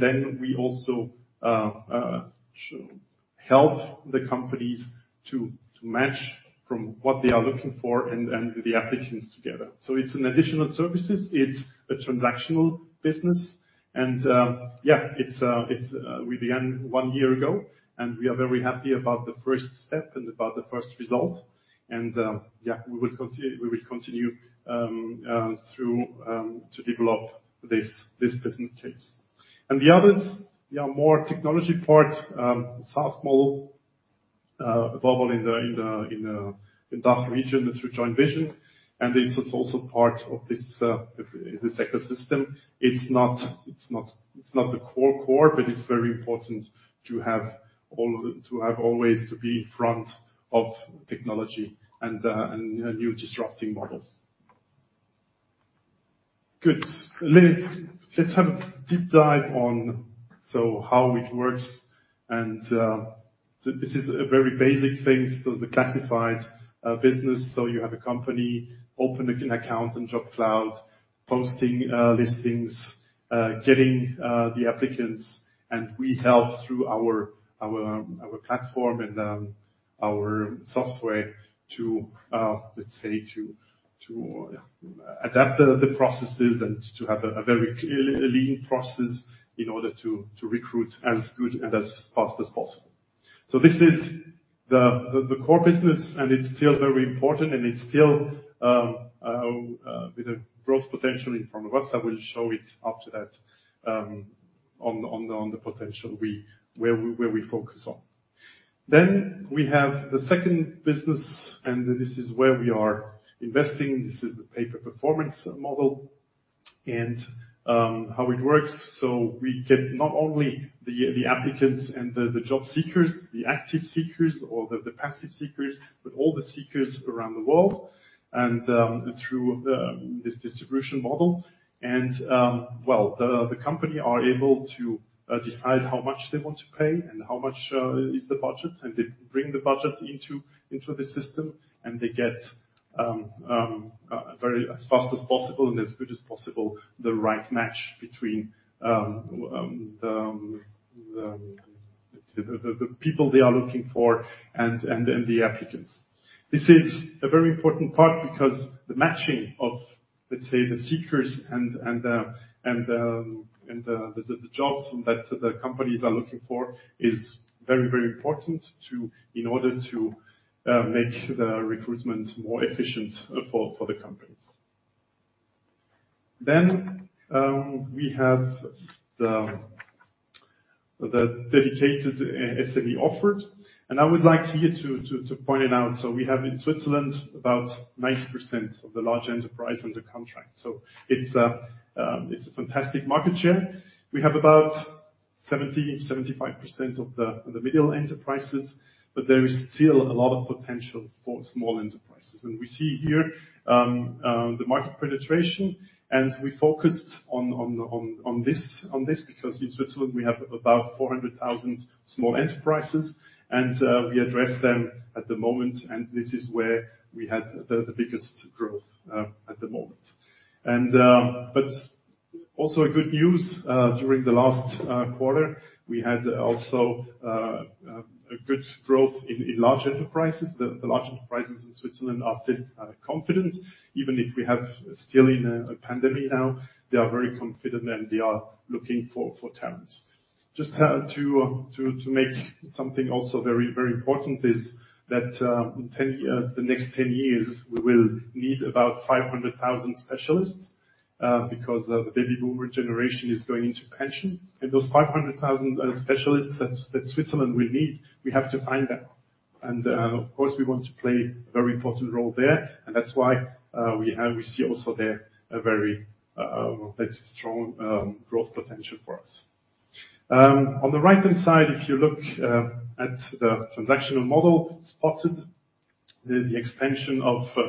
then we also help the companies to match what they are looking for and the applicants together. It's an additional services. It's a transactional business. We began one year ago, and we are very happy about the first step and about the first result. We will continue to develop this business case. The others, yeah, more technology part, SaaS model, available in the DACH region through JoinVision. This is also part of this ecosystem. It's not the core, but it's very important to always be in front of technology and new disrupting models. Good. Let's have a deep dive on how it works and. This is a very basic thing. The classified business. You have a company, open an account in JobCloud, posting listings, getting the applicants. We help through our platform and our software to, let's say, to adapt the processes and to have a very lean process in order to recruit as good and as fast as possible. This is the core business, and it's still very important, and it's still with a growth potentially from us. I will show it after that, on the potential where we focus on. We have the second business, and this is where we are investing. This is the pay per performance model and how it works. We get not only the applicants and the job seekers, the active seekers or the passive seekers, but all the seekers around the world, and through this distribution model. Well, the company are able to decide how much they want to pay and how much is the budget, and they bring the budget into the system, and they get very as fast as possible and as good as possible the right match between the people they are looking for and the applicants. This is a very important part because the matching of, let's say, the seekers and the jobs that the companies are looking for is very important in order to make the recruitment more efficient for the companies. We have the dedicated SME offered, and I would like here to point it out. So we have in Switzerland about 90% of the large enterprise under contract. It's a fantastic market share. We have about 70-75% of the middle enterprises, but there is still a lot of potential for small enterprises. We see here the market penetration, and we focused on this, because in Switzerland we have about 400,000 small enterprises, and we address them at the moment, and this is where we have the biggest growth at the moment. But also good news, during the last quarter, we had also a good growth in large enterprises. The large enterprises in Switzerland are still confident. Even if we still have a pandemic now, they are very confident, and they are looking for talents. Just to make something also very, very important is that in the next 10 years, we will need about 500,000 specialists because the baby boomer generation is going into pension. Those 500,000 specialists that Switzerland will need, we have to find them. Of course, we want to play a very important role there, and that's why we see also there a very, let's say, strong growth potential for us. On the right-hand side, if you look at the transactional model, Spotted, the extension along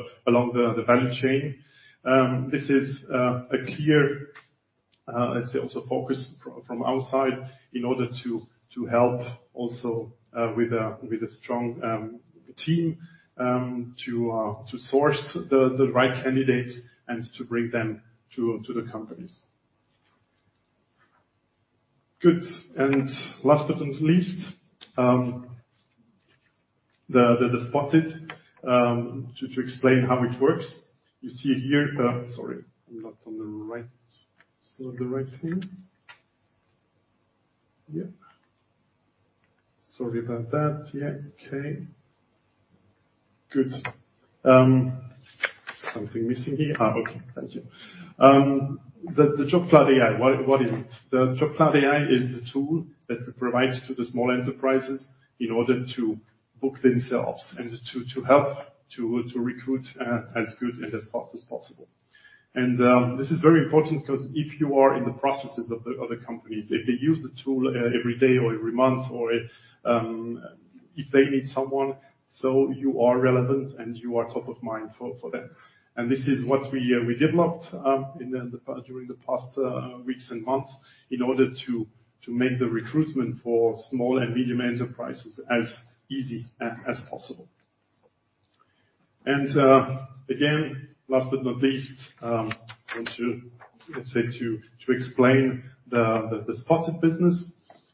the value chain. This is a clear, let's say, also focus from our side in order to help also with a strong team to source the right candidates and to bring them to the companies. Good. Last but not least, the Spotted to explain how it works. You see here. Sorry. I'm not on the right. It's not the right thing. Yep. Sorry about that. Yeah. Okay. Good. Something missing here. Okay. Thank you. The JobCloud AI, what is it? The JobCloud AI is the tool that we provide to the small enterprises in order to book themselves and to help to recruit as good and as fast as possible. This is very important 'cause if you are in the processes of the companies, if they use the tool every day or every month, or if they need someone, so you are relevant, and you are top of mind for them. This is what we developed during the past weeks and months in order to make the recruitment for small and medium enterprises as easy as possible. Again, last but not least, I want to, let's say, to explain the Spotted business.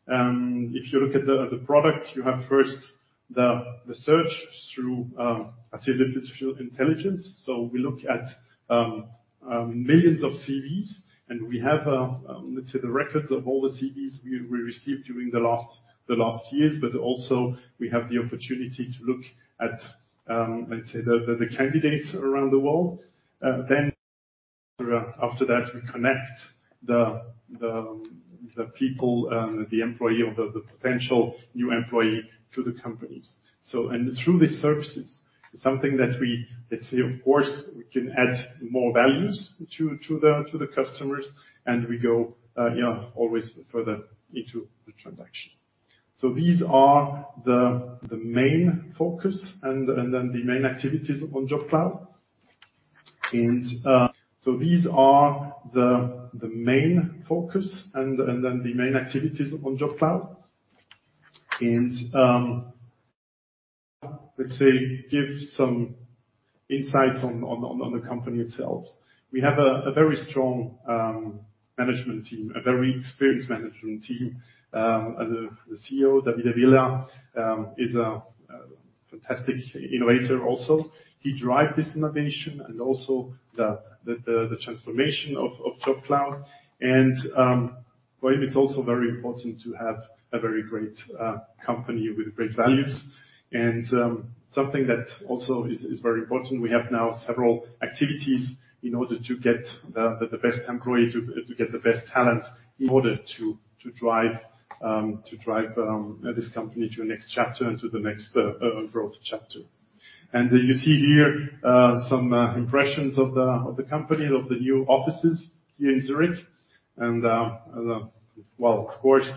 If you look at the product, you have first the search through, let's say, artificial intelligence. We look at millions of CVs, and we have, let's say, the records of all the CVs we received during the last years, but also we have the opportunity to look at, let's say, the candidates around the world. Then after that, we connect the people, the employee or the potential new employee to the companies. Through these services is something that we, let's say, of course, we can add more values to the customers, and we go, yeah, always further into the transaction. These are the main focus and then the main activities on JobCloud. Let's say, give some insights on the company itself. We have a very strong management team, a very experienced management team. The CEO, Davide Villa, is a fantastic innovator also. He drive this innovation and also the transformation of JobCloud. For him, it's also very important to have a very great company with great values. Something that also is very important, we have now several activities in order to get the best employee, to get the best talent in order to drive this company to a next chapter and to the next growth chapter. You see here some impressions of the company, of the new offices here in Zurich. Well, of course,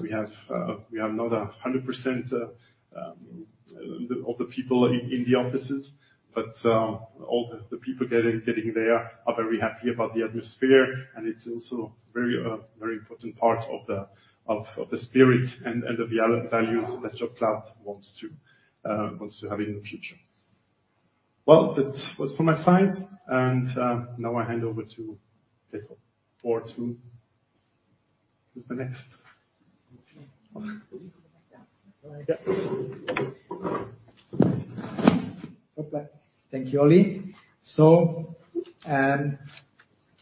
we have not 100% of the people in the offices, but all the people getting there are very happy about the atmosphere, and it's also a very important part of the spirit and the values that JobCloud wants to have in the future. Well, that was from my side, and now I hand over to Peter or to who. Who's the next? Thank you, Oli.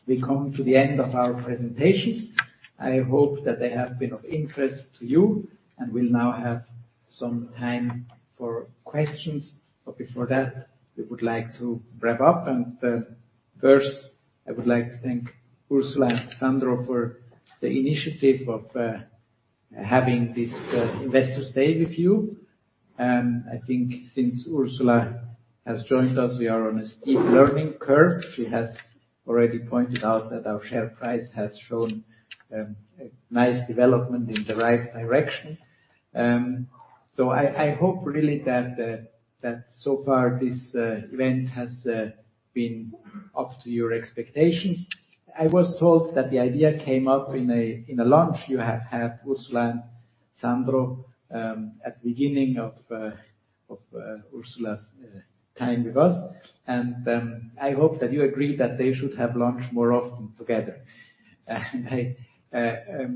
We come to the end of our presentations. I hope that they have been of interest to you, and we'll now have some time for questions. Before that, we would like to wrap up and first, I would like to thank Ursula and Sandro for the initiative of having this Investor Day with you. I think since Ursula has joined us, we are on a steep learning curve. She has already pointed out that our share price has shown a nice development in the right direction. I hope really that so far this event has been up to your expectations. I was told that the idea came up in a lunch you had had, Ursula and Sandro, at the beginning of Ursula's time with us, and I hope that you agree that they should have lunch more often together. I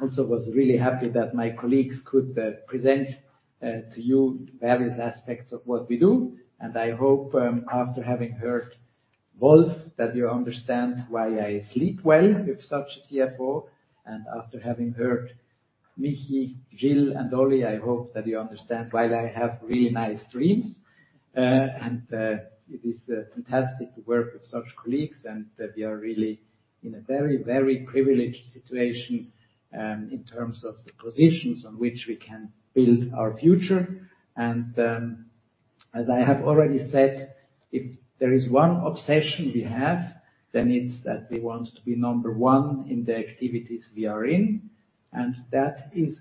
also was really happy that my colleagues could present to you various aspects of what we do. I hope after having heard Wolf that you understand why I sleep well with such a CFO. After having heard Michi, Gilles, and Olivier, I hope that you understand why I have really nice dreams. It is fantastic to work with such colleagues, and we are really in a very privileged situation in terms of the positions on which we can build our future. As I have already said, if there is one obsession we have, then it's that we want to be number one in the activities we are in, and that is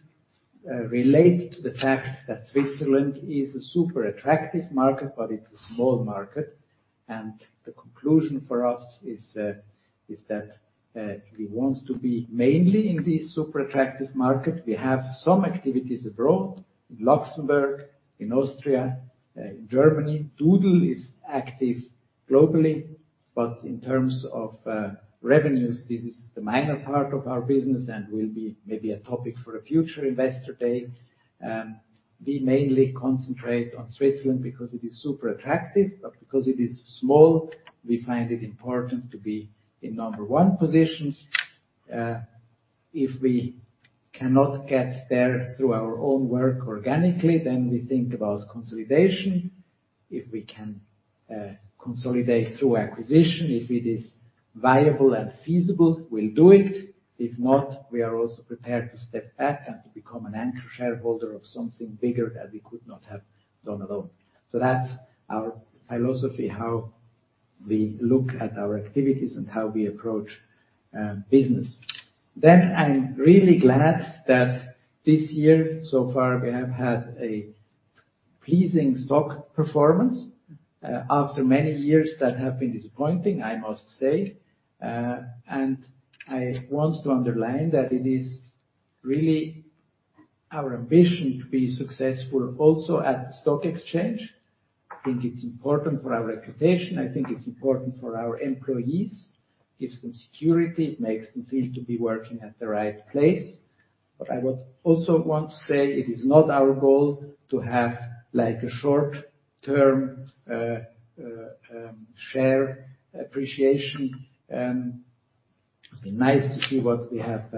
related to the fact that Switzerland is a super attractive market, but it's a small market. The conclusion for us is that we want to be mainly in this super attractive market. We have some activities abroad, in Luxembourg, in Austria, in Germany. Doodle is active globally, but in terms of revenues, this is the minor part of our business and will be maybe a topic for a future Investor Day. We mainly concentrate on Switzerland because it is super attractive, but because it is small, we find it important to be in number one positions. If we cannot get there through our own work organically, then we think about consolidation. If we can consolidate through acquisition, if it is viable and feasible, we'll do it. If not, we are also prepared to step back and to become an anchor shareholder of something bigger that we could not have done alone. That's our philosophy, how we look at our activities and how we approach business. I'm really glad that this year so far we have had a pleasing stock performance, after many years that have been disappointing, I must say. I want to underline that it is really our ambition to be successful also at the stock exchange. I think it's important for our reputation. I think it's important for our employees. It gives them security. It makes them feel to be working at the right place. I would also want to say it is not our goal to have like a short-term share appreciation. It's been nice to see what we have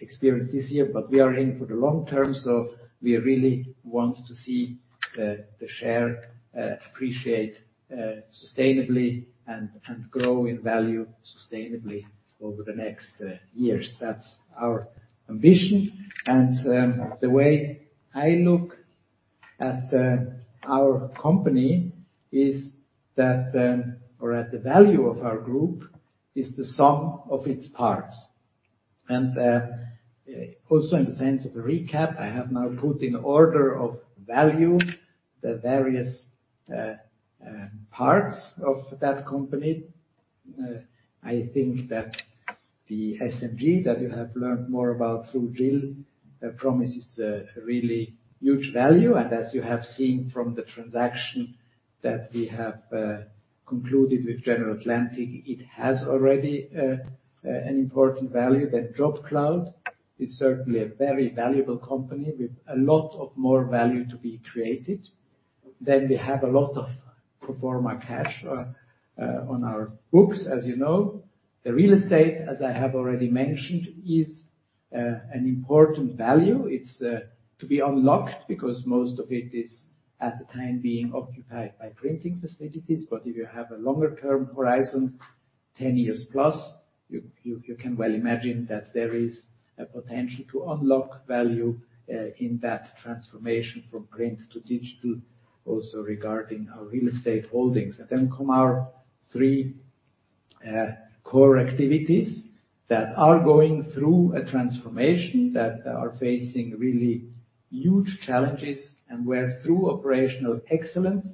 experienced this year, but we are in for the long term, so we really want to see the share appreciate sustainably and grow in value sustainably over the next years. That's our ambition. The way I look at our company is that or at the value of our group is the sum of its parts. In the sense of a recap, I have now put in order of value the various parts of that company. I think that the SMG that you have learned more about through Gill promises a really huge value. As you have seen from the transaction that we have concluded with General Atlantic, it has already an important value. JobCloud is certainly a very valuable company with a lot of more value to be created. We have a lot of pro forma cash on our books, as you know. The real estate, as I have already mentioned, is an important value. It's to be unlocked because most of it is for the time being occupied by printing facilities. If you have a longer-term horizon, 10 years plus, you can well imagine that there is a potential to unlock value in that transformation from print to digital, also regarding our real estate holdings. Come our three core activities that are going through a transformation, that are facing really huge challenges, and where through operational excellence,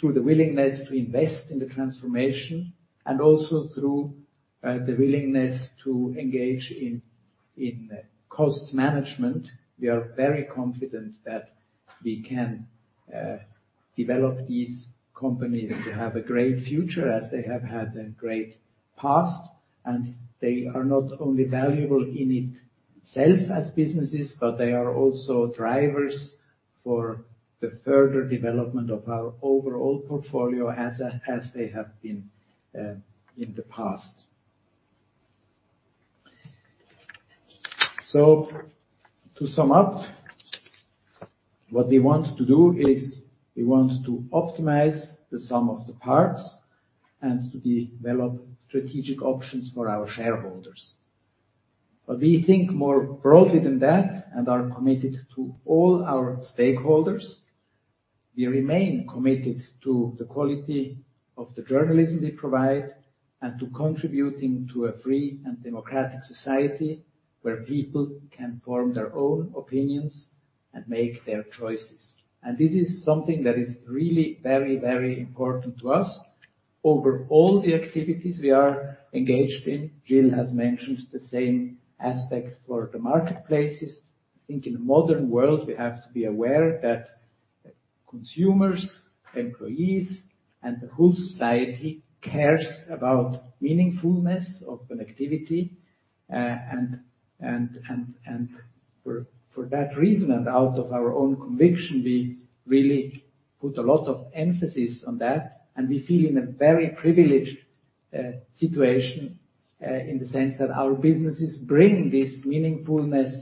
through the willingness to invest in the transformation, and also through the willingness to engage in cost management, we are very confident that we can develop these companies to have a great future as they have had a great past. They are not only valuable in itself as businesses, but they are also drivers for the further development of our overall portfolio as they have been in the past. To sum up, what we want to do is we want to optimize the sum of the parts and to develop strategic options for our shareholders. We think more broadly than that and are committed to all our stakeholders. We remain committed to the quality of the journalism we provide and to contributing to a free and democratic society where people can form their own opinions and make their choices. This is something that is really very, very important to us. Over all the activities we are engaged in, Gilles has mentioned the same aspect for the marketplaces. I think in the modern world, we have to be aware that consumers, employees, and the whole society cares about meaningfulness of an activity. For that reason and out of our own conviction, we really put a lot of emphasis on that, and we feel in a very privileged situation, in the sense that our businesses bring this meaningfulness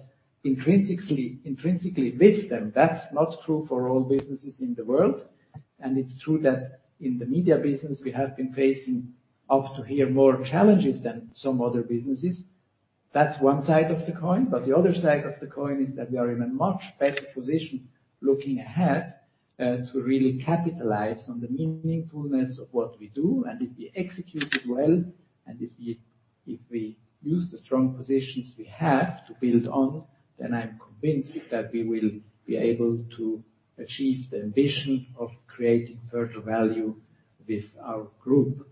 intrinsically with them. That's not true for all businesses in the world, and it's true that in the media business we have been facing up to here more challenges than some other businesses. That's one side of the coin, but the other side of the coin is that we are in a much better position looking ahead to really capitalize on the meaningfulness of what we do, and if we execute it well, and if we use the strong positions we have to build on, then I'm convinced that we will be able to achieve the ambition of creating further value with our group.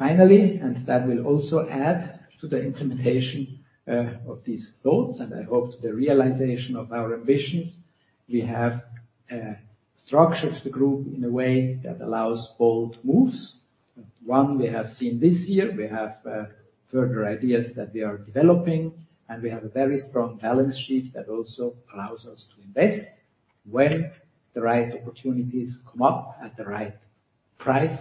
Finally, that will also add to the implementation of these thoughts, and I hope the realization of our ambitions. We have structured the group in a way that allows bold moves. One we have seen this year, we have further ideas that we are developing, and we have a very strong balance sheet that also allows us to invest when the right opportunities come up at the right price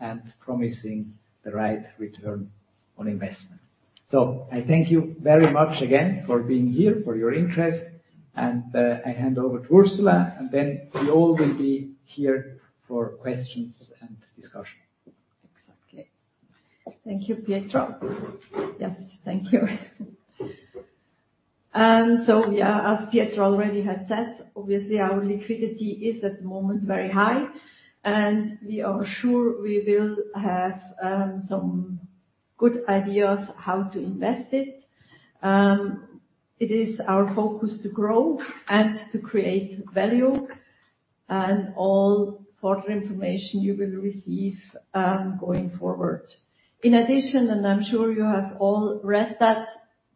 and promising the right return on investment. I thank you very much again for being here, for your interest, and I hand over to Ursula, and then we all will be here for questions and discussion. Exactly. Thank you, Pietro. Yes, thank you. So yeah, as Pietro already had said, obviously our liquidity is at the moment very high, and we are sure we will have some good ideas how to invest it. It is our focus to grow and to create value and all further information you will receive going forward. In addition, I'm sure you have all read that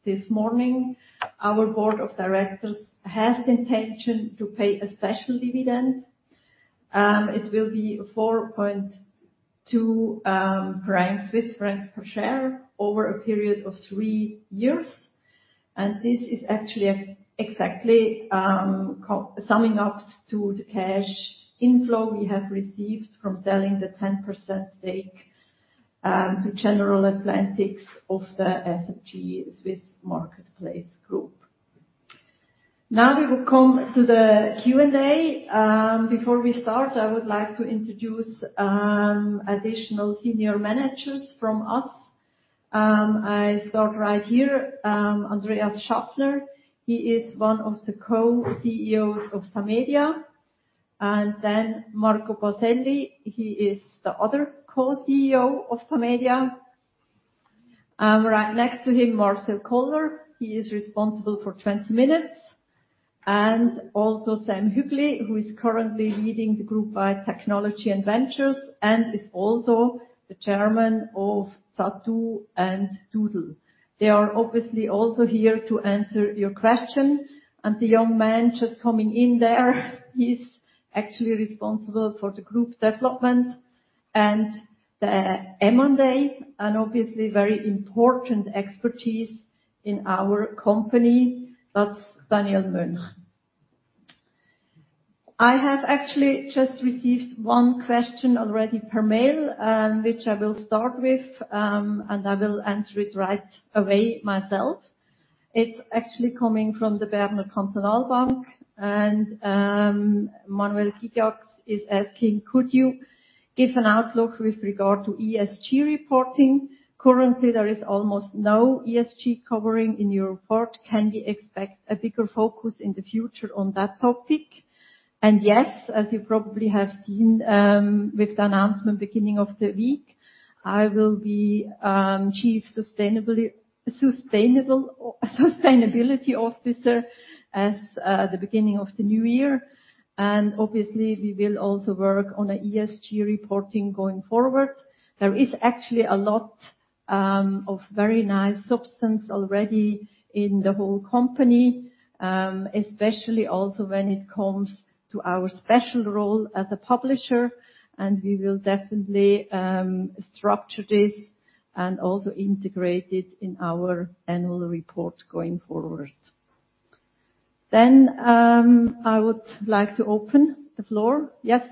this morning, our board of directors has intention to pay a special dividend. It will be 4.2 francs per share over a period of three years. And this is actually exactly summing up to the cash inflow we have received from selling the 10% stake to General Atlantic of the SMG Swiss Marketplace Group. Now, we will come to the Q&A. Before we start, I would like to introduce additional senior managers from us. I start right here, Andreas Schaffner. He is one of the co-CEOs of Tamedia. Then Marco Boselli, he is the other co-CEO of Tamedia. Right next to him, Marcel Kohler, he is responsible for 20 Minuten. Also Samuel Hügli, who is currently leading Group & Ventures and is also the chairman of Zattoo and Doodle. They are obviously also here to answer your question. The young man just coming in there, he's actually responsible for the group development and the M&A and obviously very important expertise in our company. That's Daniel Mönch. I have actually just received one question already per mail, which I will start with, and I will answer it right away myself. It's actually coming from the Berner Kantonalbank. Manuel Kikkert is asking, "Could you give an outlook with regard to ESG reporting? Currently, there is almost no ESG covering in your report. Can we expect a bigger focus in the future on that topic?" Yes, as you probably have seen, with the announcement beginning of the week, I will be Chief Sustainability Officer as the beginning of the new year. Obviously we will also work on an ESG reporting going forward. There is actually a lot of very nice substance already in the whole company, especially also when it comes to our special role as a publisher, and we will definitely structure this and also integrate it in our annual report going forward. I would like to open the floor. Yes.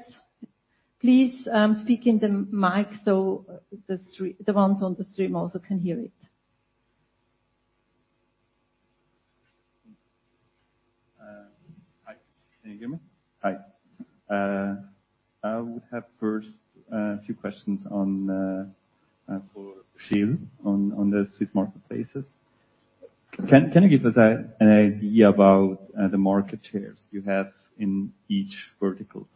Please, speak in the mic so the ones on the stream also can hear it. Hi. Can you hear me? Hi. I would have first a few questions on for Gill on the Swiss marketplaces. Can you give us an idea about the market shares you have in each verticals?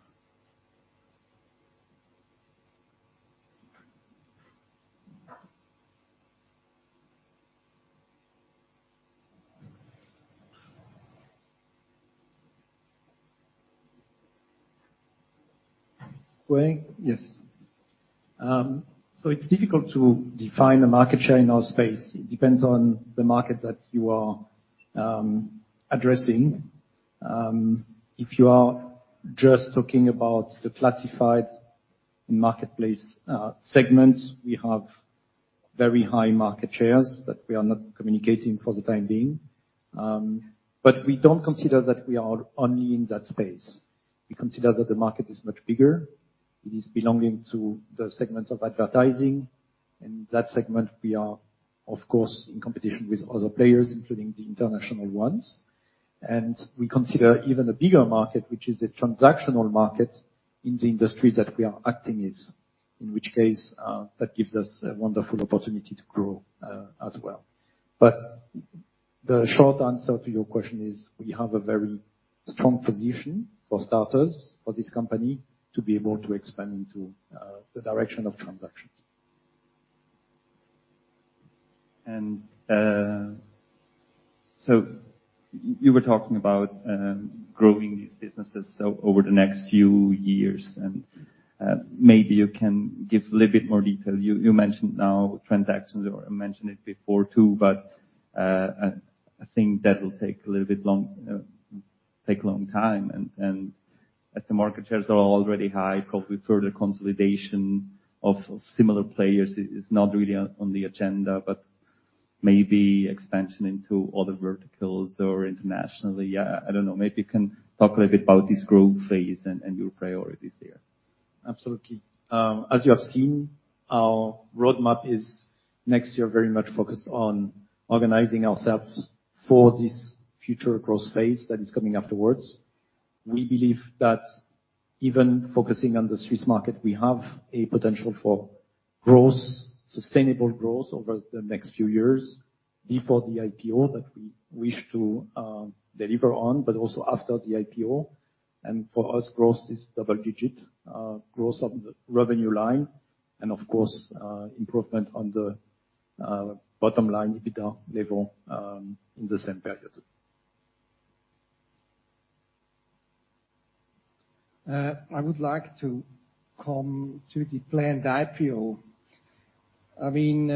Well, yes. It's difficult to define a market share in our space. It depends on the market that you are addressing. If you are just talking about the classified marketplace segments, we have very high market shares that we are not communicating for the time being. But we don't consider that we are only in that space. We consider that the market is much bigger. It is belonging to the segment of advertising. In that segment, we are, of course, in competition with other players, including the international ones. We consider even a bigger market, which is the transactional market in the industry that we are acting as, in which case, that gives us a wonderful opportunity to grow as well. The short answer to your question is we have a very strong position for starters, for this company to be able to expand into the direction of transactions. You were talking about growing these businesses over the next few years, and maybe you can give a little bit more detail. You mentioned no transactions or mentioned it before, too, but a thing that will take a long time. As the market shares are already high, probably further consolidation of similar players is not really on the agenda, but maybe expansion into other verticals or internationally. I don't know. Maybe you can talk a little bit about this growth phase and your priorities there. Absolutely. As you have seen, our roadmap is next year, very much focused on organizing ourselves for this future growth phase that is coming afterwards. We believe that even focusing on the Swiss market, we have a potential for growth, sustainable growth over the next few years before the IPO that we wish to deliver on, but also after the IPO. For us, growth is double digit growth on the revenue line and of course, improvement on the bottom line EBITDA level in the same period. I would like to come to the planned IPO. I mean,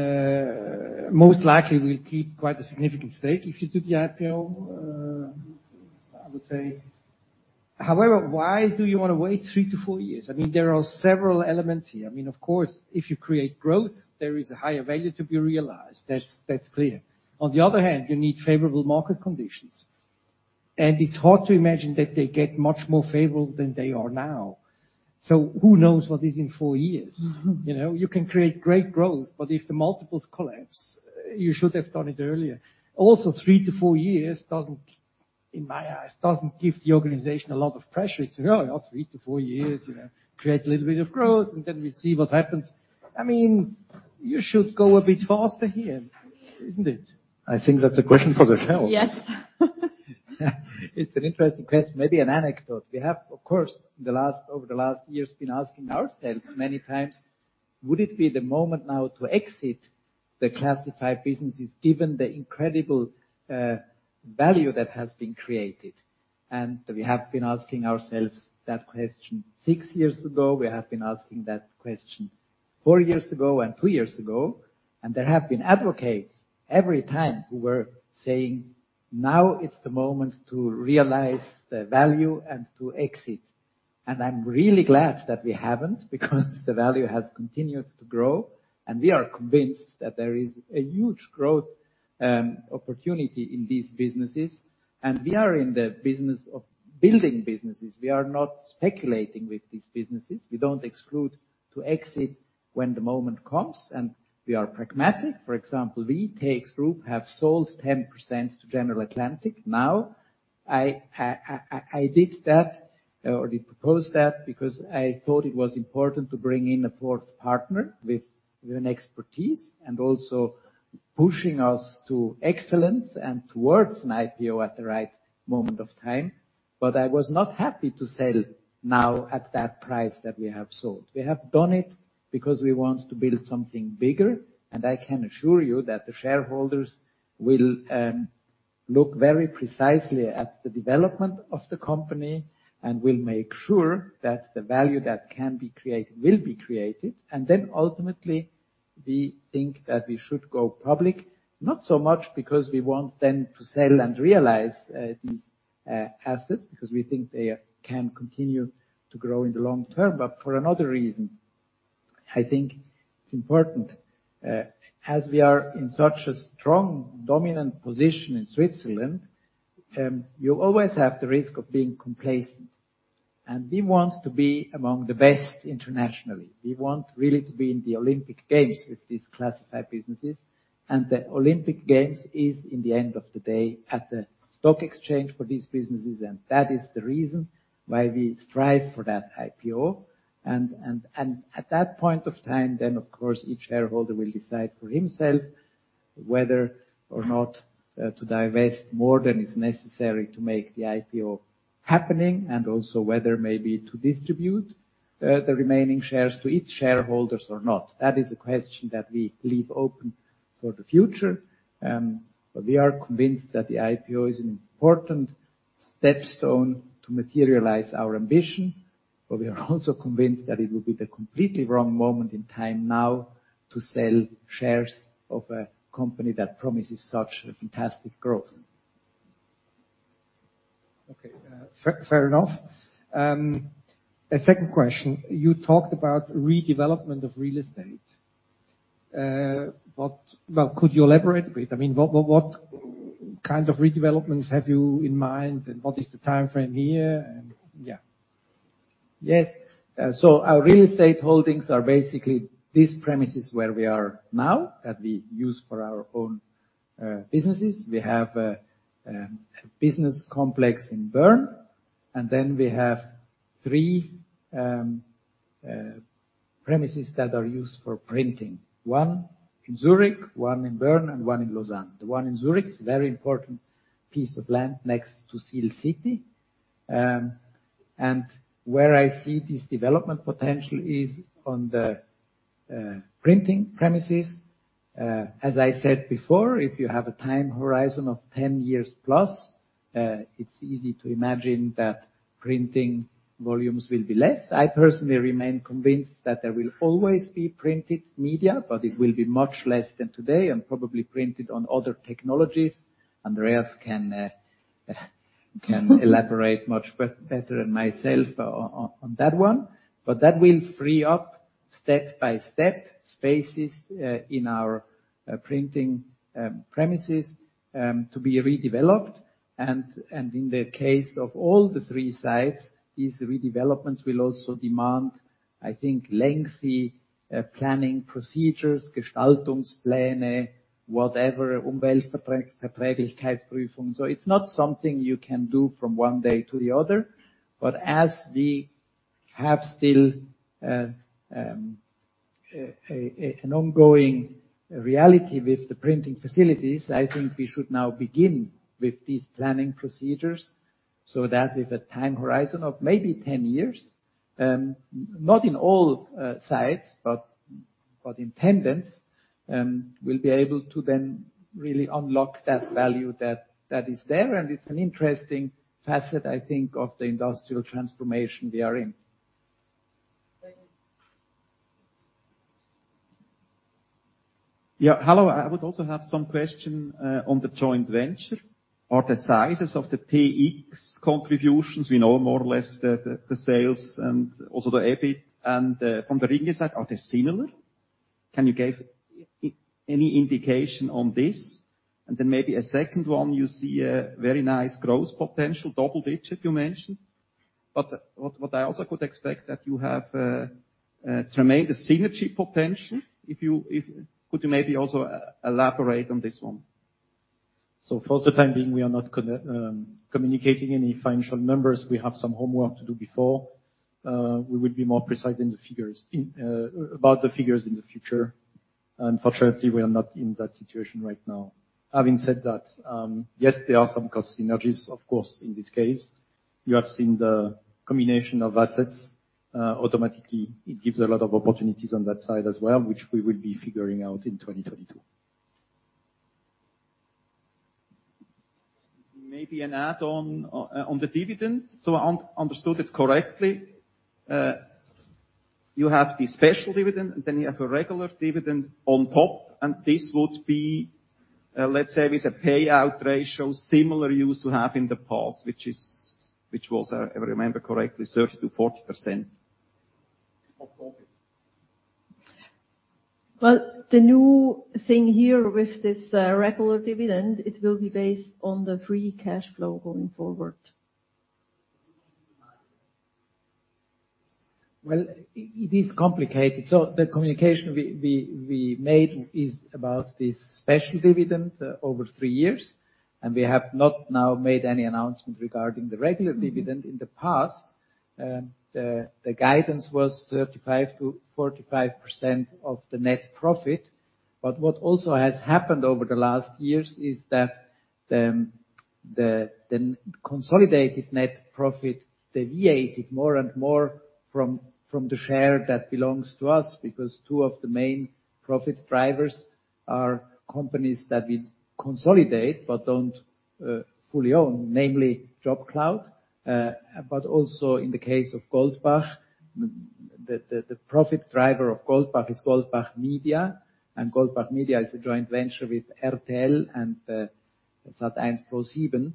most likely we'll keep quite a significant stake if you do the IPO, I would say. However, why do you wanna wait 3 years-4 years? I mean, there are several elements here. I mean, of course, if you create growth, there is a higher value to be realized. That's clear. On the other hand, you need favorable market conditions. It's hard to imagine that they get much more favorable than they are now. Who knows what is in four years? Mm-hmm. You know, you can create great growth, but if the multiples collapse, you should have done it earlier. Also, 3 years-4 years doesn't, in my eyes, give the organization a lot of pressure. It's, you know, 3 years-4 years, you know, create a little bit of growth, and then we see what happens. I mean, you should go a bit faster here, isn't it? I think that's a question for Michel. Yes. It's an interesting question. Maybe an anecdote. We have, of course, over the last years, been asking ourselves many times, would it be the moment now to exit the classified businesses given the incredible value that has been created? We have been asking ourselves that question six years ago, we have been asking that question four years ago and two years ago. There have been advocates every time who were saying, "Now it's the moment to realize the value and to exit." I'm really glad that we haven't because the value has continued to grow, and we are convinced that there is a huge growth opportunity in these businesses. We are in the business of building businesses. We are not speculating with these businesses. We don't exclude to exit when the moment comes, and we are pragmatic. For example, we, TX Group, have sold 10% to General Atlantic now. I did that or proposed that because I thought it was important to bring in a fourth partner with an expertise and also pushing us to excellence and towards an IPO at the right moment of time. I was not happy to sell now at that price that we have sold. We have done it because we want to build something bigger, and I can assure you that the shareholders will look very precisely at the development of the company. We'll make sure that the value that can be created will be created. Then ultimately, we think that we should go public, not so much because we want then to sell and realize these assets because we think they can continue to grow in the long term. For another reason, I think it's important, as we are in such a strong dominant position in Switzerland, you always have the risk of being complacent. We want to be among the best internationally. We want really to be in the Olympic Games with these classified businesses. The Olympic Games is, in the end of the day, at the stock exchange for these businesses. That is the reason why we strive for that IPO. At that point of time, then, of course, each shareholder will decide for himself whether or not to divest more than is necessary to make the IPO happening, and also whether maybe to distribute the remaining shares to each shareholders or not. That is a question that we leave open for the future. We are convinced that the IPO is an important stepstone to materialize our ambition, but we are also convinced that it will be the completely wrong moment in time now to sell shares of a company that promises such a fantastic growth. Okay, fair enough. A second question, you talked about redevelopment of real estate. Well, could you elaborate a bit? I mean, what kind of redevelopments have you in mind, and what is the timeframe here and yeah. Yes. Our real estate holdings are basically these premises where we are now, that we use for our own businesses. We have a business complex in Bern, and then we have three premises that are used for printing. One in Zurich, one in Bern, and one in Lausanne. The one in Zurich is a very important piece of land next to Seestadt. Where I see this development potential is on the printing premises. As I said before, if you have a time horizon of 10 years plus, it's easy to imagine that printing volumes will be less. I personally remain convinced that there will always be printed media, but it will be much less than today and probably printed on other technologies. Andreas can elaborate much better than myself on that one. That will free up, step-by-step, spaces in our printing premises to be redeveloped. In the case of all the three sites, these redevelopments will also demand, I think, lengthy planning procedures, Gestaltungspläne, whatever, Umweltschutzprüfung. It's not something you can do from one day to the other. As we have still an ongoing reality with the printing facilities, I think we should now begin with these planning procedures, so that with a time horizon of maybe 10 years, not in all sites, but in the end, we'll be able to then really unlock that value that is there. It's an interesting facet, I think, of the industrial transformation we are in. Yeah. Hello. I would also have some question on the joint venture. Are the sizes of the TX contributions? We know more or less the sales and also the EBIT and from the Ringier side, are they similar? Can you give any indication on this? And then maybe a second one. You see a very nice growth potential, double-digit you mentioned. What I also could expect that you have tremendous synergy potential. If could you maybe also elaborate on this one. For the time being, we are not communicating any financial numbers. We have some homework to do before we will be more precise about the figures in the future. Unfortunately, we are not in that situation right now. Having said that, yes, there are some cost synergies, of course, in this case. You have seen the combination of assets. Automatically, it gives a lot of opportunities on that side as well, which we will be figuring out in 2022. Maybe an add on on the dividend. I understood it correctly, you have the special dividend, and then you have a regular dividend on top, and this would be, let's say with a payout ratio similar you used to have in the past, which was, if I remember correctly, 30%-40%. Of profit. Well, the new thing here with this regular dividend, it will be based on the free cash flow going forward. Well, it is complicated. The communication we made is about this special dividend over three years, and we have not now made any announcement regarding the regular dividend. In the past, the guidance was 35%-45% of the net profit. What also has happened over the last years is that the consolidated net profit deviated more and more from the share that belongs to us because two of the main profit drivers are companies that we consolidate but don't fully own, namely JobCloud, but also in the case of Goldbach. The profit driver of Goldbach is Goldbach Media, and Goldbach Media is a joint venture with RTL and ProSiebenSat.1.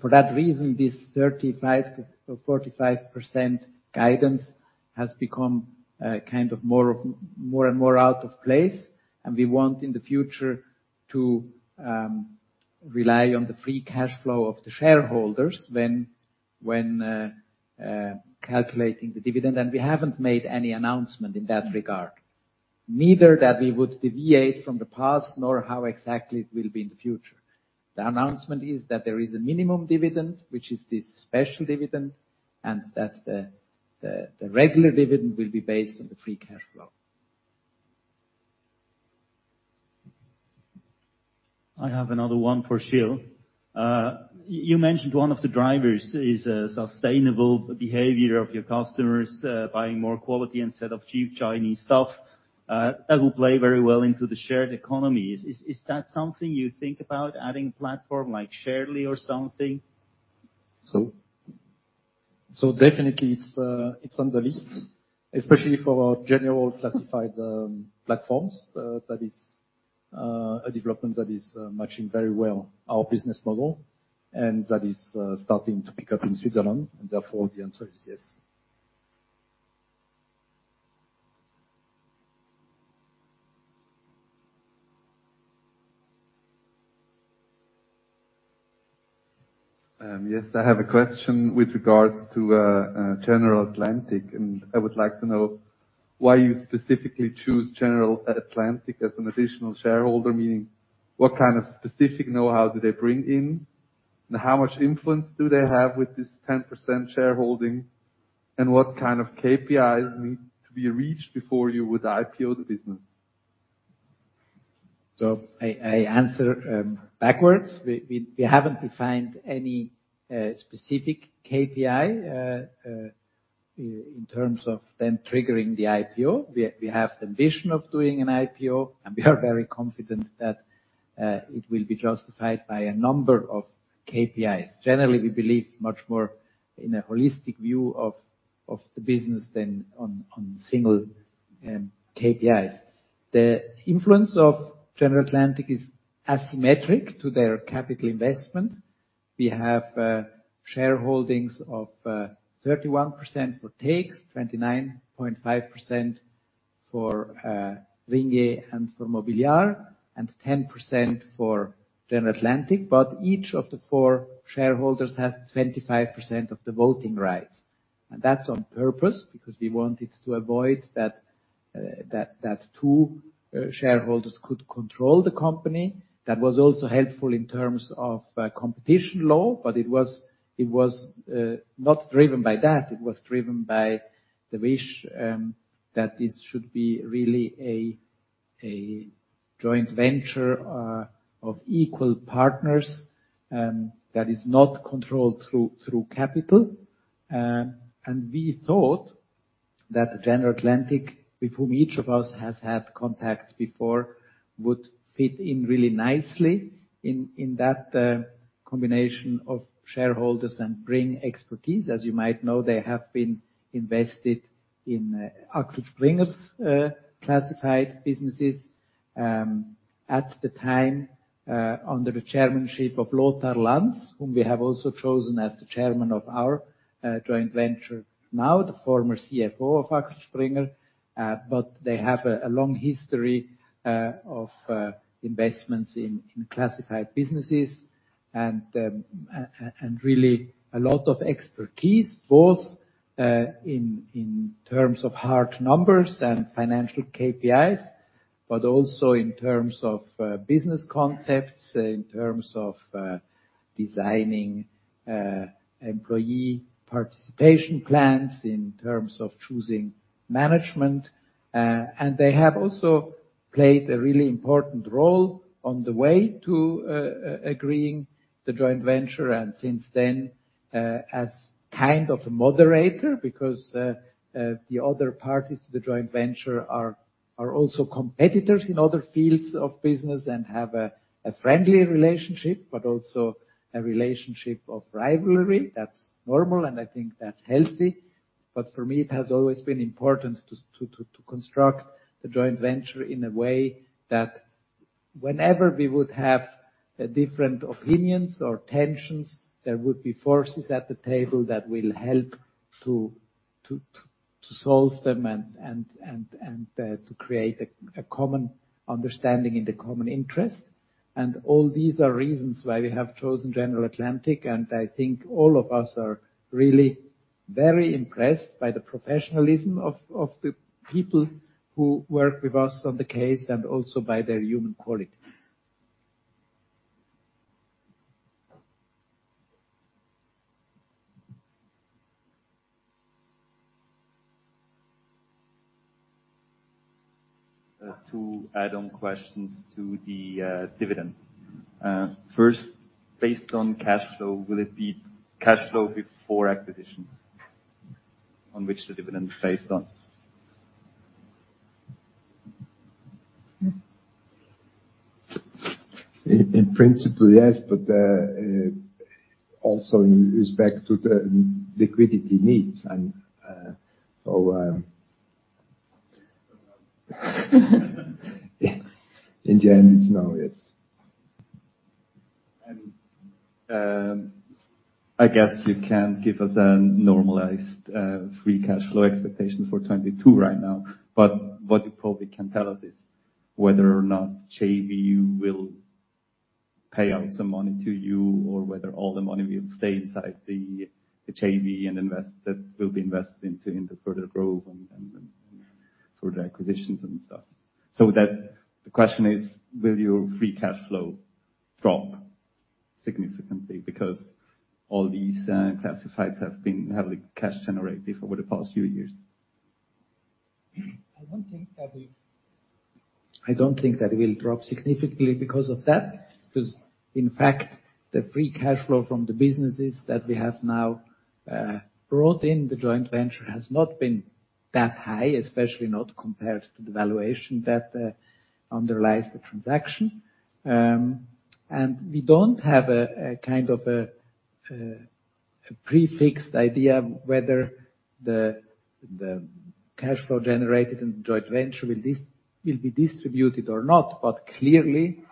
For that reason, this 35%-45% guidance has become kind of more of more and more out of place. We want in the future to rely on the free cash flow of the shareholders when calculating the dividend. We haven't made any announcement in that regard. Neither that we would deviate from the past, nor how exactly it will be in the future. The announcement is that there is a minimum dividend, which is this special dividend, and that the regular dividend will be based on the free cash flow. I have another one for Gilles. You mentioned one of the drivers is sustainable behavior of your customers, buying more quality instead of cheap Chinese stuff, that will play very well into the shared economy. Is that something you think about adding a platform like Sharely or something? Definitely it's on the list, especially for our general classified platforms. That is a development that is matching very well our business model, and that is starting to pick up in Switzerland and therefore the answer is yes. Yes, I have a question with regards to General Atlantic, and I would like to know why you specifically choose General Atlantic as an additional shareholder, meaning what kind of specific know-how do they bring in? How much influence do they have with this 10% shareholding, and what kind of KPIs need to be reached before you would IPO the business? I answer backwards. We haven't defined any specific KPI in terms of them triggering the IPO. We have the ambition of doing an IPO, and we are very confident that it will be justified by a number of KPIs. Generally, we believe much more in a holistic view of the business than on single KPIs. The influence of General Atlantic is asymmetric to their capital investment. We have shareholdings of 31% for TX, 29.5% for Ringier and for Mobiliar, and 10% for General Atlantic, but each of the four shareholders has 25% of the voting rights. That's on purpose because we wanted to avoid that two shareholders could control the company. That was also helpful in terms of competition law, but it was not driven by that. It was driven by the wish that this should be really a joint venture of equal partners that is not controlled through capital. We thought that General Atlantic, with whom each of us has had contacts before, would fit in really nicely in that combination of shareholders and bring expertise. As you might know, they have been invested in Axel Springer's classified businesses at the time under the chairmanship of Lothar Lanz, whom we have also chosen as the chairman of our joint venture now, the former CFO of Axel Springer. They have a long history of investments in classified businesses and really a lot of expertise, both in terms of hard numbers and financial KPIs, but also in terms of business concepts, in terms of designing employee participation plans, in terms of choosing management. They have also played a really important role on the way to agreeing the joint venture and since then as kind of a moderator because the other parties to the joint venture are also competitors in other fields of business and have a friendly relationship, but also a relationship of rivalry. That's normal, and I think that's healthy. For me, it has always been important to construct the joint venture in a way that whenever we would have different opinions or tensions, there would be forces at the table that will help to solve them and to create a common understanding in the common interest. All these are reasons why we have chosen General Atlantic, and I think all of us are really very impressed by the professionalism of the people who work with us on the case and also by their human quality. Two add-on questions to the dividend. First, based on cash flow, will it be cash flow before acquisitions on which the dividend is based on? Yes. In principle, yes, but also with respect to the liquidity needs. In general, it's no, yes. I guess you can't give us a normalized free cash flow expectation for 2022 right now, but what you probably can tell us is whether or not JV will pay out some money to you or whether all the money will stay inside the JV and that will be invested into further growth and further acquisitions and stuff. The question is, will your free cash flow drop significantly? Because all these classifieds have been heavily cash generative over the past few years. I don't think that it will drop significantly because of that. Cause in fact, the free cash flow from the businesses that we have now brought in the joint venture has not been that high, especially not compared to the valuation that underlies the transaction. And we don't have a kind of a pre-fixed idea whether the cash flow generated in the joint venture will be distributed or not, but clearly,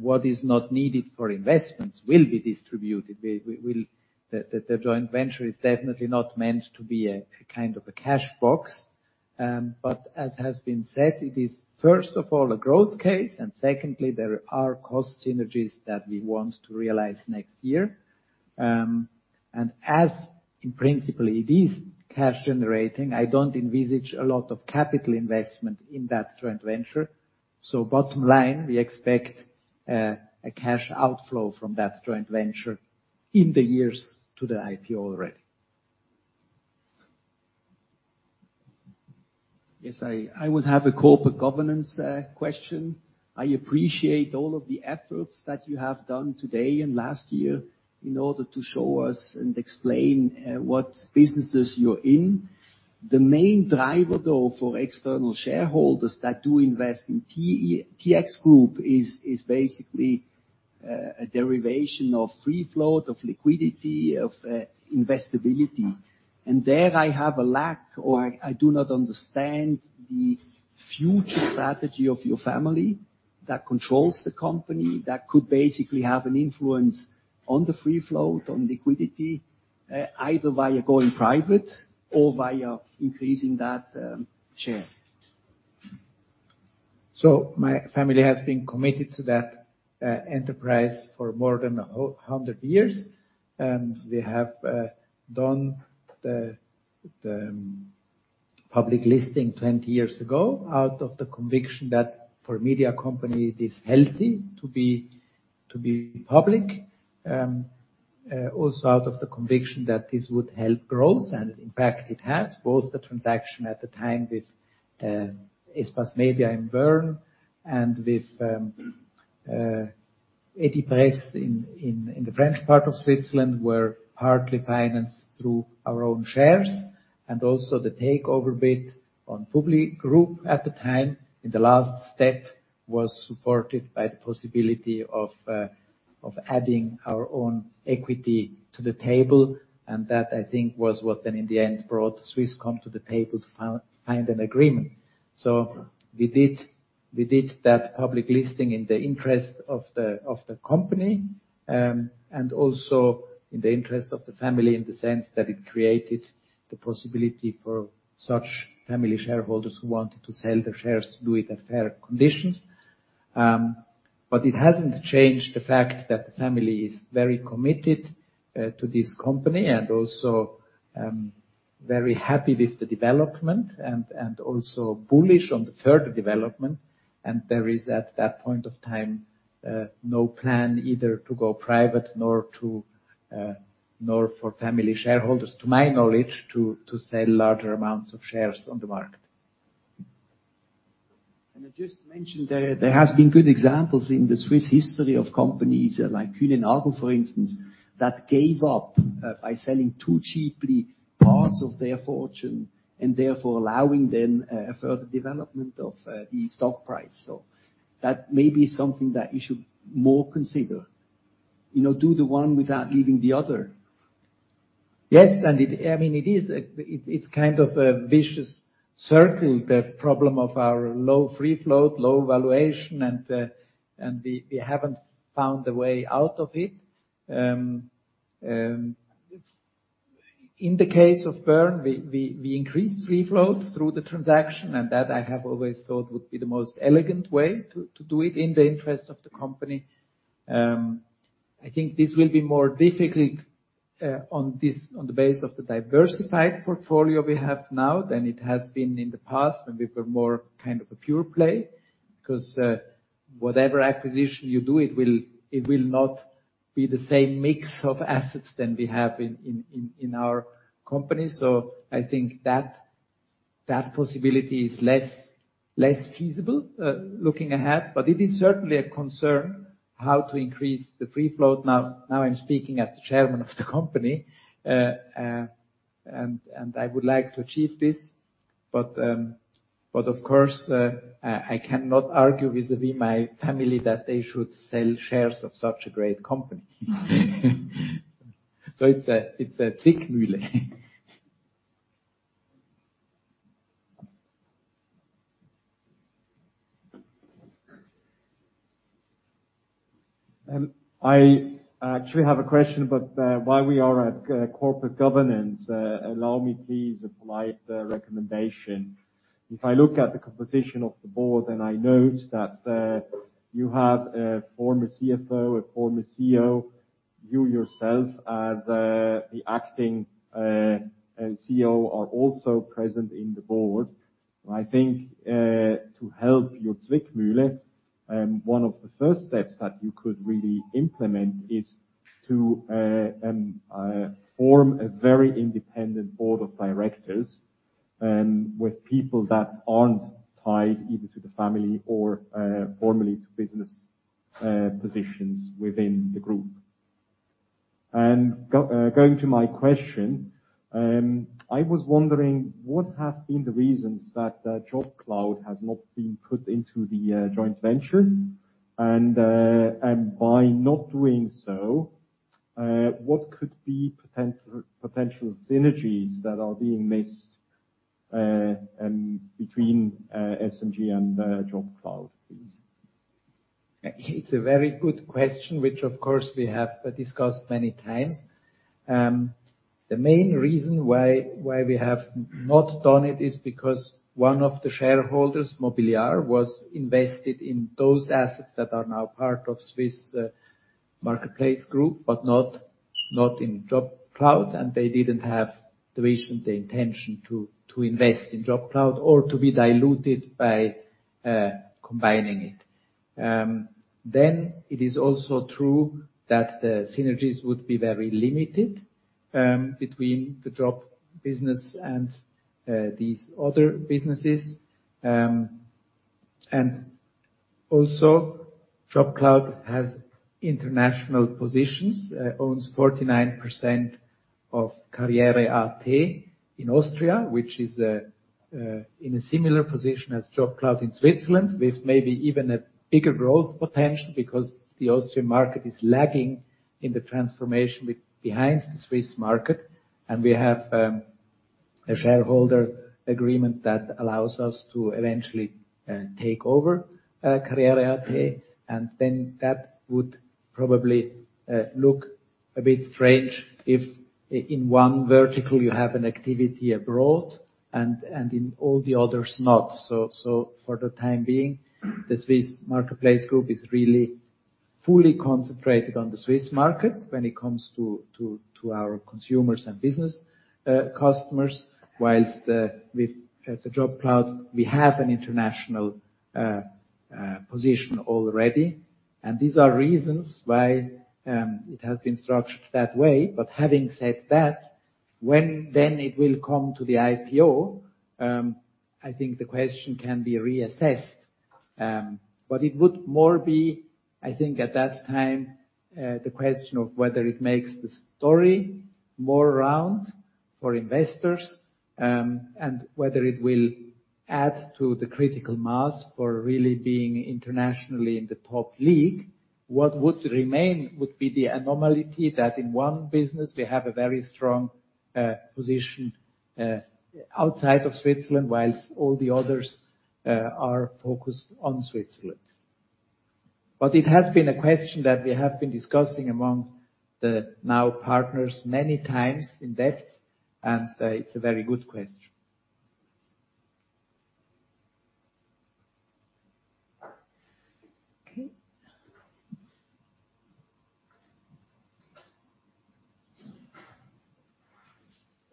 what is not needed for investments will be distributed. The joint venture is definitely not meant to be a kind of a cash box. But as has been said, it is first of all a growth case, and secondly, there are cost synergies that we want to realize next year. As in principle, it is cash generating, I don't envisage a lot of capital investment in that joint venture. Bottom line, we expect a cash outflow from that joint venture in the years to the IPO already. Yes, I would have a corporate governance question. I appreciate all of the efforts that you have done today and last year in order to show us and explain what businesses you're in. The main driver though for external shareholders that do invest in TX Group is basically a derivation of free float, of liquidity, of investability. There I have a lack, or I do not understand the future strategy of your family that controls the company, that could basically have an influence on the free float, on liquidity, either via going private or via increasing that share. My family has been committed to that enterprise for more than 100 years, and we have done the public listing 20 years ago out of the conviction that for a media company it is healthy to be public. Also out of the conviction that this would help growth, and in fact, it has. Both the transaction at the time with Espace Media Groupe in Bern and with Edipresse in the French part of Switzerland were partly financed through our own shares. Also the takeover bid on PubliGroupe at the time, in the last step, was supported by the possibility of adding our own equity to the table. That I think was what then in the end brought Swisscom to the table to find an agreement. We did that public listing in the interest of the company and also in the interest of the family in the sense that it created the possibility for such family shareholders who wanted to sell their shares to do it at fair conditions. But it hasn't changed the fact that the family is very committed to this company and also very happy with the development and also bullish on the further development. There is, at that point of time, no plan either to go private nor for family shareholders, to my knowledge, to sell larger amounts of shares on the market. I just mentioned there has been good examples in the Swiss history of companies like Kühne + Nagel, for instance, that gave up by selling too cheaply parts of their fortune and therefore allowing then further development of the stock price. That may be something that you should more consider. You know, do the one without leaving the other. Yes, I mean, it's kind of a vicious circle, the problem of our low free float, low valuation, and we haven't found a way out of it. In the case of Bern, we increased free float through the transaction, and that I have always thought would be the most elegant way to do it in the interest of the company. I think this will be more difficult on the basis of the diversified portfolio we have now than it has been in the past when we were more kind of a pure play. Because whatever acquisition you do, it will not be the same mix of assets than we have in our company. So I think that possibility is less feasible looking ahead. It is certainly a concern how to increase the free float. Now I'm speaking as the chairman of the company, and I would like to achieve this, but of course, I cannot argue vis-à-vis my family that they should sell shares of such a great company. It's a Zwickmühle. I actually have a question, but while we are at corporate governance, allow me please a polite recommendation. If I look at the composition of the board, and I note that you have a former CFO, a former CEO, you yourself as the acting CEO are also present in the board. I think to help your Zwickmühle, one of the first steps that you could really implement is to form a very independent board of directors with people that aren't tied either to the family or formerly to business positions within the group. Going to my question, I was wondering what have been the reasons that JobCloud has not been put into the joint venture? By not doing so, what could be potential synergies that are being missed between SMG and JobCloud, please? It's a very good question, which of course we have discussed many times. The main reason why we have not done it is because one of the shareholders, Mobiliar, was invested in those assets that are now part of SMG Swiss Marketplace Group, but not in JobCloud, and they didn't have the vision, the intention to invest in JobCloud or to be diluted by combining it. It is also true that the synergies would be very limited between the job business and these other businesses. Also JobCloud has international positions, owns 49% of karriere.at in Austria, which is in a similar position as JobCloud in Switzerland, with maybe even a bigger growth potential because the Austrian market is lagging in the transformation behind the Swiss market. We have a shareholder agreement that allows us to eventually take over karriere.at, and then that would probably look a bit strange if in one vertical you have an activity abroad and in all the others not. For the time being, the Swiss Marketplace Group is really fully concentrated on the Swiss market when it comes to our consumers and business customers, whilst with JobCloud, we have an international position already. These are reasons why it has been structured that way. Having said that, when it will come to the IPO, I think the question can be reassessed. It would more be, I think, at that time, the question of whether it makes the story more round for investors, and whether it will add to the critical mass for really being internationally in the top league. What would remain would be the anomaly key that in one business we have a very strong position outside of Switzerland, whilst all the others are focused on Switzerland. It has been a question that we have been discussing among the now partners many times in depth, and it's a very good question. Okay.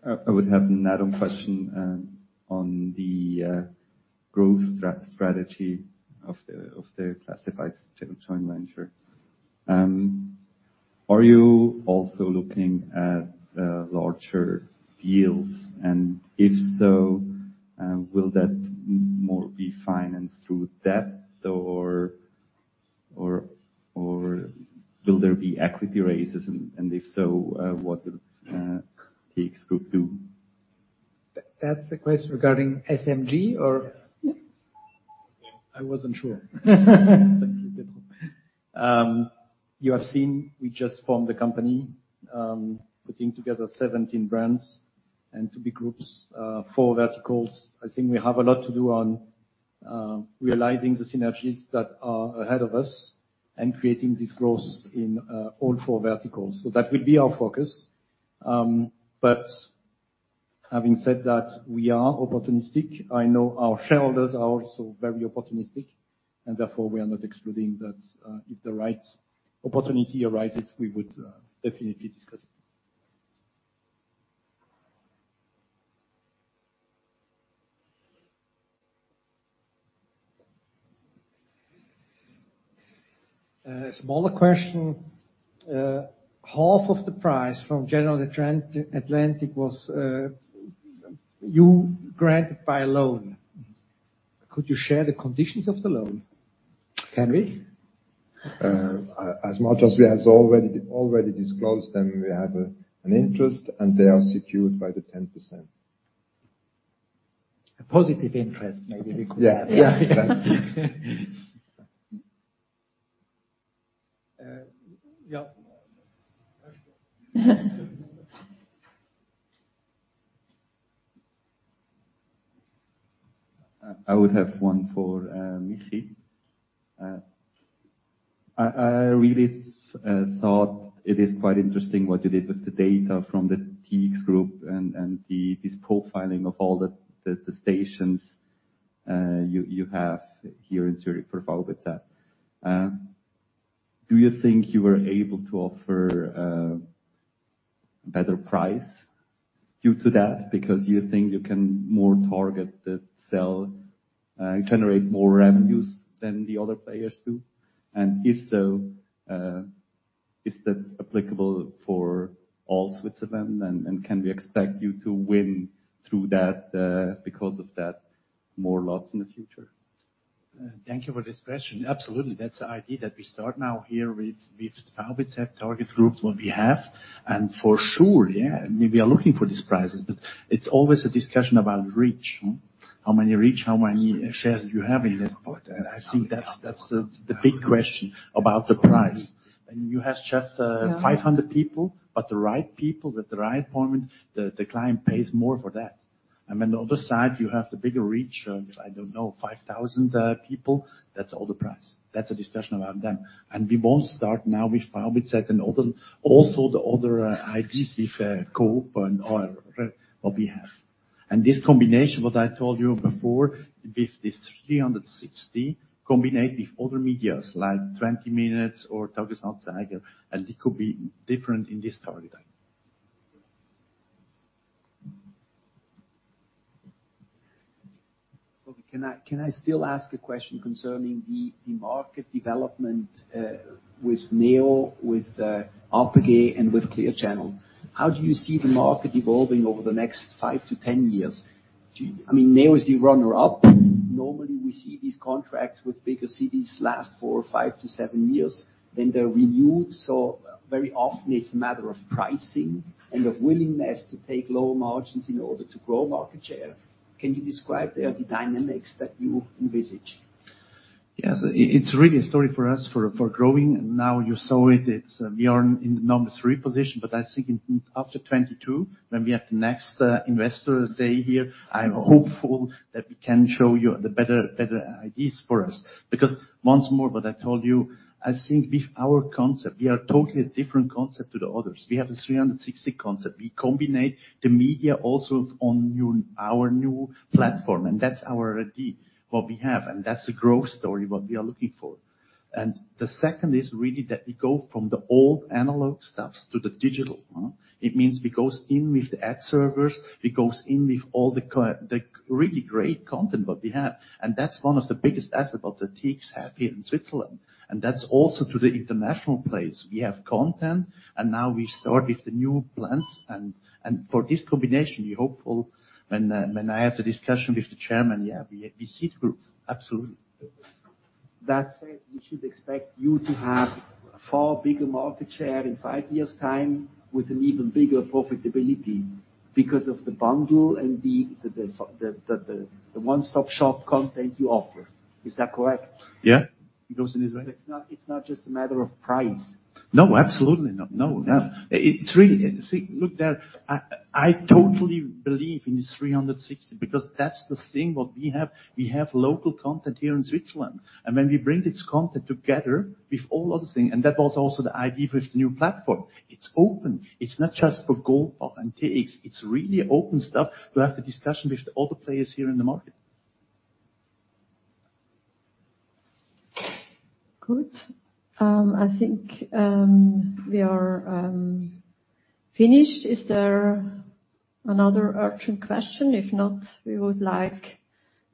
I would have an add-on question on the growth strategy of the classifieds joint venture. Are you also looking at larger deals? If so, will that more be financed through debt or will there be equity raises? If so, what does TX Group do? That's a question regarding SMG. Yes. I wasn't sure. Thank you, Timo. You have seen we just formed the company, putting together 17 brands and two big groups, four verticals. I think we have a lot to do on realizing the synergies that are ahead of us and creating this growth in all four verticals. That will be our focus. Having said that, we are opportunistic. I know our shareholders are also very opportunistic, and therefore we are not excluding that, if the right opportunity arises, we would definitely discuss it. Smaller question. Half of the price from General Atlantic was funded by a loan. Could you share the conditions of the loan? Can we? As much as we has already disclosed, and we have an interest, and they are secured by the 10%. A positive interest, maybe we could. Yeah. Yeah. Yeah. Not sure. I would have one for Michi. I really thought it is quite interesting what you did with the data from the TX Group and this profiling of all the stations you have here in Zurich for VBZ total. Do you think you were able to offer a better price due to that because you think you can more target the sell, generate more revenues than the other players do? If so, is that applicable for all Switzerland? Can we expect you to win through that because of that more lots in the future? Thank you for this question. Absolutely. That's the idea that we start now here with Facebook have target group what we have, and for sure, yeah, we are looking for these prices, but it's always a discussion about reach. How many reach, how many shares you have in that part. I think that's the big question about the price. When you have just 500 people, but the right people at the right point, the client pays more for that. Then the other side, you have the bigger reach, if I don't know, 5,000 people, that's all the price. That's a discussion around them. We won't start now with Facebook and other. Also the other IPs with Coop and other what we have. This combination, what I told you before, with this 360, combine with other media like 20 Minuten or Okay. Can I still ask a question concerning the market development with Neo, with APG, and with Clear Channel? How do you see the market evolving over the next five to 10 years? I mean, Neo is the runner-up. Normally, we see these contracts with bigger cities last for five to seven years. Then they're renewed, so very often it's a matter of pricing and of willingness to take lower margins in order to grow market share. Can you describe there the dynamics that you envisage? Yes. It's really a story for us for growing. Now you saw it. It's we are in the number 3 position. But I think after 2022 when we have the next investor day here, I'm hopeful that we can show you the better ideas for us. Because once more what I told you, I think with our concept, we are totally a different concept to the others. We have a 360 concept. We combine the media also on our new platform. That's our idea what we have, and that's the growth story what we are looking for. The second is really that we go from the old analog stuff to the digital. It means we goes in with the ad servers, it goes in with all the really great content what we have. That's one of the biggest asset what the TX have here in Switzerland. That's also to the international place. We have content, and now we start with the new plans. For this combination, we hopeful when I have the discussion with the chairman, yeah, we have That said, we should expect you to have far bigger market share in five years' time with an even bigger profitability because of the bundle and the one-stop-shop content you offer. Is that correct? Yeah. It goes in this way. It's not just a matter of price. No, absolutely not. No. Yeah. It's really. See, look, there. I totally believe in this 360, because that's the thing what we have. We have local content here in Switzerland. When we bring this content together with all other things, and that was also the idea with the new platform. It's open. It's not just for Goldbach and TX. It's really open stuff to have the discussion with the other players here in the market. Good. I think we are finished. Is there another urgent question? If not, we would like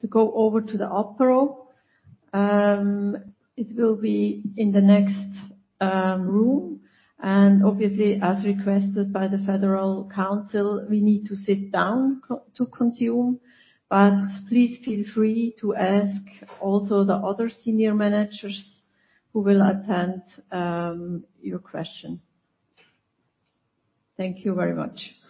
to go over to the apéro. It will be in the next room. Obviously, as requested by the Federal Council, we need to sit down to consume. Please feel free to ask also the other senior managers who will attend your question. Thank you very much.